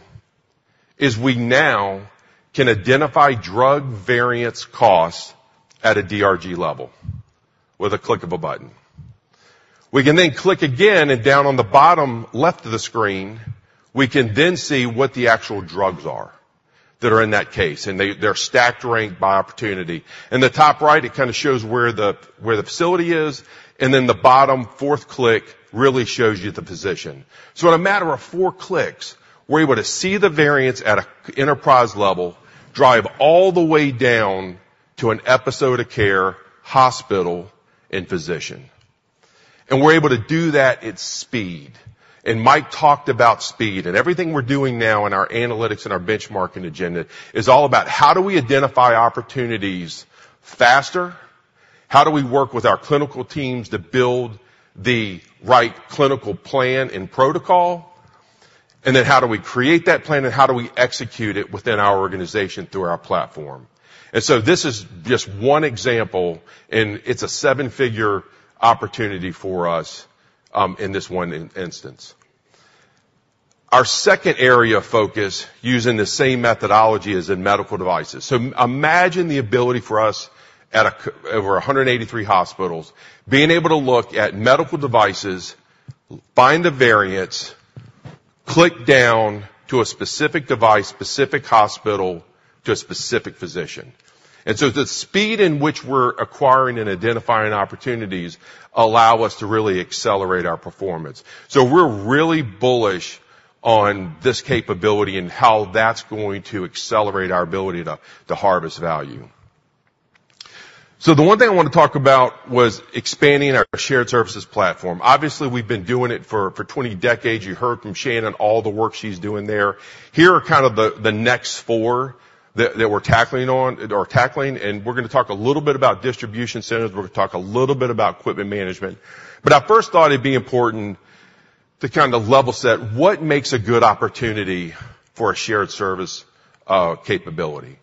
is we now can identify drug variance costs at a DRG level with a click of a button. We can then click again, and down on the bottom left of the screen, we can then see what the actual drugs are that are in that case, and they're stacked, ranked by opportunity. In the top right, it kinda shows where the facility is, and then the bottom fourth click really shows you the position. So in a matter of four clicks, we're able to see the variance at an enterprise level, drive all the way down to an episode of care, hospital, and physician, and we're able to do that at speed. Mike talked about speed. Everything we're doing now in our analytics and our benchmarking agenda is all about how do we identify opportunities faster? How do we work with our clinical teams to build the right clinical plan and protocol? Then how do we create that plan, and how do we execute it within our organization through our platform? So this is just one example, and it's a seven-figure opportunity for us in this one instance. Our second area of focus, using the same methodology, is in medical devices. So imagine the ability for us at over 183 hospitals, being able to look at medical devices, find the variance, click down to a specific device, specific hospital, to a specific physician. And so the speed in which we're acquiring and identifying opportunities allow us to really accelerate our performance. So we're really bullish on this capability and how that's going to accelerate our ability to harvest value. So the one thing I wanna talk about was expanding our shared services platform. Obviously, we've been doing it for 20 decades. You heard from Shannon, all the work she's doing there. Here are kind of the next four that we're tackling, and we're gonna talk a little bit about distribution centers. We're gonna talk a little bit about equipment management. I first thought it'd be important to kind of level set what makes a good opportunity for a shared service capability.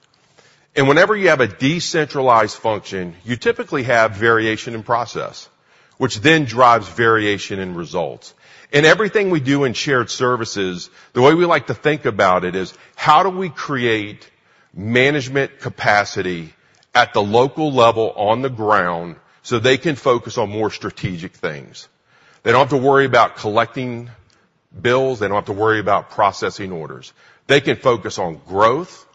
Whenever you have a decentralized function, you typically have variation in process, which then drives variation in results. In everything we do in shared services, the way we like to think about it is: how do we create management capacity at the local level on the ground so they can focus on more strategic things? They don't have to worry about collecting bills, they don't have to worry about processing orders. They can focus on growth,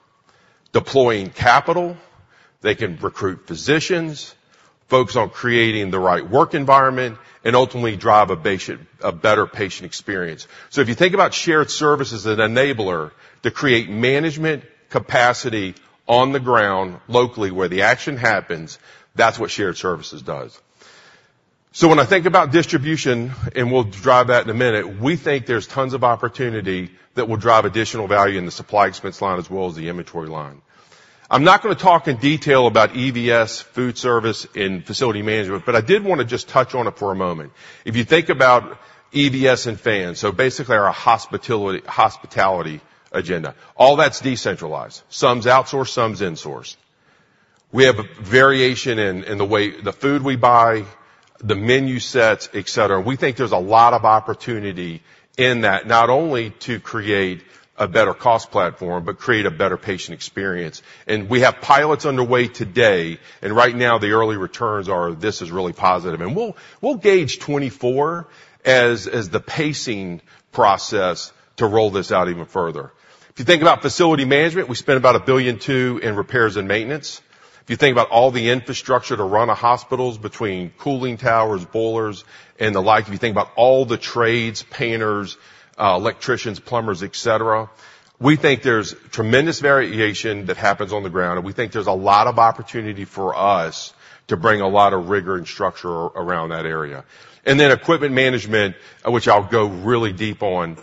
deploying capital, they can recruit physicians, focus on creating the right work environment, and ultimately drive a patient, a better patient experience. If you think about shared services as an enabler to create management capacity on the ground locally, where the action happens, that's what shared services does. So when I think about distribution, and we'll drive that in a minute, we think there's tons of opportunity that will drive additional value in the supply expense line as well as the inventory line. I'm not gonna talk in detail about EVS, food service, and facility management, but I did wanna just touch on it for a moment. If you think about EVS and FANS, so basically our hospitality, hospitality agenda, all that's decentralized. Some's outsourced, some's insourced. We have a variation in the way the food we buy, the menu sets, et cetera. We think there's a lot of opportunity in that, not only to create a better cost platform, but create a better patient experience. And we have pilots underway today, and right now, the early returns are, this is really positive. We'll gauge 2024 as the pacing process to roll this out even further. If you think about facility management, we spend about $1,200,000,000 in repairs and maintenance. If you think about all the infrastructure to run hospitals between cooling towers, boilers, and the like, if you think about all the trades, painters, electricians, plumbers, et cetera, we think there's tremendous variation that happens on the ground, and we think there's a lot of opportunity for us to bring a lot of rigor and structure around that area. And then equipment management, which I'll go really deep on,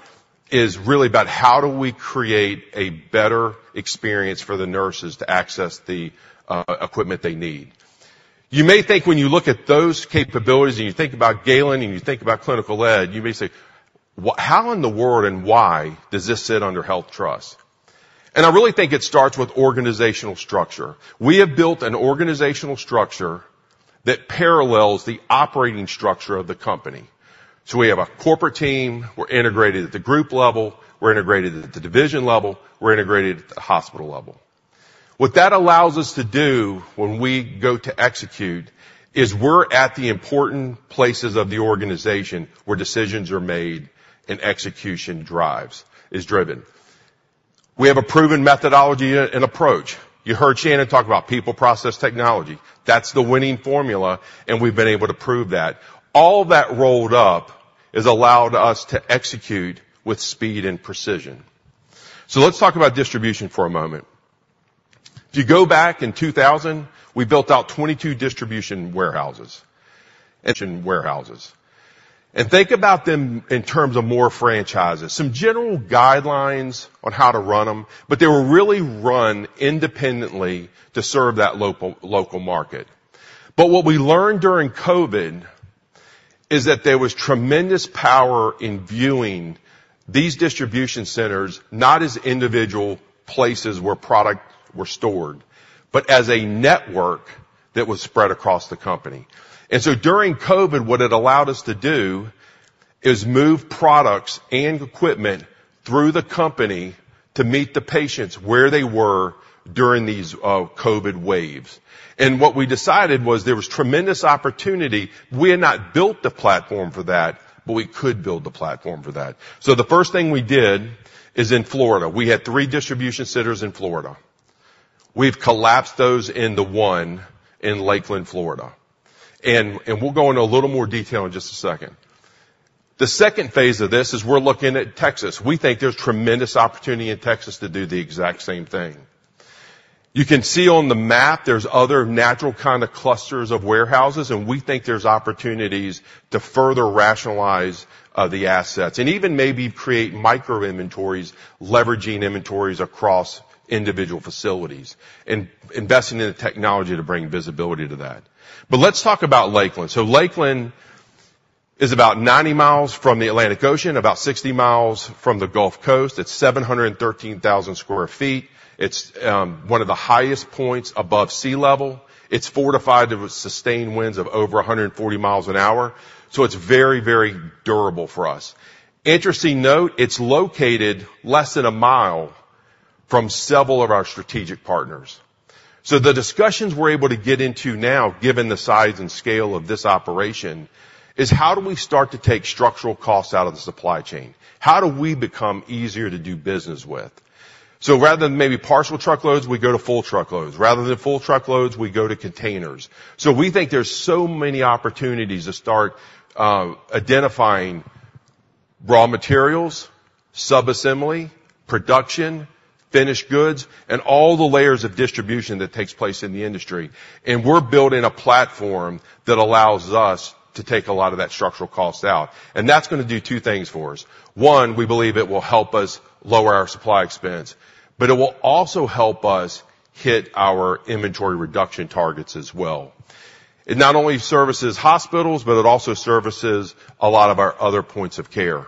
is really about how do we create a better experience for the nurses to access the equipment they need? You may think when you look at those capabilities, and you think about Galen, and you think about Clinical Ed, you may say, "Well, how in the world and why does this sit under HealthTrust?" And I really think it starts with organizational structure. We have built an organizational structure that parallels the operating structure of the company. So we have a corporate team. We're integrated at the group level. We're integrated at the division level. We're integrated at the hospital level. What that allows us to do when we go to execute is we're at the important places of the organization where decisions are made and execution is driven. We have a proven methodology and approach. You heard Shannon talk about people, process, technology. That's the winning formula, and we've been able to prove that. All that rolled up has allowed us to execute with speed and precision. So let's talk about distribution for a moment. If you go back in 2000, we built out 22 distribution warehouses, envision warehouses, and think about them in terms of more franchises. Some general guidelines on how to run them, but they were really run independently to serve that local, local market. But what we learned during COVID is that there was tremendous power in viewing these distribution centers not as individual places where product were stored, but as a network that was spread across the company. And so during COVID, what it allowed us to do is move products and equipment through the company to meet the patients where they were during these, COVID waves. And what we decided was there was tremendous opportunity. We had not built the platform for that, but we could build the platform for that. So the first thing we did is in Florida. We had 3 distribution centers in Florida. We've collapsed those into one in Lakeland, Florida. And we'll go into a little more detail in just a second. The second phase of this is we're looking at Texas. We think there's tremendous opportunity in Texas to do the exact same thing. You can see on the map there's other natural kinda clusters of warehouses, and we think there's opportunities to further rationalize the assets and even maybe create micro inventories, leveraging inventories across individual facilities and investing in the technology to bring visibility to that. But let's talk about Lakeland. So Lakeland is about 90 miles from the Atlantic Ocean, about 60 miles from the Gulf Coast. It's 713,000 sq ft. It's one of the highest points above sea level. It's fortified to sustain winds of over 140 miles an hour, so it's very, very durable for us. Interesting note, it's located less than a mile from several of our strategic partners. So the discussions we're able to get into now, given the size and scale of this operation, is how do we start to take structural costs out of the supply chain? How do we become easier to do business with? So rather than maybe partial truckloads, we go to full truckloads. Rather than full truckloads, we go to containers. So we think there's so many opportunities to start identifying raw materials, sub-assembly, production, finished goods, and all the layers of distribution that takes place in the industry. We're building a platform that allows us to take a lot of that structural cost out, and that's gonna do two things for us. One, we believe it will help us lower our supply expense, but it will also help us hit our inventory reduction targets as well. It not only services hospitals, but it also services a lot of our other points of care.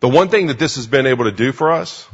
The one thing that this has been able to do for us,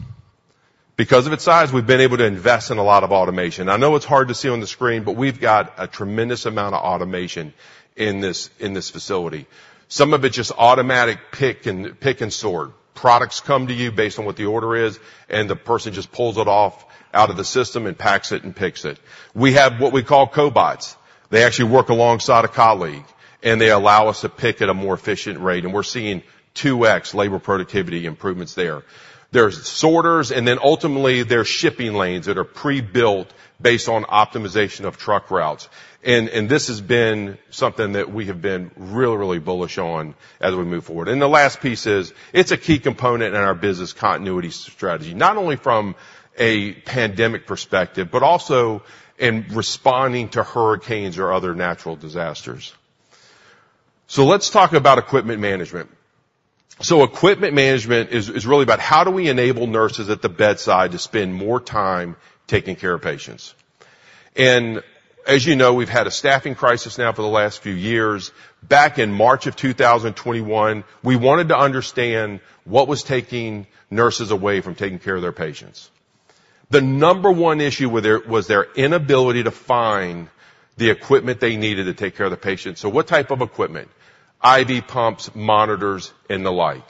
because of its size, we've been able to invest in a lot of automation. I know it's hard to see on the screen, but we've got a tremendous amount of automation in this, in this facility. Some of it just automatic pick and, pick and sort. Products come to you based on what the order is, and the person just pulls it off out of the system and packs it and picks it. We have what we call cobots. They actually work alongside a colleague, and they allow us to pick at a more efficient rate, and we're seeing 2x labor productivity improvements there. There's sorters, and then ultimately, there are shipping lanes that are pre-built based on optimization of truck routes. And this has been something that we have been really, really bullish on as we move forward. And the last piece is, it's a key component in our business continuity strategy, not only from a pandemic perspective, but also in responding to hurricanes or other natural disasters. So let's talk about equipment management. So equipment management is, is really about how do we enable nurses at the bedside to spend more time taking care of patients? And as you know, we've had a staffing crisis now for the last few years. Back in March of 2021, we wanted to understand what was taking nurses away from taking care of their patients. The number one issue was their inability to find the equipment they needed to take care of the patient. So what type of equipment? IV pumps, monitors, and the like.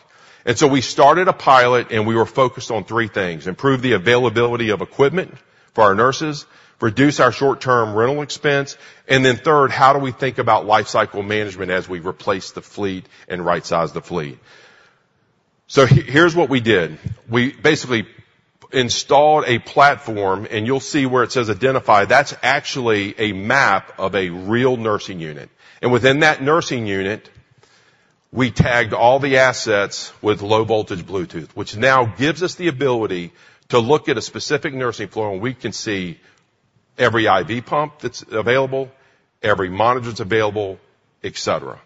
And so we started a pilot, and we were focused on three things: improve the availability of equipment for our nurses, reduce our short-term rental expense, and then third, how do we think about lifecycle management as we replace the fleet and rightsize the fleet? So here's what we did. We basically installed a platform, and you'll see where it says, "Identify." That's actually a map of a real nursing unit. And within that nursing unit, we tagged all the assets with low-voltage Bluetooth, which now gives us the ability to look at a specific nursing floor, and we can see every IV pump that's available, every monitor that's available, et cetera.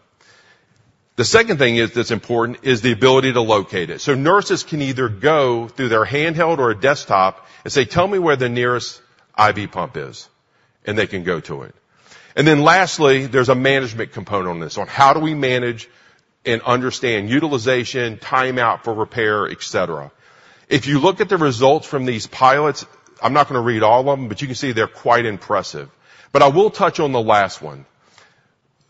The second thing is that's important is the ability to locate it. So nurses can either go through their handheld or a desktop and say, "Tell me where the nearest IV pump is," and they can go to it. And then lastly, there's a management component on this, on how do we manage and understand utilization, timeout for repair, et cetera. If you look at the results from these pilots, I'm not gonna read all of them, but you can see they're quite impressive. But I will touch on the last one.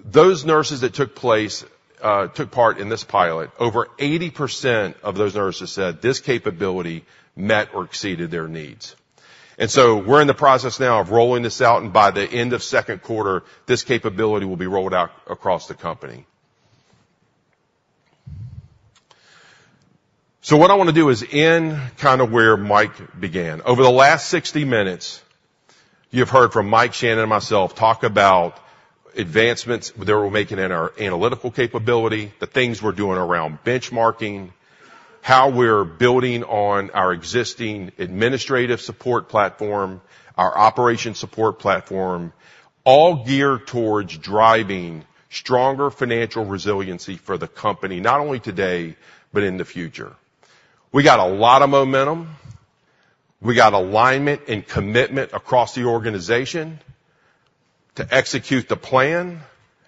Those nurses that took place, took part in this pilot, over 80% of those nurses said this capability met or exceeded their needs. And so we're in the process now of rolling this out, and by the end of second quarter, this capability will be rolled out across the company. So what I want to do is end kind of where Mike began. Over the last 60 minutes, you've heard from Mike, Shannon, and myself talk about advancements that we're making in our analytical capability, the things we're doing around benchmarking, how we're building on our existing administrative support platform, our operation support platform, all geared towards driving stronger financial resiliency for the company, not only today, but in the future. We got a lot of momentum. We got alignment and commitment across the organization to execute the plan,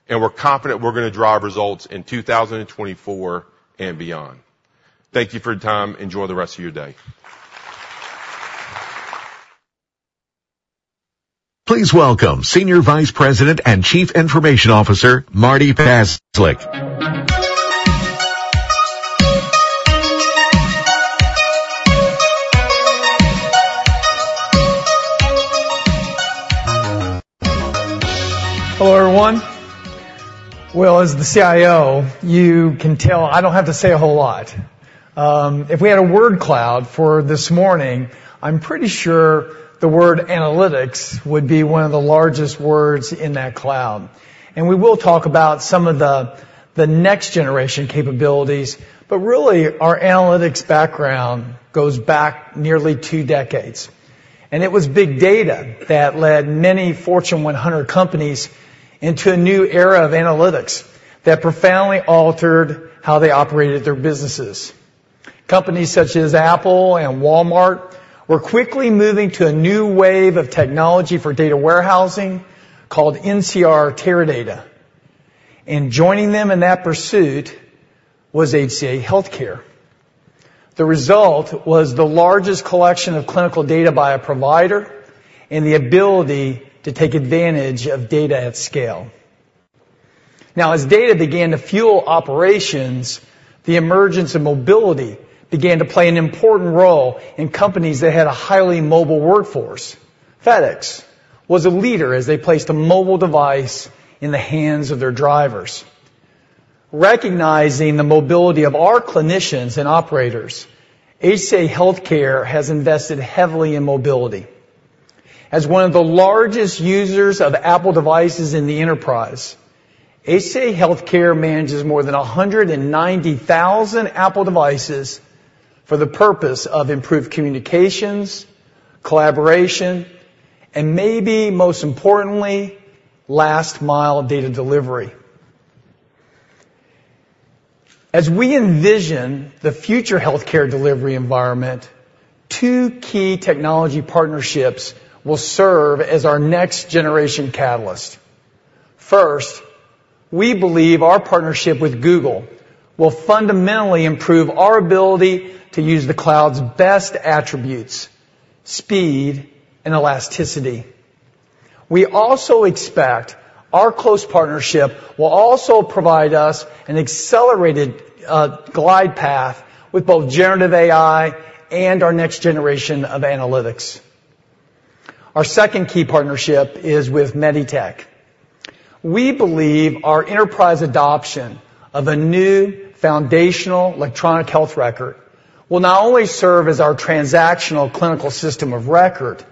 and we're confident we're gonna drive results in 2024 and beyond. Thank you for your time. Enjoy the rest of your day. Please welcome Senior Vice President and Chief Information Officer, Marty Paslick. Hello, everyone. Well, as the CIO, you can tell I don't have to say a whole lot. If we had a word cloud for this morning, I'm pretty sure the word analytics would be one of the largest words in that cloud. We will talk about some of the, the next-generation capabilities, but really, our analytics background goes back nearly two decades, and it was big data that led many Fortune 100 companies into a new era of analytics that profoundly altered how they operated their businesses. Companies such as Apple and Walmart were quickly moving to a new wave of technology for data warehousing called NCR Teradata, and joining them in that pursuit was HCA Healthcare. The result was the largest collection of clinical data by a provider and the ability to take advantage of data at scale. Now, as data began to fuel operations, the emergence of mobility began to play an important role in companies that had a highly mobile workforce. FedEx was a leader as they placed a mobile device in the hands of their drivers. Recognizing the mobility of our clinicians and operators, HCA Healthcare has invested heavily in mobility. As one of the largest users of Apple devices in the enterprise, HCA Healthcare manages more than 190,000 Apple devices for the purpose of improved communications, collaboration, and maybe most importantly, last-mile data delivery. As we envision the future healthcare delivery environment, two key technology partnerships will serve as our next-generation catalyst. First, we believe our partnership with Google will fundamentally improve our ability to use the cloud's best attributes: speed and elasticity. We also expect our close partnership will also provide us an accelerated glide path with both generative AI and our next generation of analytics. Our second key partnership is with MEDITECH. We believe our enterprise adoption of a new foundational electronic health record will not only serve as our transactional clinical system of record,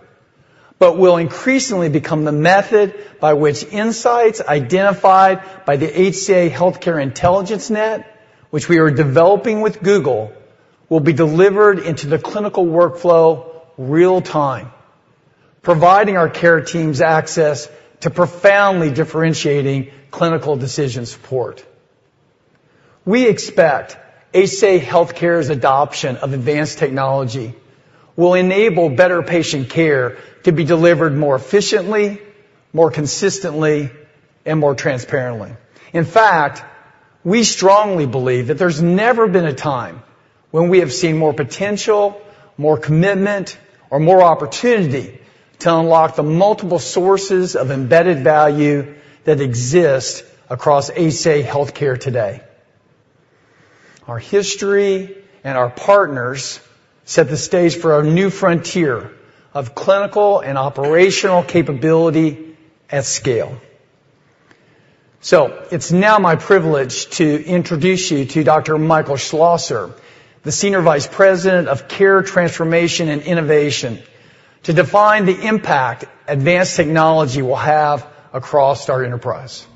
but will increasingly become the method by which insights identified by the HCA Healthcare Intelligence Net, which we are developing with Google, will be delivered into the clinical workflow real time, providing our care teams access to profoundly differentiating clinical decision support. We expect HCA Healthcare's adoption of advanced technology will enable better patient care to be delivered more efficiently, more consistently, and more transparently. In fact, we strongly believe that there's never been a time when we have seen more potential, more commitment, or more opportunity to unlock the multiple sources of embedded value that exist across HCA Healthcare today. Our history and our partners set the stage for a new frontier of clinical and operational capability at scale. So it's now my privilege to introduce you to Dr. Michael Schlosser, the Senior Vice President of Care Transformation and Innovation, to define the impact advanced technology will have across our enterprise.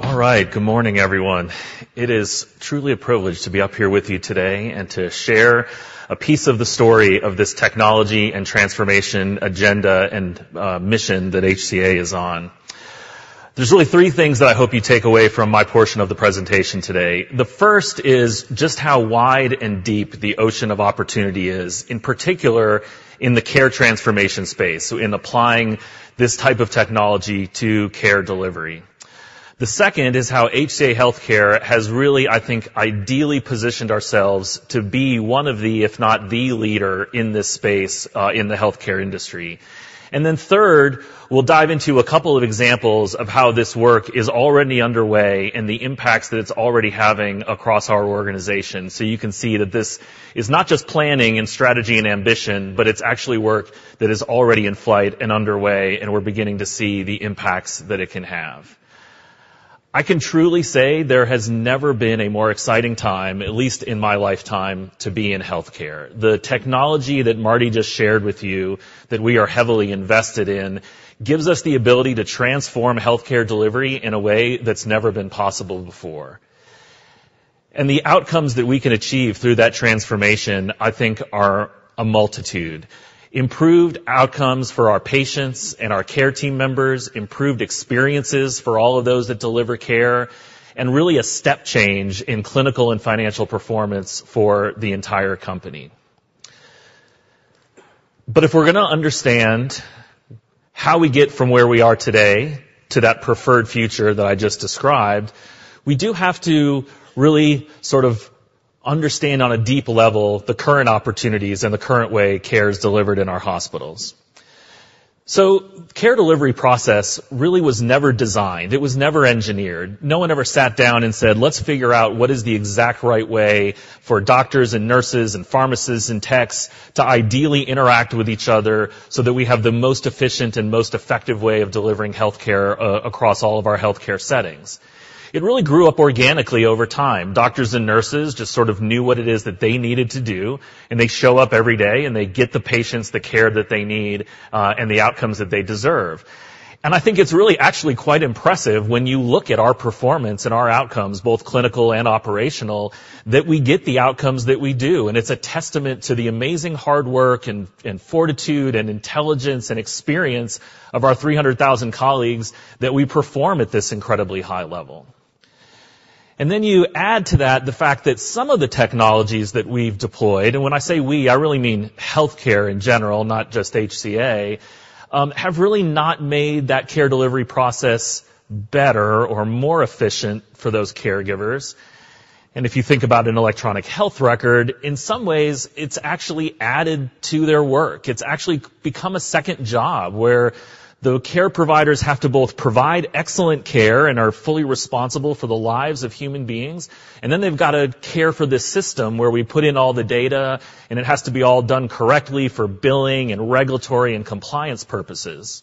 All right. Good morning, everyone. It is truly a privilege to be up here with you today and to share a piece of the story of this technology and transformation agenda and, mission that HCA is on. There's really three things that I hope you take away from my portion of the presentation today. The first is just how wide and deep the ocean of opportunity is, in particular, in the care transformation space, so in applying this type of technology to care delivery. The second is how HCA Healthcare has really, I think, ideally positioned ourselves to be one of the, if not, the leader in this space, in the healthcare industry. And then third, we'll dive into a couple of examples of how this work is already underway and the impacts that it's already having across our organization. So you can see that this is not just planning and strategy and ambition, but it's actually work that is already in flight and underway, and we're beginning to see the impacts that it can have. I can truly say there has never been a more exciting time, at least in my lifetime, to be in healthcare. The technology that Marty just shared with you, that we are heavily invested in, gives us the ability to transform healthcare delivery in a way that's never been possible before. And the outcomes that we can achieve through that transformation, I think, are a multitude. Improved outcomes for our patients and our care team members, improved experiences for all of those that deliver care, and really a step change in clinical and financial performance for the entire company. But if we're gonna understand how we get from where we are today to that preferred future that I just described, we do have to really sort of understand on a deep level, the current opportunities and the current way care is delivered in our hospitals. So care delivery process really was never designed. It was never engineered. No one ever sat down and said, "Let's figure out what is the exact right way for doctors and nurses and pharmacists and techs to ideally interact with each other so that we have the most efficient and most effective way of delivering healthcare across all of our healthcare settings." It really grew up organically over time. Doctors and nurses just sort of knew what it is that they needed to do, and they show up every day, and they get the patients the care that they need, and the outcomes that they deserve. And I think it's really actually quite impressive when you look at our performance and our outcomes, both clinical and operational, that we get the outcomes that we do. And it's a testament to the amazing hard work and fortitude and intelligence and experience of our 300,000 colleagues, that we perform at this incredibly high level. And then you add to that the fact that some of the technologies that we've deployed, and when I say we, I really mean healthcare in general, not just HCA, have really not made that care delivery process better or more efficient for those caregivers. If you think about an electronic health record, in some ways, it's actually added to their work. It's actually become a second job, where the care providers have to both provide excellent care and are fully responsible for the lives of human beings, and then they've got to care for this system, where we put in all the data, and it has to be all done correctly for billing and regulatory and compliance purposes.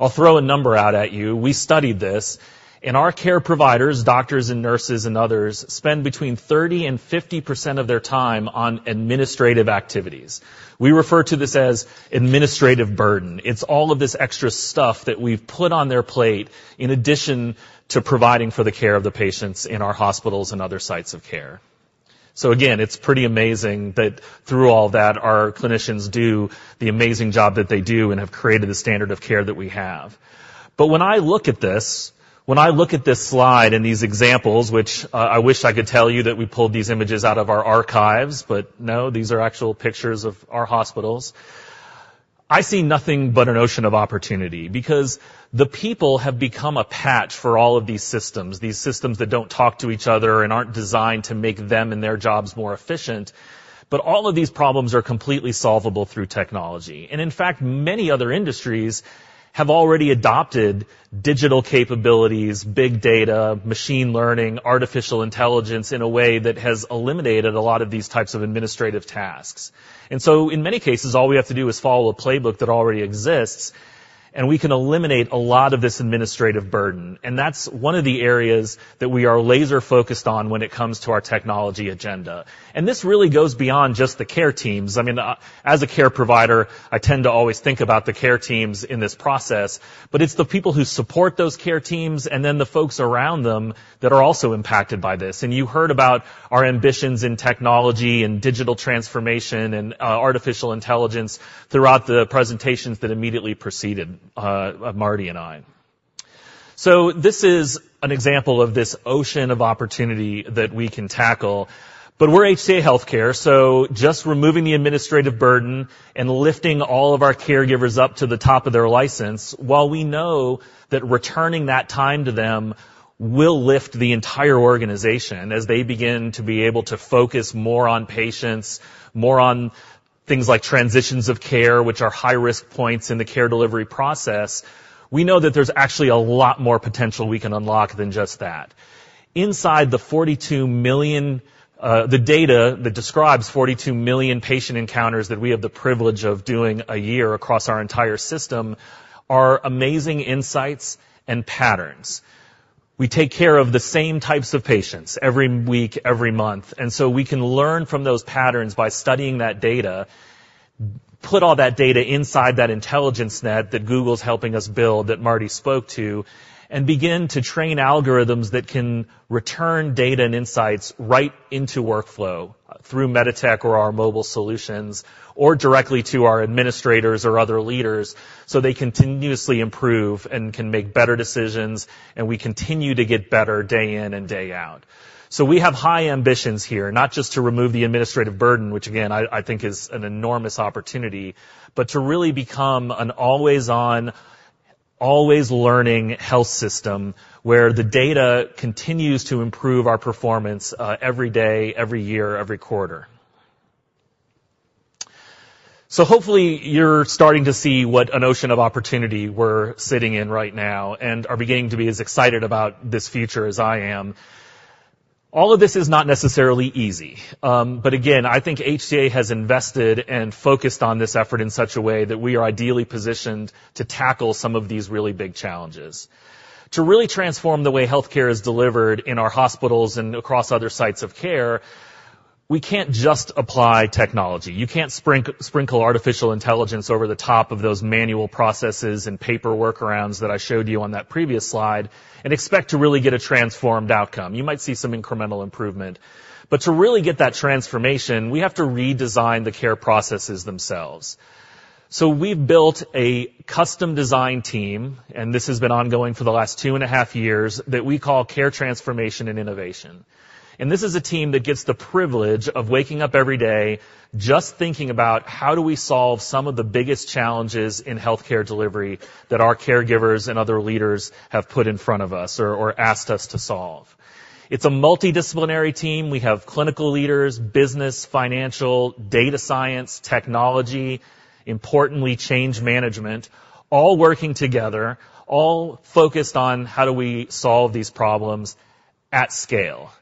I'll throw a number out at you. We studied this, and our care providers, doctors and nurses and others, spend between 30% and 50% of their time on administrative activities. We refer to this as administrative burden. It's all of this extra stuff that we've put on their plate in addition to providing for the care of the patients in our hospitals and other sites of care. So again, it's pretty amazing that through all that, our clinicians do the amazing job that they do and have created the standard of care that we have. But when I look at this, when I look at this slide and these examples, which, I wish I could tell you that we pulled these images out of our archives, but no, these are actual pictures of our hospitals, I see nothing but an ocean of opportunity because the people have become a patch for all of these systems, these systems that don't talk to each other and aren't designed to make them and their jobs more efficient. But all of these problems are completely solvable through technology. And in fact, many other industries have already adopted digital capabilities, big data, machine learning, artificial intelligence, in a way that has eliminated a lot of these types of administrative tasks. In many cases, all we have to do is follow a playbook that already exists, and we can eliminate a lot of this administrative burden. That's one of the areas that we are laser-focused on when it comes to our technology agenda. This really goes beyond just the care teams. I mean, as a care provider, I tend to always think about the care teams in this process, but it's the people who support those care teams and then the folks around them that are also impacted by this. You heard about our ambitions in technology and digital transformation and artificial intelligence throughout the presentations that immediately preceded Marty and I. This is an example of this ocean of opportunity that we can tackle. But we're HCA Healthcare, so just removing the administrative burden and lifting all of our caregivers up to the top of their license, while we know that returning that time to them will lift the entire organization as they begin to be able to focus more on patients, more on things like transitions of care, which are high-risk points in the care delivery process, we know that there's actually a lot more potential we can unlock than just that. Inside the 42,000,000, the data that describes 42,000,000 patient encounters that we have the privilege of doing a year across our entire system, are amazing insights and patterns. We take care of the same types of patients every week, every month, and so we can learn from those patterns by studying that data, put all that data inside that intelligence net that Google's helping us build, that Marty spoke to, and begin to train algorithms that can return data and insights right into workflow, through MEDITECH or our mobile solutions, or directly to our administrators or other leaders, so they continuously improve and can make better decisions, and we continue to get better day in and day out. So we have high ambitions here, not just to remove the administrative burden, which again, I, I think is an enormous opportunity, but to really become an always-on, always-learning health system, where the data continues to improve our performance, every day, every year, every quarter. So hopefully, you're starting to see what an ocean of opportunity we're sitting in right now and are beginning to be as excited about this future as I am. All of this is not necessarily easy, but again, I think HCA has invested and focused on this effort in such a way that we are ideally positioned to tackle some of these really big challenges. To really transform the way healthcare is delivered in our hospitals and across other sites of care, we can't just apply technology. You can't sprinkle artificial intelligence over the top of those manual processes and paper workarounds that I showed you on that previous slide and expect to really get a transformed outcome. You might see some incremental improvement, but to really get that transformation, we have to redesign the care processes themselves. So we've built a custom design team, and this has been ongoing for the last 2.5 years, that we call Care Transformation and Innovation. This is a team that gets the privilege of waking up every day just thinking about: how do we solve some of the biggest challenges in healthcare delivery that our caregivers and other leaders have put in front of us or, or asked us to solve? It's a multidisciplinary team. We have clinical leaders, business, financial, data science, technology, importantly, change management, all working together, all focused on how do we solve these problems at scale.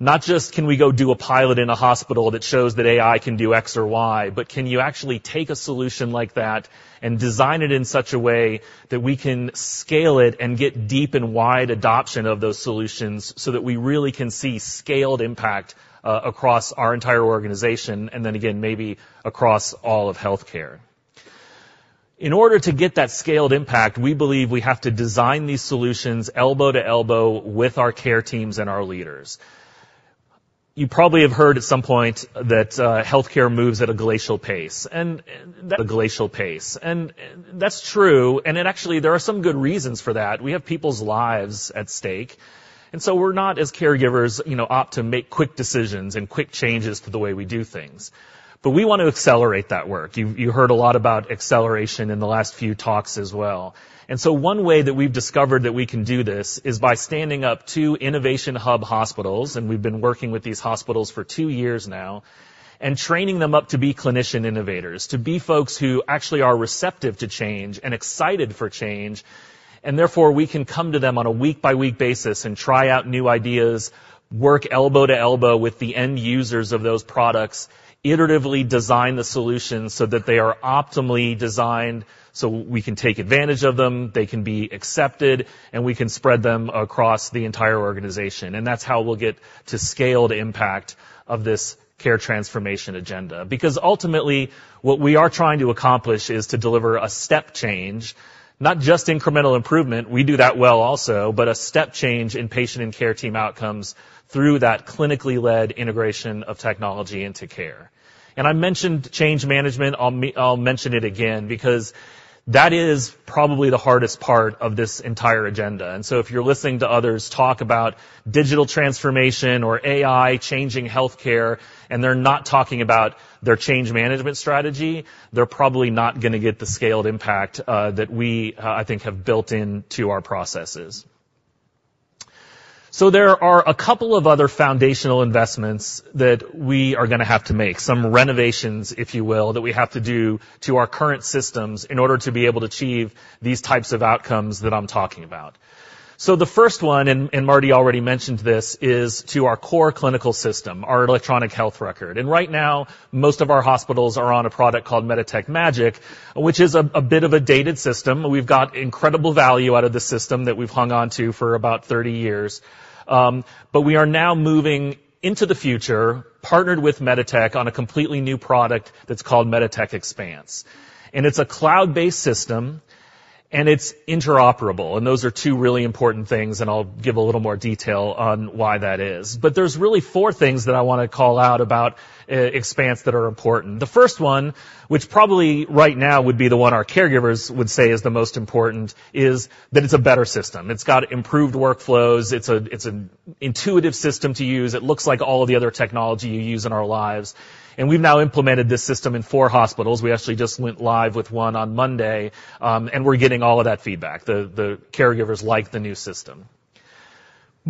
Not just, can we go do a pilot in a hospital that shows that AI can do X or Y, but can you actually take a solution like that and design it in such a way that we can scale it and get deep and wide adoption of those solutions so that we really can see scaled impact across our entire organization, and then again, maybe across all of healthcare? In order to get that scaled impact, we believe we have to design these solutions elbow to elbow with our care teams and our leaders. You probably have heard at some point that healthcare moves at a glacial pace, and that's true, actually, there are some good reasons for that. We have people's lives at stake, and so we're not, as caregivers, you know, apt to make quick decisions and quick changes to the way we do things. But we want to accelerate that work. You've heard a lot about acceleration in the last few talks as well. One way that we've discovered that we can do this is by standing up 2 innovation hub hospitals, and we've been working with these hospitals for 2 years now, and training them up to be clinician innovators, to be folks who actually are receptive to change and excited for change, and therefore, we can come to them on a week-by-week basis and try out new ideas, work elbow to elbow with the end users of those products, iteratively design the solutions so that they are optimally designed, so we can take advantage of them, they can be accepted, and we can spread them across the entire organization. That's how we'll get to scaled impact of this care transformation agenda. Because ultimately, what we are trying to accomplish is to deliver a step change, not just incremental improvement. We do that well also, but a step change in patient and care team outcomes through that clinically led integration of technology into care. I mentioned change management. I'll mention it again, because that is probably the hardest part of this entire agenda. So if you're listening to others talk about digital transformation or AI changing healthcare, and they're not talking about their change management strategy, they're probably not gonna get the scaled impact that we, I think, have built into our processes. So there are a couple of other foundational investments that we are going to have to make, some renovations, if you will, that we have to do to our current systems in order to be able to achieve these types of outcomes that I'm talking about. So the first one, and Marty already mentioned this, is to our core clinical system, our electronic health record. And right now, most of our hospitals are on a product called MEDITECH Magic, which is a bit of a dated system. We've got incredible value out of the system that we've hung on to for about 30 years. But we are now moving into the future, partnered with MEDITECH on a completely new product that's called MEDITECH Expanse. It's a cloud-based system, and it's interoperable, and those are two really important things, and I'll give a little more detail on why that is. But there's really four things that I want to call out about Expanse that are important. The first one, which probably right now would be the one our caregivers would say is the most important, is that it's a better system. It's got improved workflows. It's an intuitive system to use. It looks like all of the other technology we use in our lives, and we've now implemented this system in four hospitals. We actually just went live with one on Monday, and we're getting all of that feedback. The caregivers like the new system.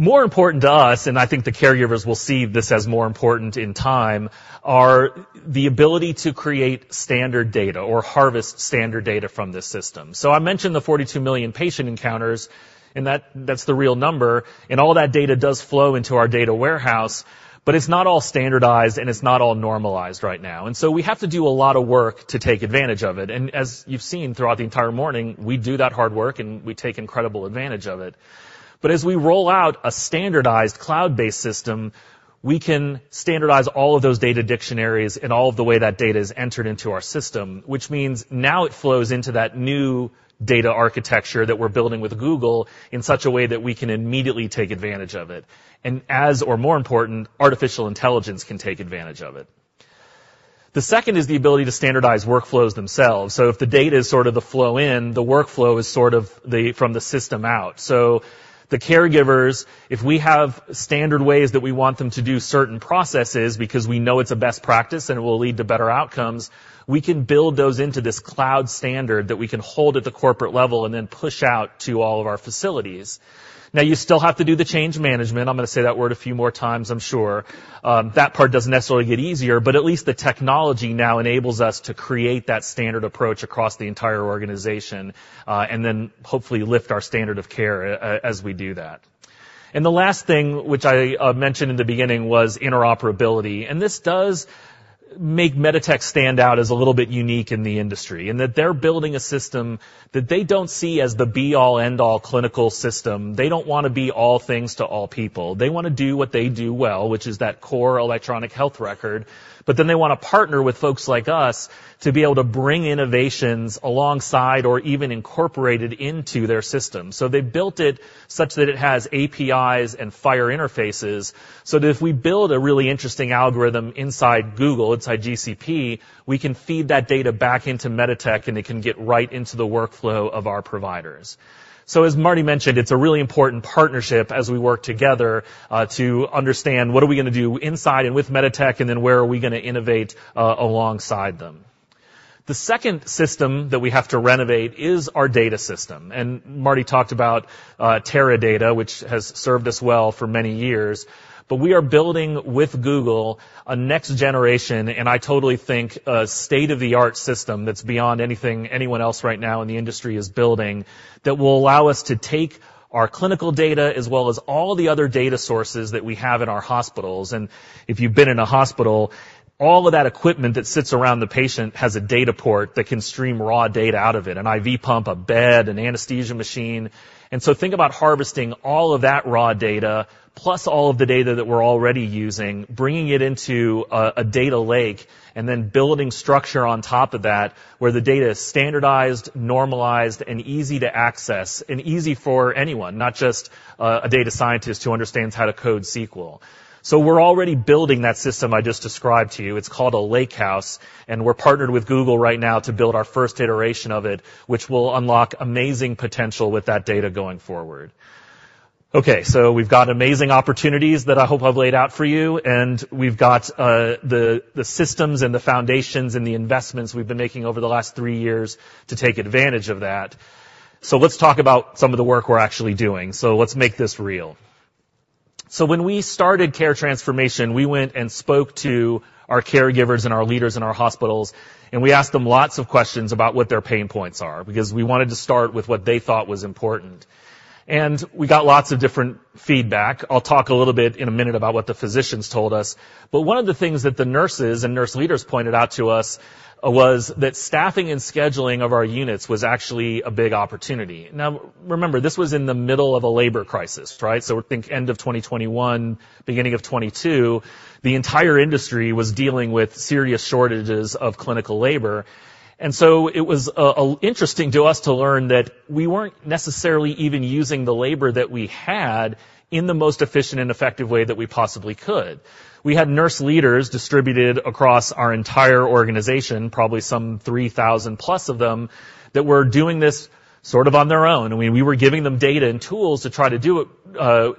More important to us, and I think the caregivers will see this as more important in time, are the ability to create standard data or harvest standard data from the system. So I mentioned the 42,000,000 patient encounters, and that- that's the real number, and all that data does flow into our data warehouse, but it's not all standardized, and it's not all normalized right now. So we have to do a lot of work to take advantage of it. As you've seen throughout the entire morning, we do that hard work, and we take incredible advantage of it. But as we roll out a standardized cloud-based system, we can standardize all of those data dictionaries and all of the way that data is entered into our system, which means now it flows into that new data architecture that we're building with Google in such a way that we can immediately take advantage of it, and as or more important, artificial intelligence can take advantage of it. The second is the ability to standardize workflows themselves. So if the data is sort of the flow in, the workflow is sort of the from the system out. So the caregivers, if we have standard ways that we want them to do certain processes because we know it's a best practice and it will lead to better outcomes, we can build those into this cloud standard that we can hold at the corporate level and then push out to all of our facilities. Now, you still have to do the change management. I'm going to say that word a few more times I'm sure. That part doesn't necessarily get easier, but at least the technology now enables us to create that standard approach across the entire organization, and then hopefully lift our standard of care as we do that. The last thing, which I mentioned in the beginning, was interoperability, and this does make MEDITECH stand out as a little bit unique in the industry, and that they're building a system that they don't see as the be-all, end-all clinical system. They don't want to be all things to all people. They want to do what they do well, which is that core electronic health record. But then they want to partner with folks like us to be able to bring innovations alongside or even incorporated into their system. So they built it such that it has APIs and FHIR interfaces, so that if we build a really interesting algorithm inside Google, inside GCP, we can feed that data back into MEDITECH, and it can get right into the workflow of our providers. So as Marty mentioned, it's a really important partnership as we work together to understand what are we gonna do inside and with MEDITECH, and then where are we gonna innovate alongside them. The second system that we have to renovate is our data system, and Marty talked about Teradata, which has served us well for many years. But we are building with Google, a next generation, and I totally think a state-of-the-art system that's beyond anything anyone else right now in the industry is building, that will allow us to take our clinical data, as well as all the other data sources that we have in our hospitals. And if you've been in a hospital, all of that equipment that sits around the patient has a data port that can stream raw data out of it, an IV pump, a bed, an anesthesia machine. Think about harvesting all of that raw data, plus all of the data that we're already using, bringing it into a data lake, and then building structure on top of that, where the data is standardized, normalized, and easy to access, and easy for anyone, not just a data scientist who understands how to code SQL. We're already building that system I just described to you. It's called Lake House, and we're partnered with Google right now to build our first iteration of it, which will unlock amazing potential with that data going forward. Okay, we've got amazing opportunities that I hope I've laid out for you, and we've got the systems and the foundations and the investments we've been making over the last three years to take advantage of that. So let's talk about some of the work we're actually doing. So let's make this real. So when we started care transformation, we went and spoke to our caregivers and our leaders in our hospitals, and we asked them lots of questions about what their pain points are, because we wanted to start with what they thought was important. And we got lots of different feedback. I'll talk a little bit in a minute about what the physicians told us, but one of the things that the nurses and nurse leaders pointed out to us was that staffing and scheduling of our units was actually a big opportunity. Now, remember, this was in the middle of a labor crisis, right? So think end of 2021, beginning of 2022, the entire industry was dealing with serious shortages of clinical labor. So it was interesting to us to learn that we weren't necessarily even using the labor that we had in the most efficient and effective way that we possibly could. We had nurse leaders distributed across our entire organization, probably some 3,000 plus of them, that were doing this sort of on their own. I mean, we were giving them data and tools to try to do it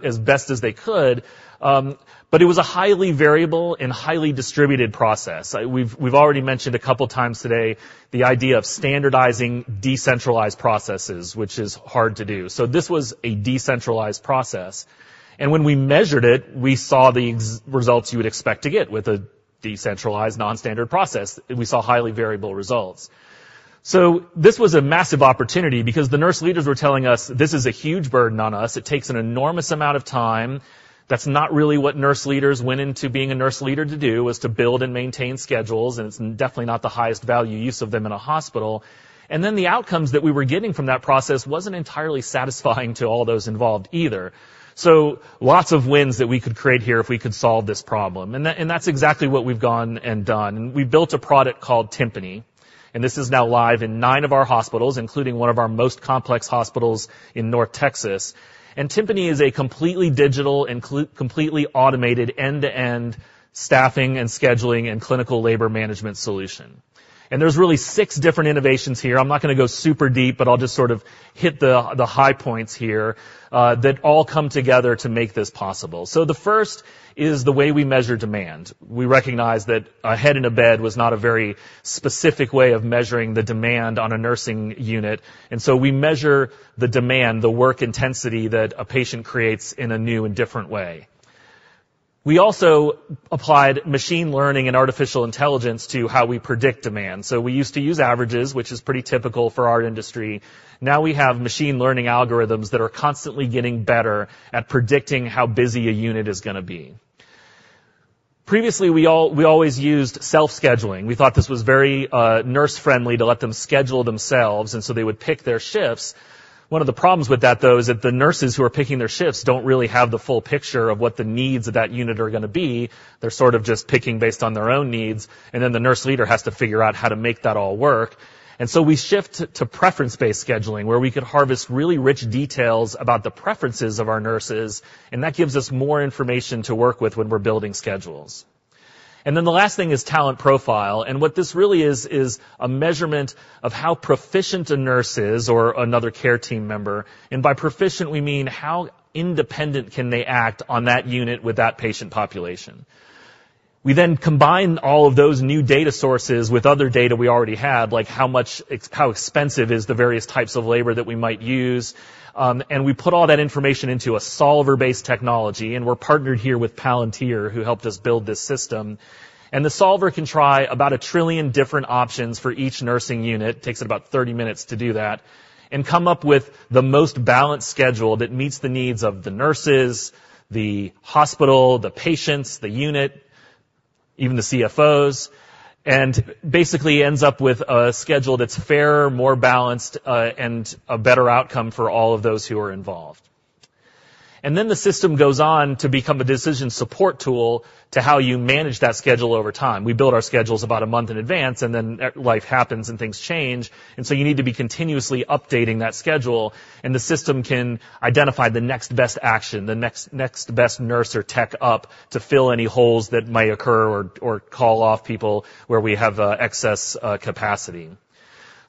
as best as they could, but it was a highly variable and highly distributed process. We've already mentioned a couple of times today the idea of standardizing decentralized processes, which is hard to do. So this was a decentralized process, and when we measured it, we saw the results you would expect to get with decentralized, nonstandard process, and we saw highly variable results. So this was a massive opportunity because the nurse leaders were telling us: This is a huge burden on us. It takes an enormous amount of time. That's not really what nurse leaders went into being a nurse leader to do, was to build and maintain schedules, and it's definitely not the highest value use of them in a hospital. And then the outcomes that we were getting from that process wasn't entirely satisfying to all those involved either. So lots of wins that we could create here if we could solve this problem, and that, and that's exactly what we've gone and done. We built a product called Timpani, and this is now live in nine of our hospitals, including one of our most complex hospitals in North Texas. And Timpani is a completely digital, completely automated, end-to-end staffing and scheduling, and clinical labor management solution. There's really six different innovations here. I'm not gonna go super deep, but I'll just sort of hit the high points here that all come together to make this possible. So the first is the way we measure demand. We recognize that a head in a bed was not a very specific way of measuring the demand on a nursing unit, and so we measure the demand, the work intensity that a patient creates in a new and different way. We also applied machine learning and artificial intelligence to how we predict demand. So we used to use averages, which is pretty typical for our industry. Now we have machine learning algorithms that are constantly getting better at predicting how busy a unit is gonna be. Previously, we always used self-scheduling. We thought this was very, nurse-friendly to let them schedule themselves, and so they would pick their shifts. One of the problems with that, though, is if the nurses who are picking their shifts don't really have the full picture of what the needs of that unit are gonna be, they're sort of just picking based on their own needs, and then the nurse leader has to figure out how to make that all work. And so we shift to preference-based scheduling, where we could harvest really rich details about the preferences of our nurses, and that gives us more information to work with when we're building schedules. And then the last thing is talent profile. And what this really is, is a measurement of how proficient a nurse is or another care team member. By proficient, we mean how independent can they act on that unit with that patient population? We then combine all of those new data sources with other data we already have, like how much... how expensive is the various types of labor that we might use? And we put all that information into a solver-based technology, and we're partnered here with Palantir, who helped us build this system. And the solver can try about 1,000,000,000,000 different options for each nursing unit. Takes it about 30 minutes to do that and come up with the most balanced schedule that meets the needs of the nurses, the hospital, the patients, the unit, even the CFOs, and basically ends up with a schedule that's fairer, more balanced, and a better outcome for all of those who are involved. And then the system goes on to become a decision support tool to how you manage that schedule over time. We build our schedules about a month in advance, and then life happens and things change, and so you need to be continuously updating that schedule, and the system can identify the next best action, the next best nurse or tech to fill any holes that might occur or call off people where we have excess capacity.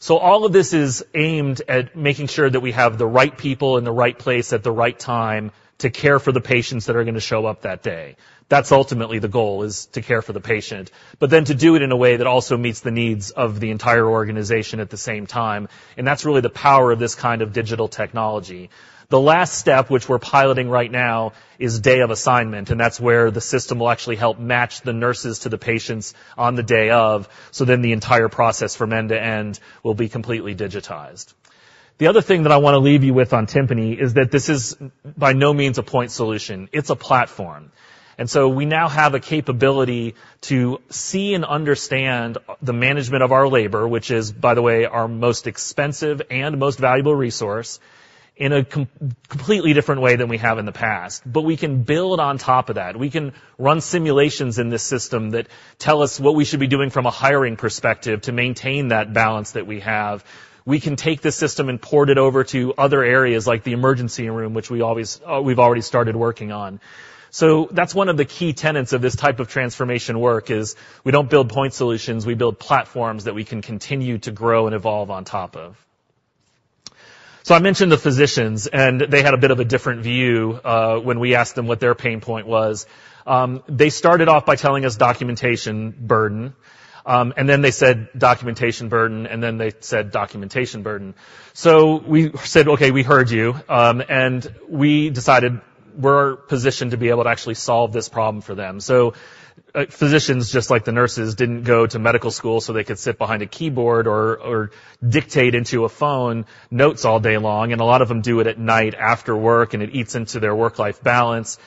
So all of this is aimed at making sure that we have the right people in the right place at the right time to care for the patients that are gonna show up that day. That's ultimately the goal, is to care for the patient, but then to do it in a way that also meets the needs of the entire organization at the same time, and that's really the power of this kind of digital technology. The last step, which we're piloting right now, is day of assignment, and that's where the system will actually help match the nurses to the patients on the day of, so then the entire process from end to end will be completely digitized. The other thing that I want to leave you with on Timpani is that this is by no means a point solution. It's a platform. And so we now have a capability to see and understand the management of our labor, which is, by the way, our most expensive and most valuable resource, in a completely different way than we have in the past. But we can build on top of that. We can run simulations in this system that tell us what we should be doing from a hiring perspective to maintain that balance that we have. We can take this system and port it over to other areas, like the emergency room, which we always, we've already started working on. So that's one of the key tenets of this type of transformation work, is we don't build point solutions, we build platforms that we can continue to grow and evolve on top of. So I mentioned the physicians, and they had a bit of a different view, when we asked them what their pain point was. They started off by telling us documentation burden, and then they said documentation burden, and then they said documentation burden. So we said, "Okay, we heard you," and we decided we're positioned to be able to actually solve this problem for them. So, physicians, just like the nurses, didn't go to medical school so they could sit behind a keyboard or dictate into a phone notes all day long, and a lot of them do it at night after work, and it eats into their work-life balance.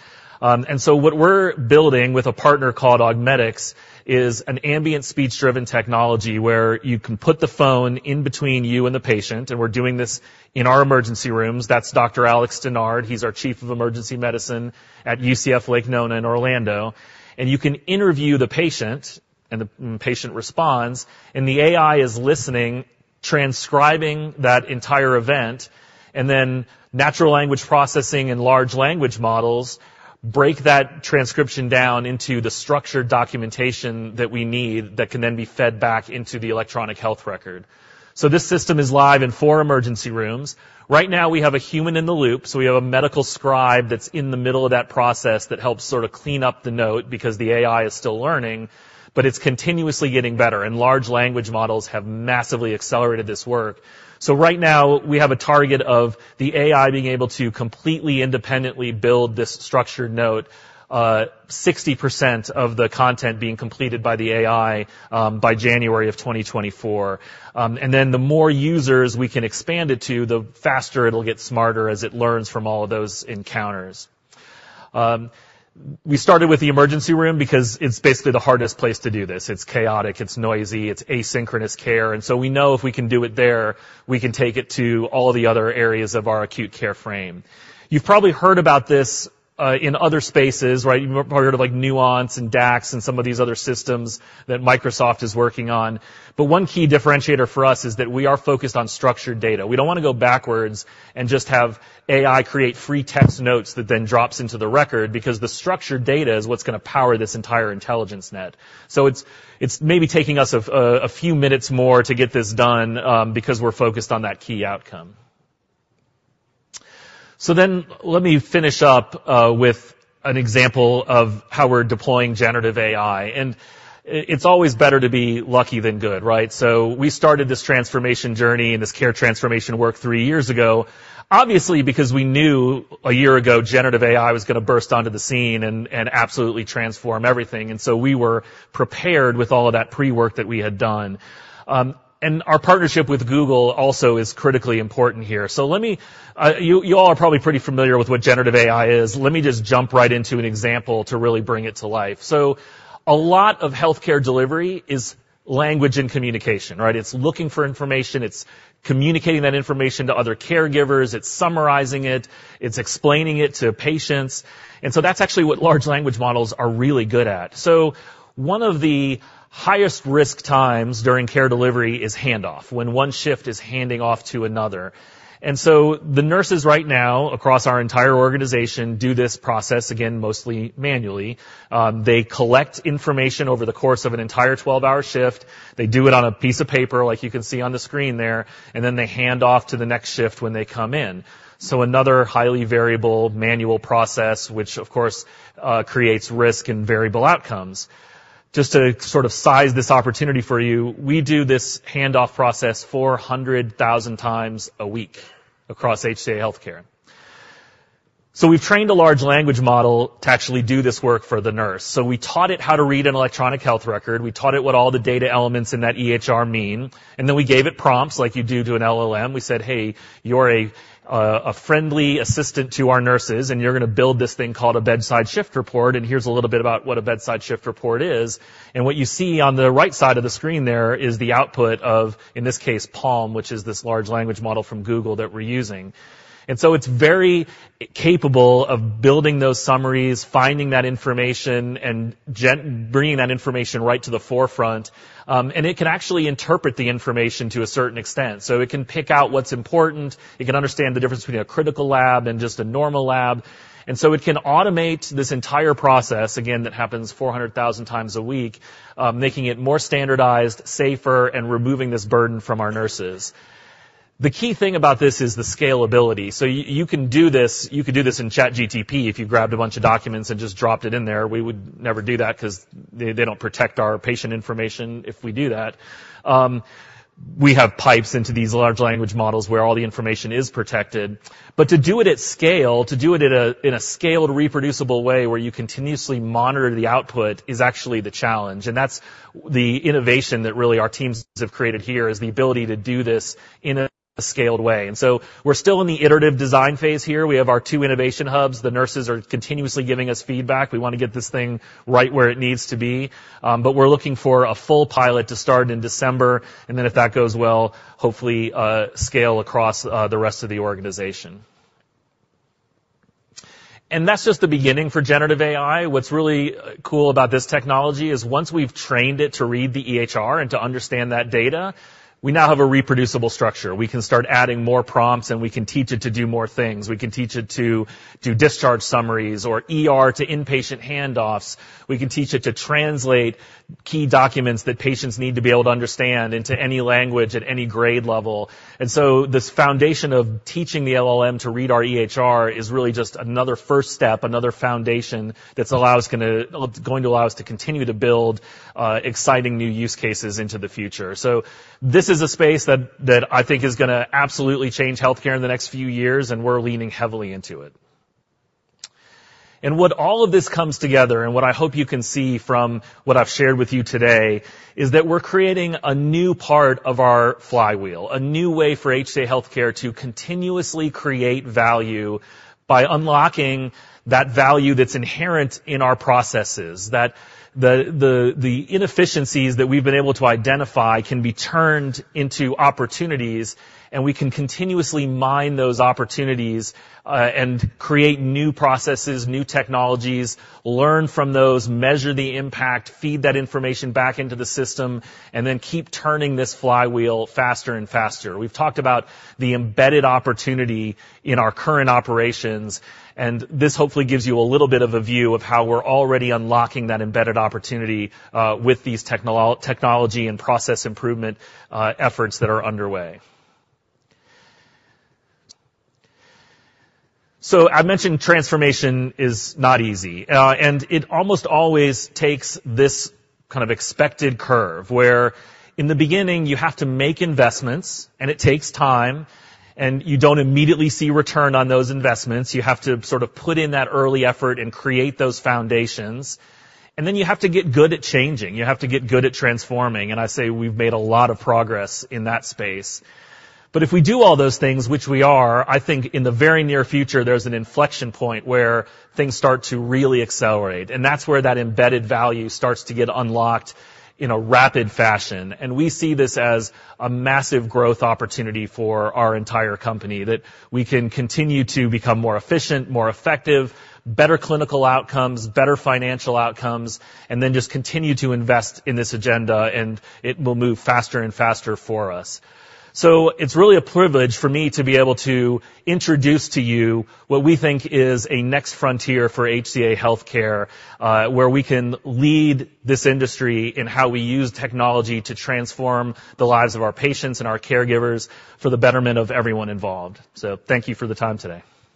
And so what we're building with a partner called Augmedix, is an ambient, speech-driven technology, where you can put the phone in between you and the patient, and we're doing this in our emergency rooms. That's Dr. Alex Dennard. He's our Chief of Emergency Medicine at UCF Lake Nona in Orlando. You can interview the patient, and the patient responds, and the AI is listening, transcribing that entire event, and then natural language processing and large language models break that transcription down into the structured documentation that we need that can then be fed back into the electronic health record. So this system is live in 4 emergency rooms. Right now, we have a human in the loop, so we have a medical scribe that's in the middle of that process that helps sort of clean up the note because the AI is still learning, but it's continuously getting better, and large language models have massively accelerated this work. So right now we have a target of the AI being able to completely independently build this structured note, 60% of the content being completed by the AI, by January of 2024. The more users we can expand it to, the faster it'll get smarter as it learns from all of those encounters. We started with the emergency room because it's basically the hardest place to do this. It's chaotic, it's noisy, it's asynchronous care, and so we know if we can do it there, we can take it to all the other areas of our acute care frame. You've probably heard about this in other spaces, right? You've probably heard of, like, Nuance and DAX and some of these other systems that Microsoft is working on. One key differentiator for us is that we are focused on structured data. We don't wanna go backwards and just have AI create free text notes that then drops into the record, because the structured data is what's gonna power this entire intelligence net. So it's maybe taking us a few minutes more to get this done, because we're focused on that key outcome. So then let me finish up with an example of how we're deploying generative AI. And it's always better to be lucky than good, right? So we started this transformation journey and this care transformation work three years ago, obviously, because we knew a year ago, generative AI was gonna burst onto the scene and absolutely transform everything, and so we were prepared with all of that pre-work that we had done. And our partnership with Google also is critically important here. So let me. You all are probably pretty familiar with what generative AI is. Let me just jump right into an example to really bring it to life. So a lot of healthcare delivery is language and communication, right? It's looking for information, it's communicating that information to other caregivers, it's summarizing it, it's explaining it to patients, and so that's actually what large language models are really good at. So one of the highest-risk times during care delivery is handoff, when one shift is handing off to another. And so the nurses right now, across our entire organization, do this process, again, mostly manually. They collect information over the course of an entire 12-hour shift. They do it on a piece of paper, like you can see on the screen there, and then they hand off to the next shift when they come in. So another highly variable manual process, which, of course, creates risk and variable outcomes. Just to sort of size this opportunity for you, we do this handoff process 400,000 times a week across HCA Healthcare. So we've trained a large language model to actually do this work for the nurse. We taught it how to read an electronic health record. We taught it what all the data elements in that EHR mean, and then we gave it prompts like you do to an LLM. We said, "Hey, you're a friendly assistant to our nurses, and you're gonna build this thing called a bedside shift report, and here's a little bit about what a bedside shift report is." What you see on the right side of the screen there is the output of, in this case, PaLM, which is this large language model from Google that we're using. So it's very capable of building those summaries, finding that information, and bringing that information right to the forefront. And it can actually interpret the information to a certain extent. So it can pick out what's important, it can understand the difference between a critical lab and just a normal lab, and so it can automate this entire process, again, that happens 400,000 times a week, making it more standardized, safer, and removing this burden from our nurses. The key thing about this is the scalability. So you can do this - you could do this in ChatGPT if you grabbed a bunch of documents and just dropped it in there. We would never do that 'cause they, they don't protect our patient information if we do that. We have pipes into these large language models where all the information is protected. But to do it in a scaled, reproducible way, where you continuously monitor the output, is actually the challenge, and that's the innovation that really our teams have created here, is the ability to do this in a scaled way. And so we're still in the iterative design phase here. We have our two innovation hubs. The nurses are continuously giving us feedback. We wanna get this thing right where it needs to be, but we're looking for a full pilot to start in December, and then if that goes well, hopefully, scale across the rest of the organization. And that's just the beginning for Generative AI. What's really cool about this technology is once we've trained it to read the EHR and to understand that data, we now have a reproducible structure. We can start adding more prompts, and we can teach it to do more things. We can teach it to do discharge summaries or ER to inpatient handoffs. We can teach it to translate key documents that patients need to be able to understand into any language at any grade level. And so this foundation of teaching the LLM to read our EHR is really just another first step, another foundation that's gonna allow us to continue to build exciting new use cases into the future. So this is a space that I think is gonna absolutely change healthcare in the next few years, and we're leaning heavily into it. What all of this comes together, and what I hope you can see from what I've shared with you today, is that we're creating a new part of our flywheel, a new way for HCA Healthcare to continuously create value by unlocking that value that's inherent in our processes. That the inefficiencies that we've been able to identify can be turned into opportunities, and we can continuously mine those opportunities, and create new processes, new technologies, learn from those, measure the impact, feed that information back into the system, and then keep turning this flywheel faster and faster. We've talked about the embedded opportunity in our current operations, and this hopefully gives you a little bit of a view of how we're already unlocking that embedded opportunity, with these technology and process improvement efforts that are underway. So I mentioned transformation is not easy, and it almost always takes this kind of expected curve, where in the beginning, you have to make investments, and it takes time, and you don't immediately see return on those investments. You have to sort of put in that early effort and create those foundations, and then you have to get good at changing. You have to get good at transforming, and I'd say we've made a lot of progress in that space. But if we do all those things, which we are, I think in the very near future, there's an inflection point where things start to really accelerate, and that's where that embedded value starts to get unlocked in a rapid fashion. We see this as a massive growth opportunity for our entire company, that we can continue to become more efficient, more effective, better clinical outcomes, better financial outcomes, and then just continue to invest in this agenda, and it will move faster and faster for us. It's really a privilege for me to be able to introduce to you what we think is a next frontier for HCA Healthcare, where we can lead this industry in how we use technology to transform the lives of our patients and our caregivers for the betterment of everyone involved. Thank you for the time today.